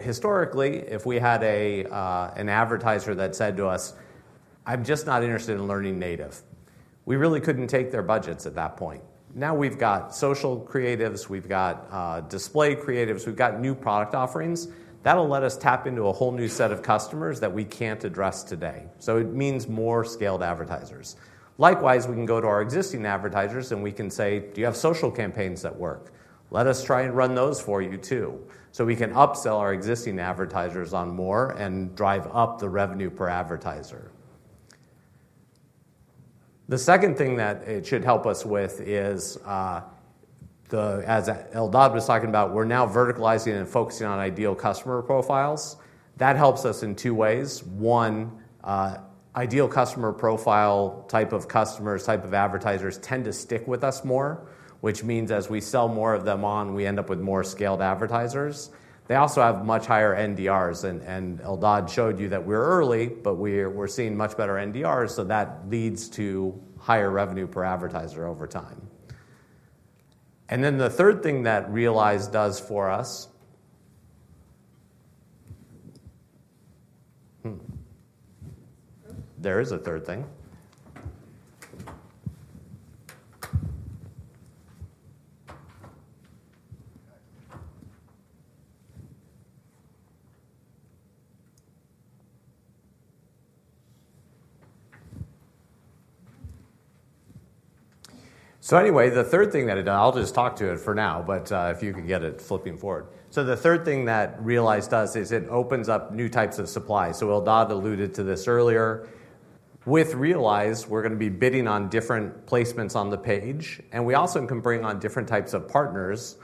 [SPEAKER 16] Historically, if we had an advertiser that said to us, "I'm just not interested in learning native," we really couldn't take their budgets at that point. Now we've got social creatives. We've got display creatives. We've got new product offerings. That'll let us tap into a whole new set of customers that we can't address today. It means more scaled advertisers. Likewise, we can go to our existing advertisers. We can say, "Do you have social campaigns that work? Let us try and run those for you too." We can upsell our existing advertisers on more and drive up the revenue per advertiser. The second thing that it should help us with is, as Eldad was talking about, we're now verticalizing and focusing on ideal customer profiles. That helps us in two ways. One, ideal customer profile type of customers, type of advertisers tend to stick with us more, which means as we sell more of them on, we end up with more scaled advertisers. They also have much higher NDRs. Eldad showed you that we're early. We're seeing much better NDRs. That leads to higher revenue per advertiser over time. The third thing that Realize does for us, there is a third thing. Anyway, the third thing that I'll just talk to it for now. If you can get it flipping forward. The third thing that Realize does is it opens up new types of supply. Eldad alluded to this earlier. With Realize, we're going to be bidding on different placements on the page. We also can bring on different types of partners,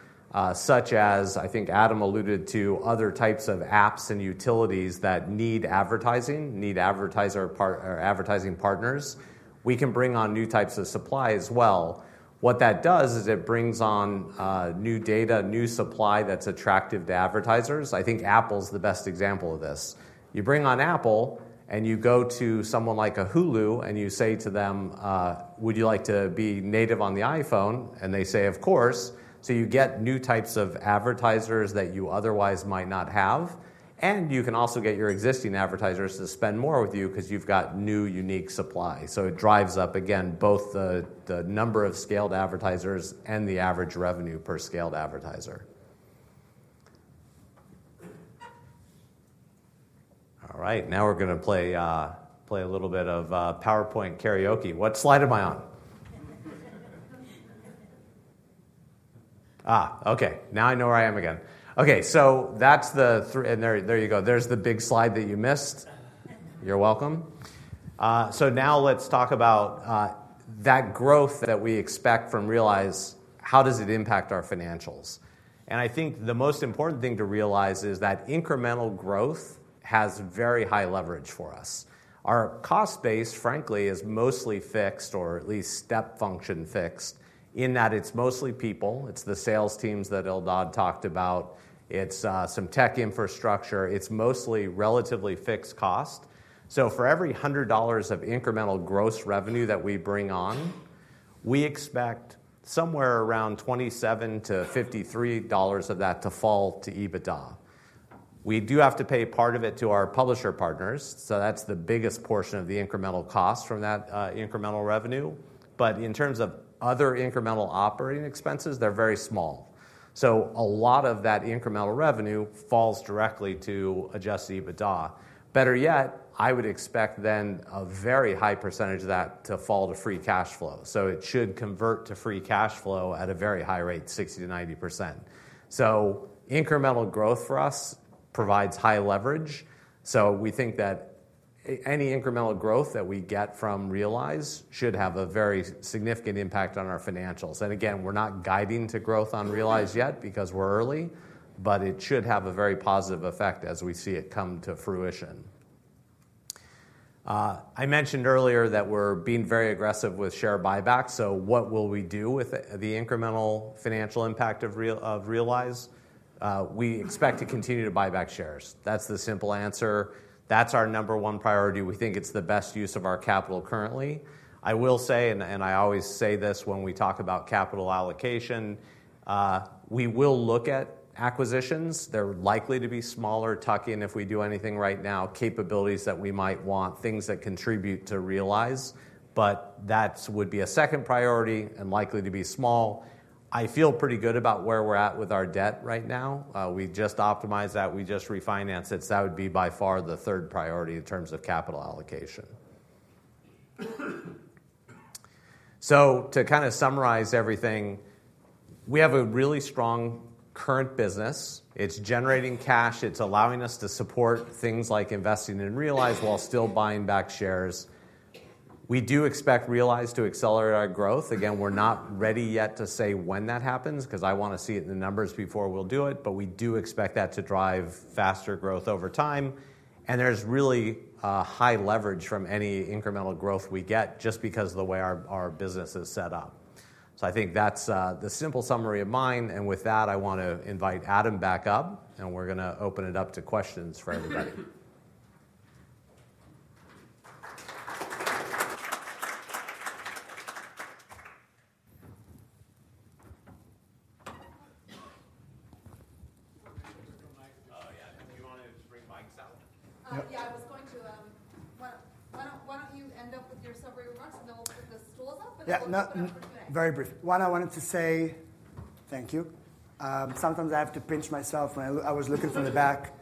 [SPEAKER 16] such as I think Adam alluded to other types of apps and utilities that need advertising, need advertising partners. We can bring on new types of supply as well. What that does is it brings on new data, new supply that's attractive to advertisers. I think Apple is the best example of this. You bring on Apple. You go to someone like Hulu. You say to them, "Would you like to be native on the iPhone?" They say, "Of course." You get new types of advertisers that you otherwise might not have. You can also get your existing advertisers to spend more with you because you've got new unique supply. It drives up, again, both the number of scaled advertisers and the average revenue per scaled advertiser. All right. Now we're going to play a little bit of PowerPoint karaoke. What slide am I on? OK. Now I know where I am again. OK. There you go. There's the big slide that you missed. You're welcome. Now let's talk about that growth that we expect from Realize. How does it impact our financials? I think the most important thing to realize is that incremental growth has very high leverage for us. Our cost base, frankly, is mostly fixed or at least step function fixed in that it's mostly people. It's the sales teams that Eldad talked about. It's some tech infrastructure. It's mostly relatively fixed cost. For every $100 of incremental gross revenue that we bring on, we expect somewhere around $27-$53 of that to fall to EBITDA. We do have to pay part of it to our publisher partners. That's the biggest portion of the incremental cost from that incremental revenue. In terms of other incremental operating expenses, they're very small. A lot of that incremental revenue falls directly to adjusted EBITDA. Better yet, I would expect then a very high percentage of that to fall to free cash flow. It should convert to free cash flow at a very high rate, 60%-90%. Incremental growth for us provides high leverage. We think that any incremental growth that we get from Realize should have a very significant impact on our financials. Again, we're not guiding to growth on Realize yet because we're early. It should have a very positive effect as we see it come to fruition. I mentioned earlier that we're being very aggressive with share buybacks. What will we do with the incremental financial impact of Realize? We expect to continue to buy back shares. That's the simple answer. That's our number one priority. We think it's the best use of our capital currently. I will say, and I always say this when we talk about capital allocation, we will look at acquisitions. They're likely to be smaller, tuck in if we do anything right now, capabilities that we might want, things that contribute to Realize. That would be a second priority and likely to be small. I feel pretty good about where we're at with our debt right now. We just optimized that. We just refinanced it. That would be by far the third priority in terms of capital allocation. To kind of summarize everything, we have a really strong current business. It's generating cash. It's allowing us to support things like investing in Realize while still buying back shares. We do expect Realize to accelerate our growth. Again, we're not ready yet to say when that happens because I want to see it in the numbers before we'll do it. We do expect that to drive faster growth over time. There is really high leverage from any incremental growth we get just because of the way our business is set up. I think that's the simple summary of mine. With that, I want to invite Adam back up. We're going to open it up to questions for everybody.
[SPEAKER 2] Oh, yeah. Did you want to just bring mics out?
[SPEAKER 1] Yeah. I was going to, why don't you end up with your summary remarks and then we'll put the stools up.
[SPEAKER 2] Yeah. Very brief. What I wanted to say, thank you. Sometimes I have to pinch myself. I was looking from the back.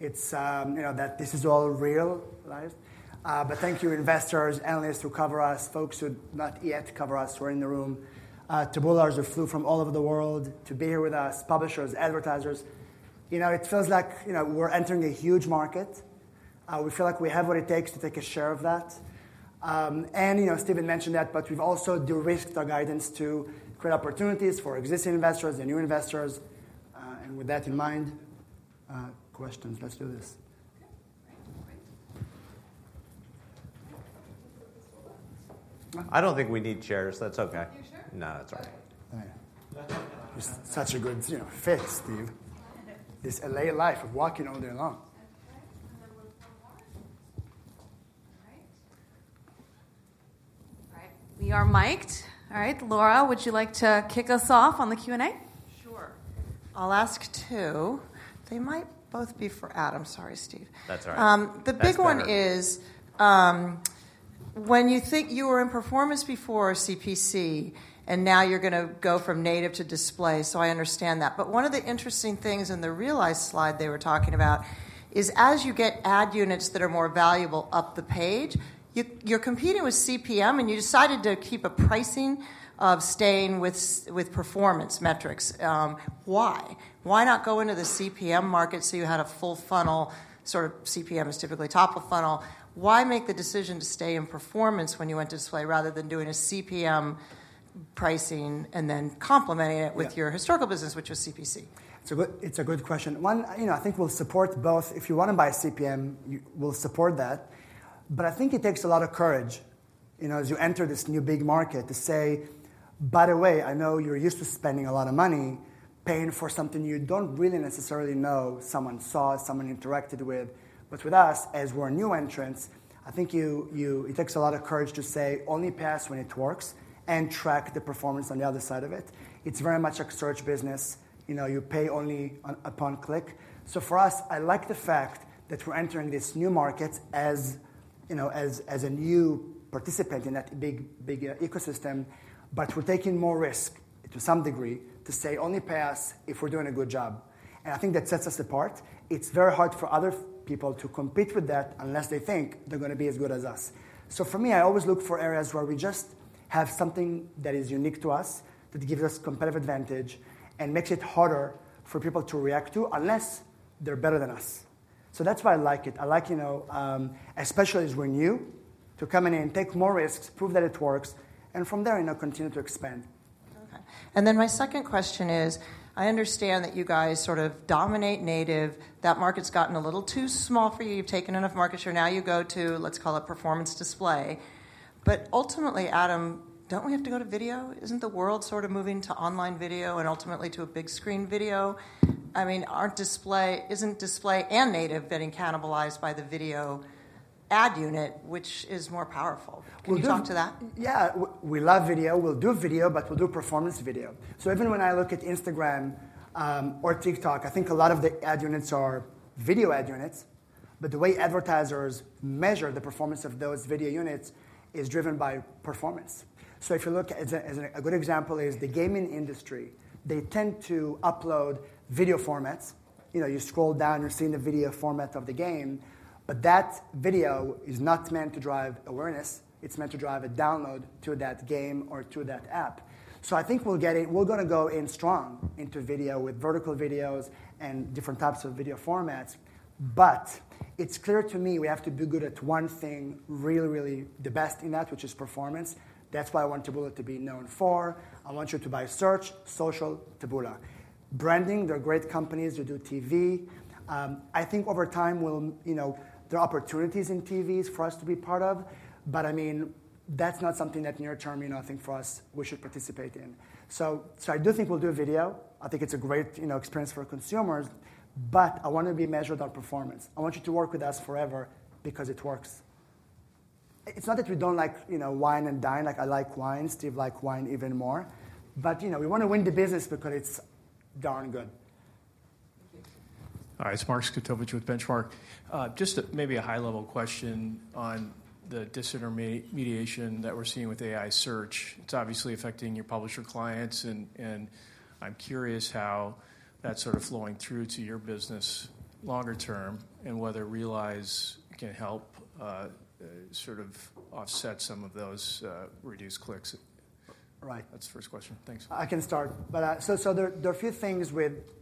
[SPEAKER 2] It's that this is all Realize. Thank you, investors, analysts who cover us, folks who not yet cover us who are in the room, Taboolars who flew from all over the world to be here with us, publishers, advertisers. It feels like we're entering a huge market. We feel like we have what it takes to take a share of that. Stephen mentioned that. We have also de-risked our guidance to create opportunities for existing investors and new investors. With that in mind, questions. Let's do this.
[SPEAKER 16] I don't think we need chairs. That's OK.
[SPEAKER 1] You sure?
[SPEAKER 16] No, that's OK.
[SPEAKER 2] Such a good fit, Steve. This L.A. life of walking all day long.
[SPEAKER 1] OK. And then one more. All right. All right. We are mic'd. All right. Laura, would you like to kick us off on the Q&A? Sure. I'll ask two. They might both be for Adam. Sorry, Steve.
[SPEAKER 16] That's all right. The big one is when you think you were in performance before CPC and now you're going to go from native to display. I understand that. One of the interesting things in the Realize slide they were talking about is as you get ad units that are more valuable up the page, you're competing with CPM. You decided to keep a pricing of staying with performance metrics. Why? Why not go into the CPM market so you had a full funnel? Sort of CPM is typically top of funnel. Why make the decision to stay in performance when you went to display rather than doing a CPM pricing and then complementing it with your historical business, which was CPC?
[SPEAKER 2] It's a good question. One, I think we'll support both. If you want to buy CPM, we'll support that. I think it takes a lot of courage as you enter this new big market to say, by the way, I know you're used to spending a lot of money paying for something you don't really necessarily know someone saw, someone interacted with. With us, as we're new entrants, I think it takes a lot of courage to say only pay us when it works and track the performance on the other side of it. It's very much like a search business. You pay only upon click. For us, I like the fact that we're entering this new market as a new participant in that big ecosystem. We're taking more risk to some degree to say only pay us if we're doing a good job. I think that sets us apart. It's very hard for other people to compete with that unless they think they're going to be as good as us. For me, I always look for areas where we just have something that is unique to us that gives us competitive advantage and makes it harder for people to react to unless they're better than us. That's why I like it. I like especially as we're new to come in and take more risks, prove that it works, and from there continue to expand. OK. My second question is I understand that you guys sort of dominate native. That market's gotten a little too small for you. You've taken enough market share. Now you go to, let's call it, performance display. Ultimately, Adam, don't we have to go to video? Isn't the world sort of moving to online video and ultimately to a big screen video? I mean, isn't display and native getting cannibalized by the video ad unit, which is more powerful? Can you talk to that? Yeah. We love video. We'll do video. We'll do performance video. Even when I look at Instagram or TikTok, I think a lot of the ad units are video ad units. The way advertisers measure the performance of those video units is driven by performance. If you look at a good example, it is the gaming industry. They tend to upload video formats. You scroll down. You're seeing the video format of the game. That video is not meant to drive awareness. It's meant to drive a download to that game or to that app. I think we're going to go in strong into video with vertical videos and different types of video formats. It's clear to me we have to be good at one thing, really, really the best in that, which is performance. That's what I want Taboola to be known for. I want you to buy search, social, Taboola. Branding, they're great companies. They do TV. I think over time there are opportunities in TVs for us to be part of. I mean, that's not something that near-term, I think for us, we should participate in. I do think we'll do video. I think it's a great experience for consumers. I want to be measured on performance. I want you to work with us forever because it works. It's not that we don't like wine and dine. I like wine. Steve likes wine even more. We want to win the business because it's darn good. Thank you.
[SPEAKER 17] Hi. It's Mark Zgutowicz with Benchmark. Just maybe a high-level question on the disintermediation that we're seeing with AI search. It's obviously affecting your publisher clients. I'm curious how that's sort of flowing through to your business longer term and whether Realize can help sort of offset some of those reduced clicks.
[SPEAKER 2] Right.
[SPEAKER 17] That's the first question. Thanks.
[SPEAKER 2] I can start. There are a few things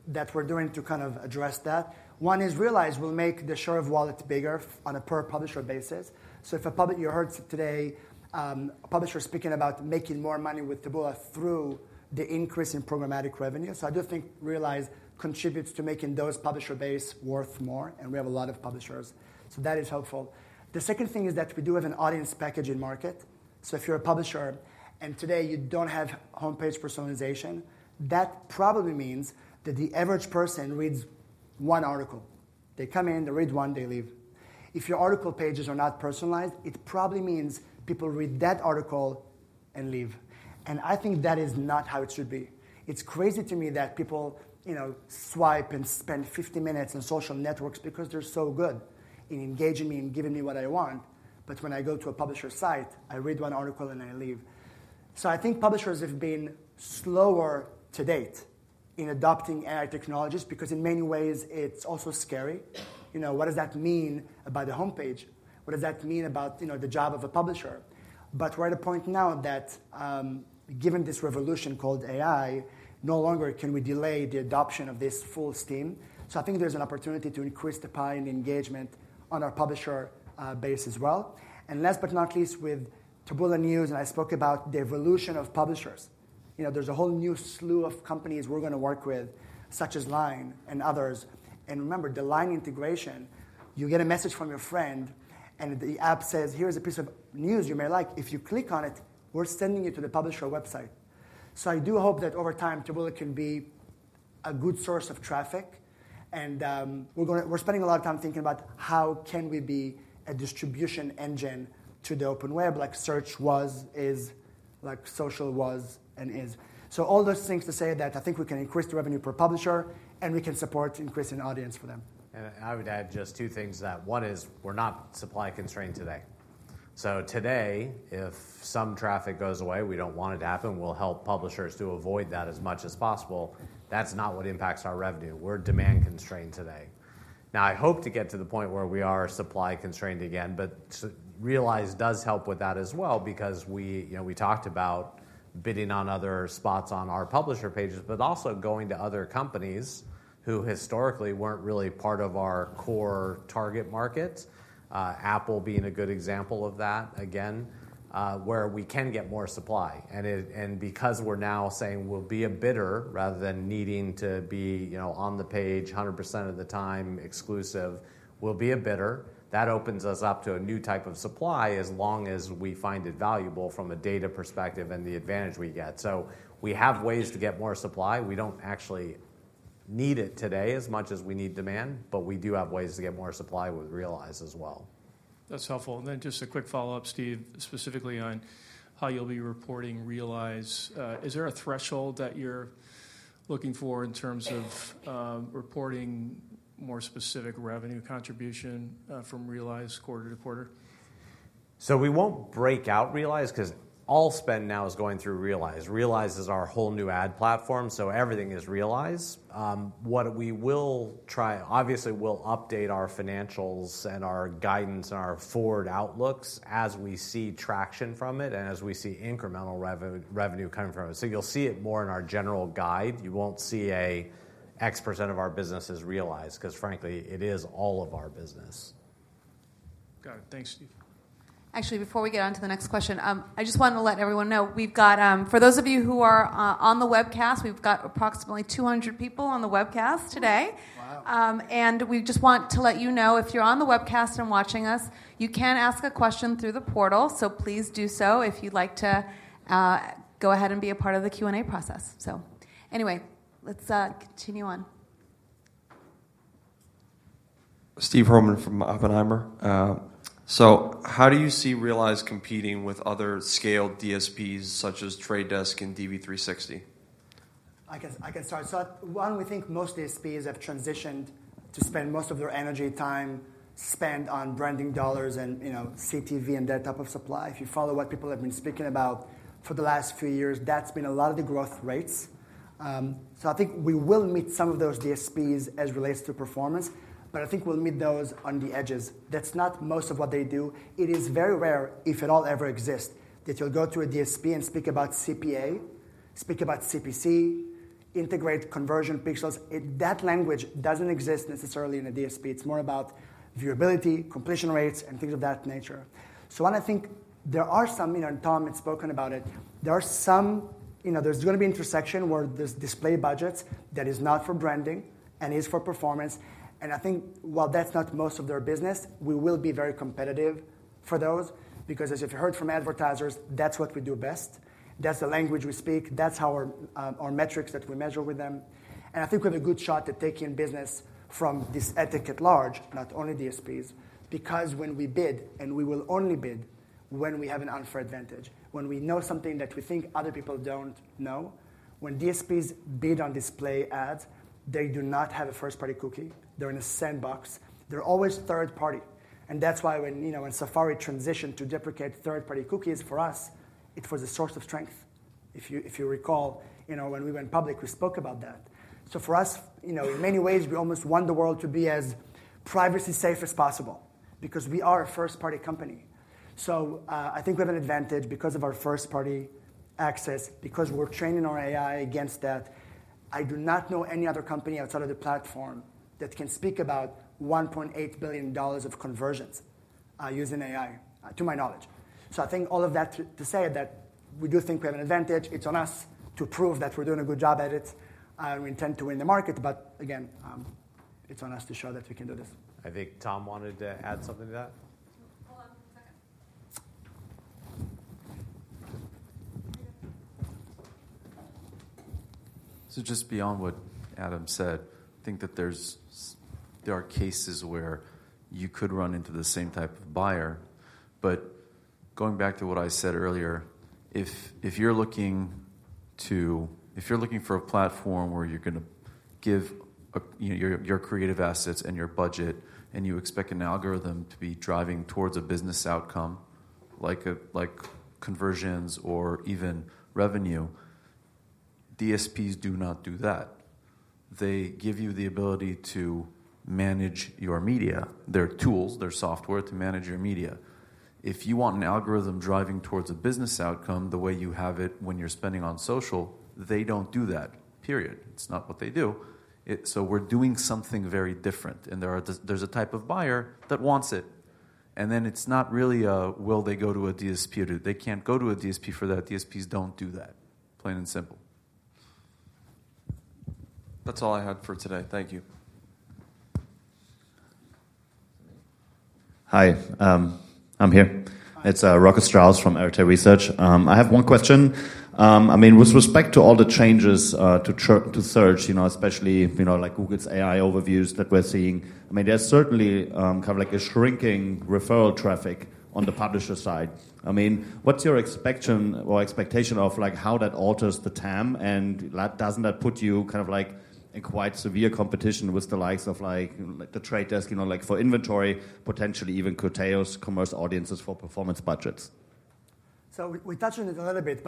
[SPEAKER 2] that we're doing to kind of address that. One is Realize will make the share of wallets bigger on a per publisher basis. If you heard today a publisher speaking about making more money with Taboola through the increase in programmatic revenue, I do think Realize contributes to making those publisher base worth more. We have a lot of publishers, so that is helpful. The second thing is that we do have an audience packaging market. If you're a publisher and today you don't have homepage personalization, that probably means that the average person reads one article. They come in. They read one. They leave. If your article pages are not personalized, it probably means people read that article and leave. I think that is not how it should be. It's crazy to me that people swipe and spend 50 minutes on social networks because they're so good in engaging me and giving me what I want. When I go to a publisher site, I read one article and I leave. I think publishers have been slower to date in adopting AI technologies because in many ways it's also scary. What does that mean about the homepage? What does that mean about the job of a publisher? We're at a point now that given this revolution called AI, no longer can we delay the adoption of this full steam. I think there's an opportunity to increase the pie in engagement on our publisher base as well. Last but not least, with Taboola News, and I spoke about the evolution of publishers. There's a whole new slew of companies we're going to work with, such as LINE and others. Remember, the LINE integration, you get a message from your friend. The app says, here's a piece of news you may like. If you click on it, we're sending you to the publisher website. I do hope that over time Taboola can be a good source of traffic. We're spending a lot of time thinking about how can we be a distribution engine to the open web like search was, is, like social was and is. All those things to say that I think we can increase the revenue per publisher. We can support increasing audience for them.
[SPEAKER 16] I would add just two things to that. One is we're not supply constrained today. Today, if some traffic goes away, we don't want it to happen. We'll help publishers to avoid that as much as possible. That's not what impacts our revenue. We're demand constrained today. I hope to get to the point where we are supply constrained again. Realize does help with that as well because we talked about bidding on other spots on our publisher pages, but also going to other companies who historically weren't really part of our core target markets, Apple being a good example of that again, where we can get more supply. Because we're now saying we'll be a bidder rather than needing to be on the page 100% of the time exclusive, we'll be a bidder. That opens us up to a new type of supply as long as we find it valuable from a data perspective and the advantage we get. We have ways to get more supply. We do not actually need it today as much as we need demand. We do have ways to get more supply with Realize as well.
[SPEAKER 17] That's helpful. Just a quick follow-up, Steve, specifically on how you'll be reporting Realize. Is there a threshold that you're looking for in terms of reporting more specific revenue contribution from Realize quarter-to-quarter?
[SPEAKER 16] We won't break out Realize because all spend now is going through Realize. Realize is our whole new ad platform. Everything is Realize. We will try, obviously, we'll update our financials and our guidance and our forward outlooks as we see traction from it and as we see incremental revenue coming from it. You'll see it more in our general guide. You won't see an X percent of our business is Realize because, frankly, it is all of our business.
[SPEAKER 17] Got it. Thanks, Steve.
[SPEAKER 1] Actually, before we get on to the next question, I just wanted to let everyone know we've got, for those of you who are on the webcast, we've got approximately 200 people on the webcast today. We just want to let you know if you're on the webcast and watching us, you can ask a question through the portal. Please do so if you'd like to go ahead and be a part of the Q&A process. Anyway, let's continue on.
[SPEAKER 18] Steve Roman from Oppenheimer. How do you see Realize competing with other scaled DSPs such as Trade Desk and DV360?
[SPEAKER 2] I can start. Why don't we think most DSPs have transitioned to spend most of their energy, time, spend on branding dollars and CTV and that type of supply? If you follow what people have been speaking about for the last few years, that's been a lot of the growth rates. I think we will meet some of those DSPs as it relates to performance. I think we'll meet those on the edges. That's not most of what they do. It is very rare, if at all ever exists, that you'll go to a DSP and speak about CPA, speak about CPC, integrate conversion pixels. That language doesn't exist necessarily in a DSP. It's more about viewability, completion rates, and things of that nature. I don't think there are some, and Tom has spoken about it, there are some there's going to be intersection where there's display budgets that is not for branding and is for performance. I think while that's not most of their business, we will be very competitive for those because, as you've heard from advertisers, that's what we do best. That's the language we speak. That's our metrics that we measure with them. I think we have a good shot at taking business from this ethic at large, not only DSPs, because when we bid, and we will only bid when we have an unfair advantage, when we know something that we think other people don't know, when DSPs bid on display ads, they do not have a first-party cookie. They're in a sandbox. They're always third-party. That is why when Safari transitioned to deprecate third-party cookies for us, it was a source of strength. If you recall, when we went public, we spoke about that. For us, in many ways, we almost want the world to be as privacy-safe as possible because we are a first-party company. I think we have an advantage because of our first-party access, because we are training our AI against that. I do not know any other company outside of the platform that can speak about $1.8 billion of conversions using AI, to my knowledge. I think all of that to say that we do think we have an advantage. It is on us to prove that we are doing a good job at it. We intend to win the market. Again, it is on us to show that we can do this.
[SPEAKER 16] I think Tom wanted to add something to that.
[SPEAKER 3] Hold on one second. Just beyond what Adam said, I think that there are cases where you could run into the same type of buyer. Going back to what I said earlier, if you're looking for a platform where you're going to give your creative assets and your budget, and you expect an algorithm to be driving towards a business outcome like conversions or even revenue, DSPs do not do that. They give you the ability to manage your media, their tools, their software to manage your media. If you want an algorithm driving towards a business outcome the way you have it when you're spending on social, they don't do that, period. It's not what they do. We're doing something very different. There's a type of buyer that wants it. It's not really a will they go to a DSP or do they can't go to a DSP for that. DSPs don't do that, plain and simple.
[SPEAKER 18] That's all I had for today. Thank you.
[SPEAKER 19] Hi. I'm here. It's Rokas Strauss from Airtel Research. I have one question. I mean, with respect to all the changes to search, especially like Google's AI overviews that we're seeing, I mean, there's certainly kind of like a shrinking referral traffic on the publisher side. I mean, what's your expectation or expectation of how that alters the TAM? Doesn't that put you kind of like in quite severe competition with the likes of the Trade Desk for inventory, potentially even curtails commerce audiences for performance budgets?
[SPEAKER 2] We touched on it a little bit.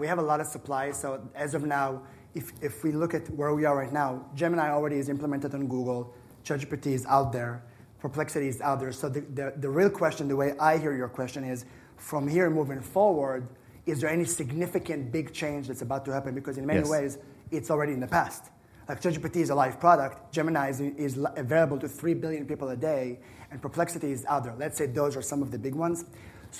[SPEAKER 2] We have a lot of supply. As of now, if we look at where we are right now, Gemini already is implemented on Google. ChatGPT is out there. Perplexity is out there. The real question, the way I hear your question is, from here moving forward, is there any significant big change that's about to happen? Because in many ways, it's already in the past. Like ChatGPT is a live product. Gemini is available to 3 billion people a day. Perplexity is out there. Let's say those are some of the big ones.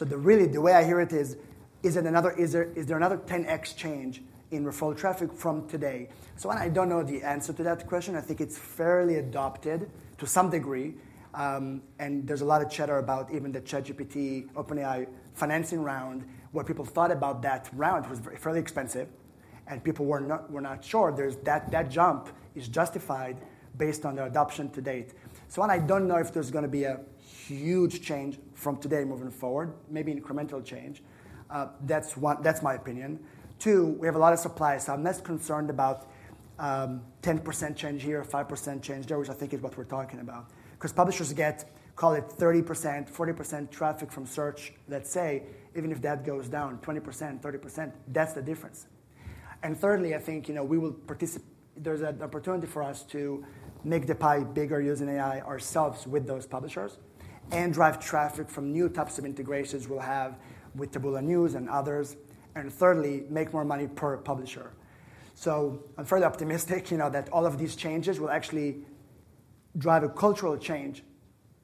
[SPEAKER 2] Really, the way I hear it is, is there another 10x change in referral traffic from today? I don't know the answer to that question. I think it's fairly adopted to some degree. There is a lot of chatter about even the ChatGPT, OpenAI financing round, where people thought about that round was fairly expensive. People were not sure that jump is justified based on their adoption to date. I do not know if there is going to be a huge change from today moving forward, maybe incremental change. That is my opinion. Two, we have a lot of supply. I am less concerned about 10% change here, 5% change there, which I think is what we are talking about. Because publishers get, call it, 30%-40% traffic from search, let us say, even if that goes down 20%-30%, that is the difference. Thirdly, I think we will participate. There is an opportunity for us to make the pie bigger using AI ourselves with those publishers and drive traffic from new types of integrations we will have with Taboola News and others. Thirdly, make more money per publisher. I am fairly optimistic that all of these changes will actually drive a cultural change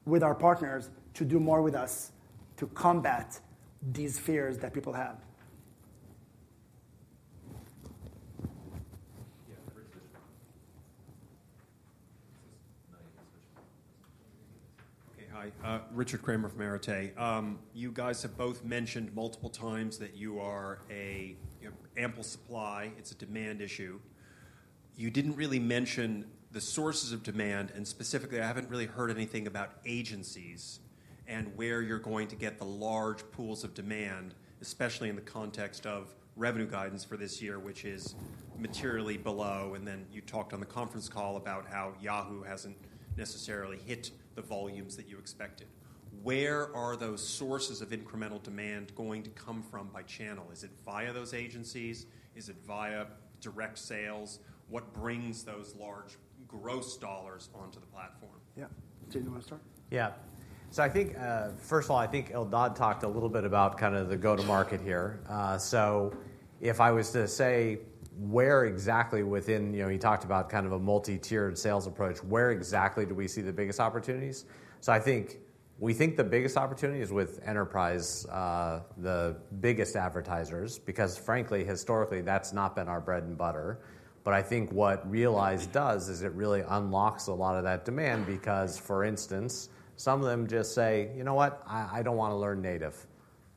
[SPEAKER 2] with our partners to do more with us to combat these fears that people have.
[SPEAKER 20] OK, hi. Richard Kramer from Arete. You guys have both mentioned multiple times that you are an ample supply. It's a demand issue. You didn't really mention the sources of demand. Specifically, I haven't really heard anything about agencies and where you're going to get the large pools of demand, especially in the context of revenue guidance for this year, which is materially below. You talked on the conference call about how Yahoo hasn't necessarily hit the volumes that you expected. Where are those sources of incremental demand going to come from by channel? Is it via those agencies? Is it via direct sales? What brings those large gross dollars onto the platform?
[SPEAKER 2] Yeah. Steve, do you want to start?
[SPEAKER 16] Yeah. I think, first of all, I think Eldad talked a little bit about kind of the go-to-market here. If I was to say where exactly within he talked about kind of a multi-tiered sales approach, where exactly do we see the biggest opportunities? I think we think the biggest opportunity is with enterprise, the biggest advertisers, because frankly, historically, that's not been our bread and butter. I think what Realize does is it really unlocks a lot of that demand because, for instance, some of them just say, you know what? I don't want to learn native.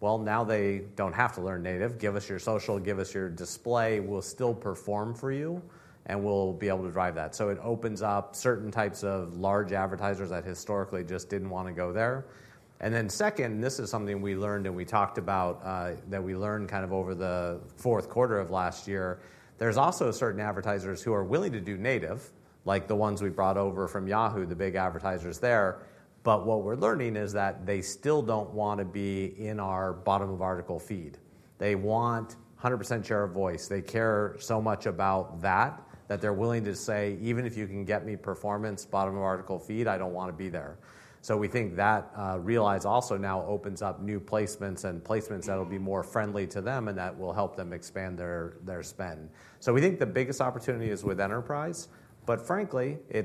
[SPEAKER 16] Now they don't have to learn native. Give us your social. Give us your display. We'll still perform for you. We'll be able to drive that. It opens up certain types of large advertisers that historically just didn't want to go there. This is something we learned and we talked about that we learned kind of over the fourth quarter of last year. There are also certain advertisers who are willing to do native, like the ones we brought over from Yahoo, the big advertisers there. What we're learning is that they still do not want to be in our bottom-of-article feed. They want 100% share of voice. They care so much about that that they're willing to say, even if you can get me performance, bottom-of-article feed, I do not want to be there. We think that Realize also now opens up new placements and placements that will be more friendly to them and that will help them expand their spend. We think the biggest opportunity is with enterprise. Frankly, there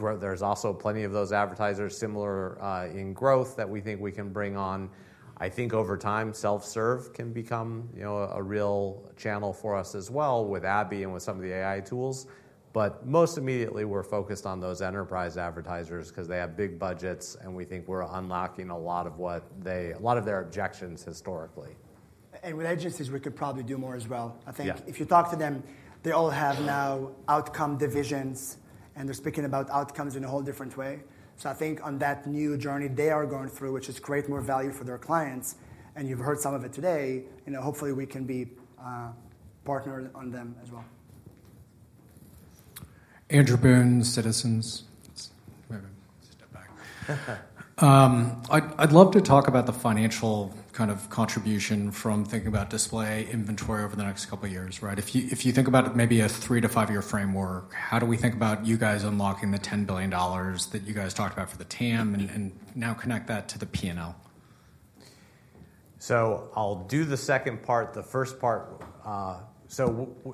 [SPEAKER 16] are also plenty of those advertisers similar in growth that we think we can bring on. I think over time, self-serve can become a real channel for us as well with Abby and with some of the AI tools. Most immediately, we're focused on those enterprise advertisers because they have big budgets. We think we're unlocking a lot of what they, a lot of their objections historically.
[SPEAKER 2] With agencies, we could probably do more as well. I think if you talk to them, they all have now outcome divisions. They are speaking about outcomes in a whole different way. I think on that new journey they are going through, which is create more value for their clients. You have heard some of it today. Hopefully, we can be partners on them as well.
[SPEAKER 21] Andrew Boone, Citizens. Step back. I'd love to talk about the financial kind of contribution from thinking about display inventory over the next couple of years. If you think about maybe a three to five-year framework, how do we think about you guys unlocking the $10 billion that you guys talked about for the TAM and now connect that to the P&L?
[SPEAKER 16] I'll do the second part. The first part,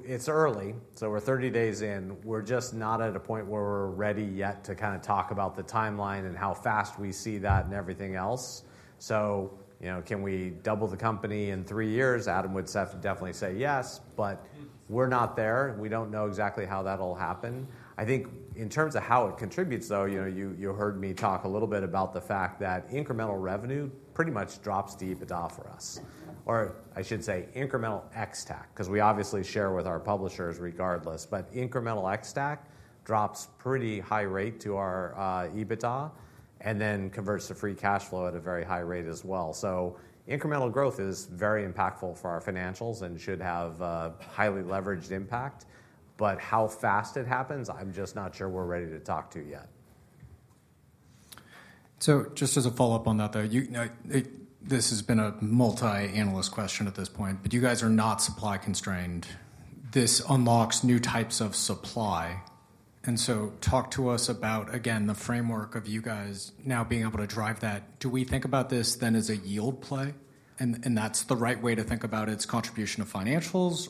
[SPEAKER 16] it's early. We're 30 days in. We're just not at a point where we're ready yet to kind of talk about the timeline and how fast we see that and everything else. Can we double the company in three years? Adam would definitely say yes. We're not there. We don't know exactly how that'll happen. I think in terms of how it contributes, though, you heard me talk a little bit about the fact that incremental revenue pretty much drops to EBITDA for us. Or I should say incremental ex-TAC, because we obviously share with our publishers regardless. Incremental ex-TAC drops at a pretty high rate to our EBITDA and then converts to free cash flow at a very high rate as well. Incremental growth is very impactful for our financials and should have a highly leveraged impact. But how fast it happens, I'm just not sure we're ready to talk to yet.
[SPEAKER 21] Just as a follow-up on that, though, this has been a multi-analyst question at this point. You guys are not supply constrained. This unlocks new types of supply. Talk to us about, again, the framework of you guys now being able to drive that. Do we think about this then as a yield play? Is that the right way to think about its contribution to financials?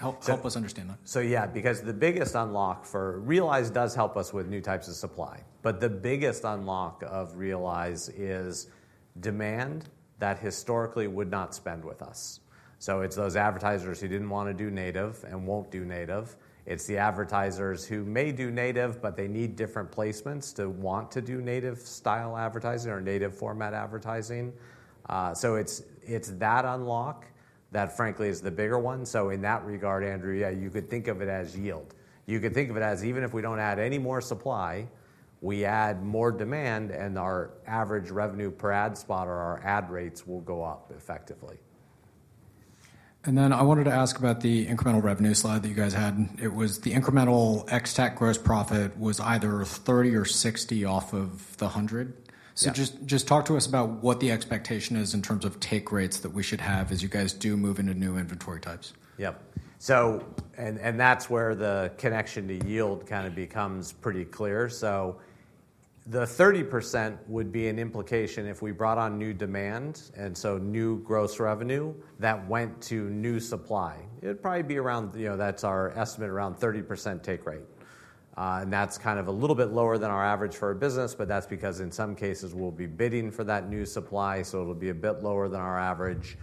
[SPEAKER 21] Help us understand that.
[SPEAKER 16] Yeah, because the biggest unlock for Realize does help us with new types of supply. The biggest unlock of Realize is demand that historically would not spend with us. It's those advertisers who didn't want to do native and won't do native. It's the advertisers who may do native, but they need different placements to want to do native-style advertising or native-format advertising. It's that unlock that, frankly, is the bigger one. In that regard, Andrew, you could think of it as yield. You could think of it as even if we don't add any more supply, we add more demand, and our average revenue per ad spot or our ad rates will go up effectively.
[SPEAKER 21] I wanted to ask about the incremental revenue slide that you guys had. It was the incremental ex-TAC gross profit was either 30 or 60 off of the 100. Just talk to us about what the expectation is in terms of take rates that we should have as you guys do move into new inventory types.
[SPEAKER 16] Yep. That's where the connection to yield kind of becomes pretty clear. The 30% would be an implication if we brought on new demand, and new gross revenue that went to new supply. It would probably be around, that's our estimate, around 30% take rate. That's kind of a little bit lower than our average for a business, but that's because in some cases, we'll be bidding for that new supply, so it'll be a bit lower than our average.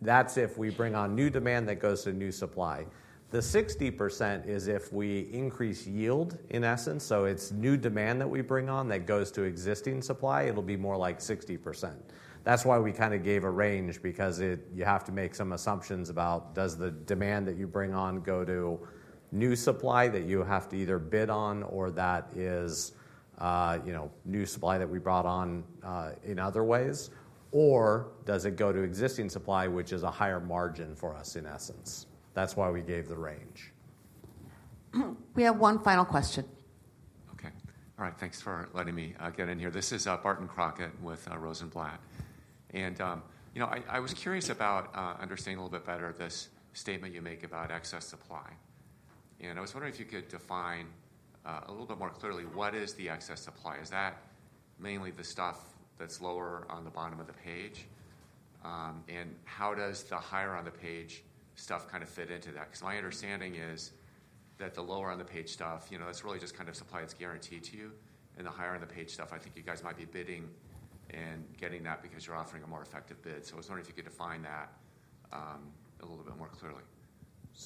[SPEAKER 16] That's if we bring on new demand that goes to new supply. The 60% is if we increase yield, in essence. New demand that we bring on that goes to existing supply, it'll be more like 60%. That's why we kind of gave a range, because you have to make some assumptions about does the demand that you bring on go to new supply that you have to either bid on or that is new supply that we brought on in other ways, or does it go to existing supply, which is a higher margin for us, in essence. That's why we gave the range.
[SPEAKER 1] We have one final question.
[SPEAKER 22] OK. All right. Thanks for letting me get in here. This is Barton Crockett with Rosenblatt. I was curious about understanding a little bit better this statement you make about excess supply. I was wondering if you could define a little bit more clearly what is the excess supply. Is that mainly the stuff that's lower on the bottom of the page? How does the higher on the page stuff kind of fit into that? My understanding is that the lower on the page stuff, that's really just kind of supply that's guaranteed to you. The higher on the page stuff, I think you guys might be bidding and getting that because you're offering a more effective bid. I was wondering if you could define that a little bit more clearly.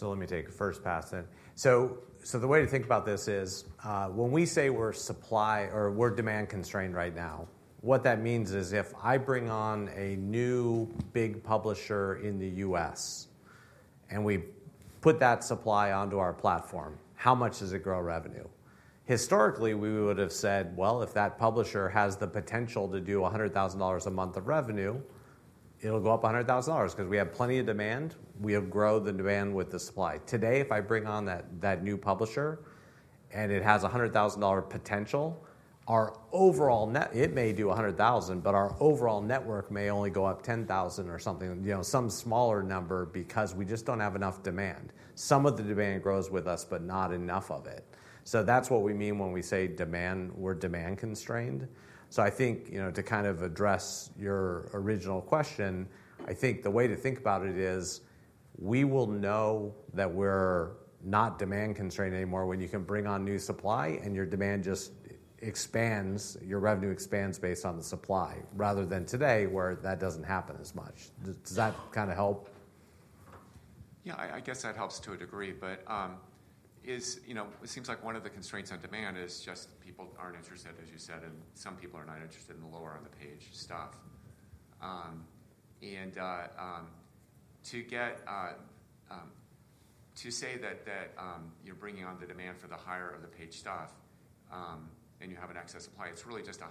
[SPEAKER 16] Let me take a first pass then. The way to think about this is when we say we're supply or we're demand constrained right now, what that means is if I bring on a new big publisher in the U.S. and we put that supply onto our platform, how much does it grow revenue? Historically, we would have said, if that publisher has the potential to do $100,000 a month of revenue, it'll go up $100,000 because we have plenty of demand. We'll grow the demand with the supply. Today, if I bring on that new publisher and it has a $100,000 potential, it may do $100,000, but our overall network may only go up $10,000 or something, some smaller number, because we just don't have enough demand. Some of the demand grows with us, but not enough of it. That is what we mean when we say we're demand constrained. I think to kind of address your original question, I think the way to think about it is we will know that we're not demand constrained anymore when you can bring on new supply and your demand just expands, your revenue expands based on the supply, rather than today where that does not happen as much. Does that kind of help?
[SPEAKER 22] Yeah, I guess that helps to a degree. It seems like one of the constraints on demand is just people aren't interested, as you said, and some people are not interested in the lower on the page stuff. To say that you're bringing on the demand for the higher of the page stuff and you have an excess supply, it's really just 100%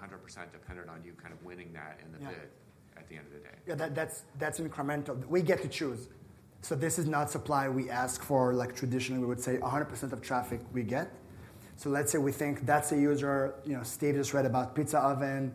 [SPEAKER 22] dependent on you kind of winning that in the bid at the end of the day.
[SPEAKER 2] Yeah, that's incremental. We get to choose. This is not supply we ask for. Traditionally, we would say 100% of traffic we get. Let's say we think that's a user. Steve just read about Pizza Oven.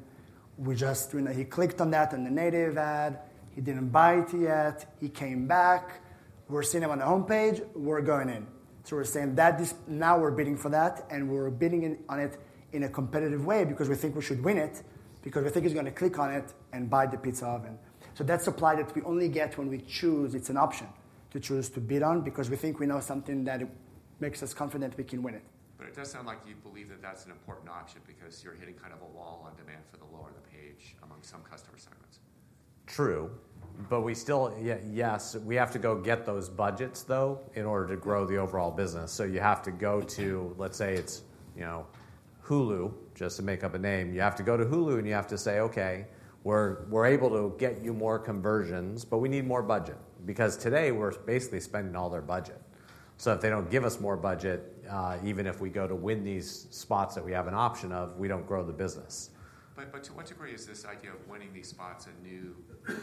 [SPEAKER 2] He clicked on that in the native ad. He didn't buy it yet. He came back. We're seeing him on the home page. We're going in. We're saying that now we're bidding for that. We're bidding on it in a competitive way because we think we should win it, because we think he's going to click on it and buy the Pizza Oven. That's supply that we only get when we choose. It's an option to choose to bid on because we think we know something that makes us confident we can win it.
[SPEAKER 22] It does sound like you believe that that's an important option because you're hitting kind of a wall on demand for the lower of the page among some customer segments.
[SPEAKER 16] True. Yes, we have to go get those budgets, though, in order to grow the overall business. You have to go to, let's say it's Hulu, just to make up a name. You have to go to Hulu and you have to say, OK, we're able to get you more conversions, but we need more budget because today we're basically spending all their budget. If they don't give us more budget, even if we go to win these spots that we have an option of, we don't grow the business.
[SPEAKER 22] To what degree is this idea of winning these spots a new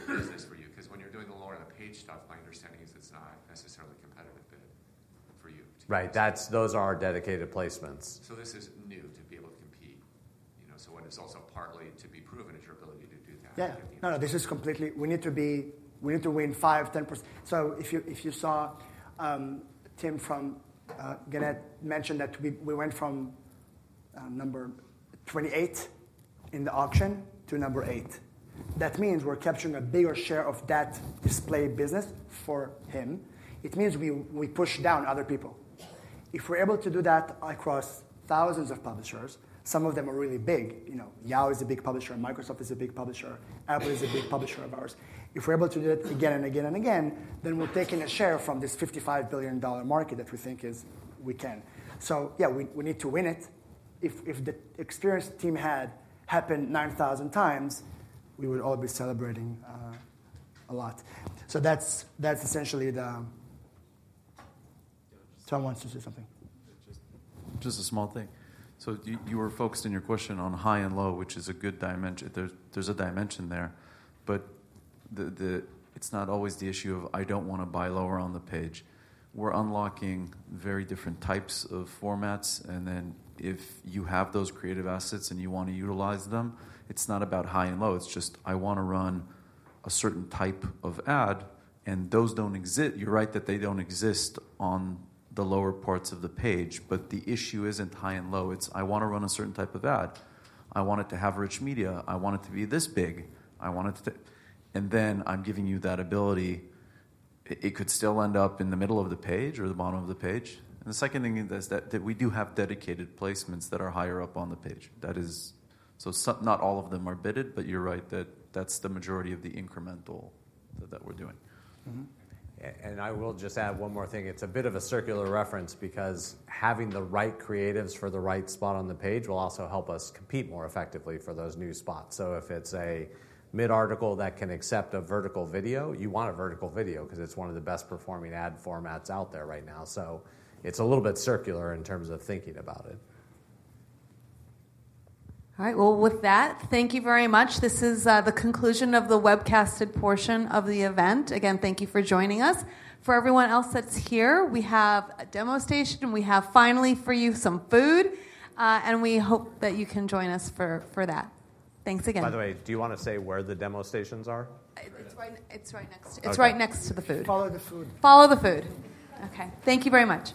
[SPEAKER 22] business for you? Because when you're doing the lower of the page stuff, my understanding is it's not necessarily a competitive bid for you.
[SPEAKER 16] Right. Those are our dedicated placements.
[SPEAKER 22] This is new to be able to compete. So it's also partly to be proven as your ability to do that.
[SPEAKER 2] No, no. We need to win 5%, 10%. If you saw Tim from Gannett mention that we went from number 28 in the auction to number eight, that means we're capturing a bigger share of that display business for him. It means we push down other people. If we're able to do that across thousands of publishers, some of them are really big. Yahoo is a big publisher. Microsoft is a big publisher. Apple is a big publisher of ours. If we're able to do that again and again and again, we're taking a share from this $55 billion market that we think we can. Yeah, we need to win it. If the experience team had happened 9,000x, we would all be celebrating a lot. That's essentially the someone wants to say something.
[SPEAKER 3] Just a small thing. You were focused in your question on high and low, which is a good dimension. There is a dimension there. It is not always the issue of I do not want to buy lower on the page. We are unlocking very different types of formats. If you have those creative assets and you want to utilize them, it is not about high and low. It is just I want to run a certain type of ad. Those do not exist. You are right that they do not exist on the lower parts of the page. The issue is not high and low. It is I want to run a certain type of ad. I want it to have rich media. I want it to be this big. I am giving you that ability. It could still end up in the middle of the page or the bottom of the page. We do have dedicated placements that are higher up on the page. Not all of them are bidded. You're right that that's the majority of the incremental that we're doing.
[SPEAKER 16] I will just add one more thing. It's a bit of a circular reference because having the right creatives for the right spot on the page will also help us compete more effectively for those new spots. If it's a mid-article that can accept a vertical video, you want a vertical video because it's one of the best performing ad formats out there right now. It's a little bit circular in terms of thinking about it.
[SPEAKER 1] All right. With that, thank you very much. This is the conclusion of the webcasted portion of the event. Again, thank you for joining us. For everyone else that's here, we have a demo station. We have finally for you some food. We hope that you can join us for that. Thanks again.
[SPEAKER 16] By the way, do you want to say where the demo stations are?
[SPEAKER 1] It's right next to the food.
[SPEAKER 2] Follow the food.
[SPEAKER 1] Follow the food. OK. Thank you very much.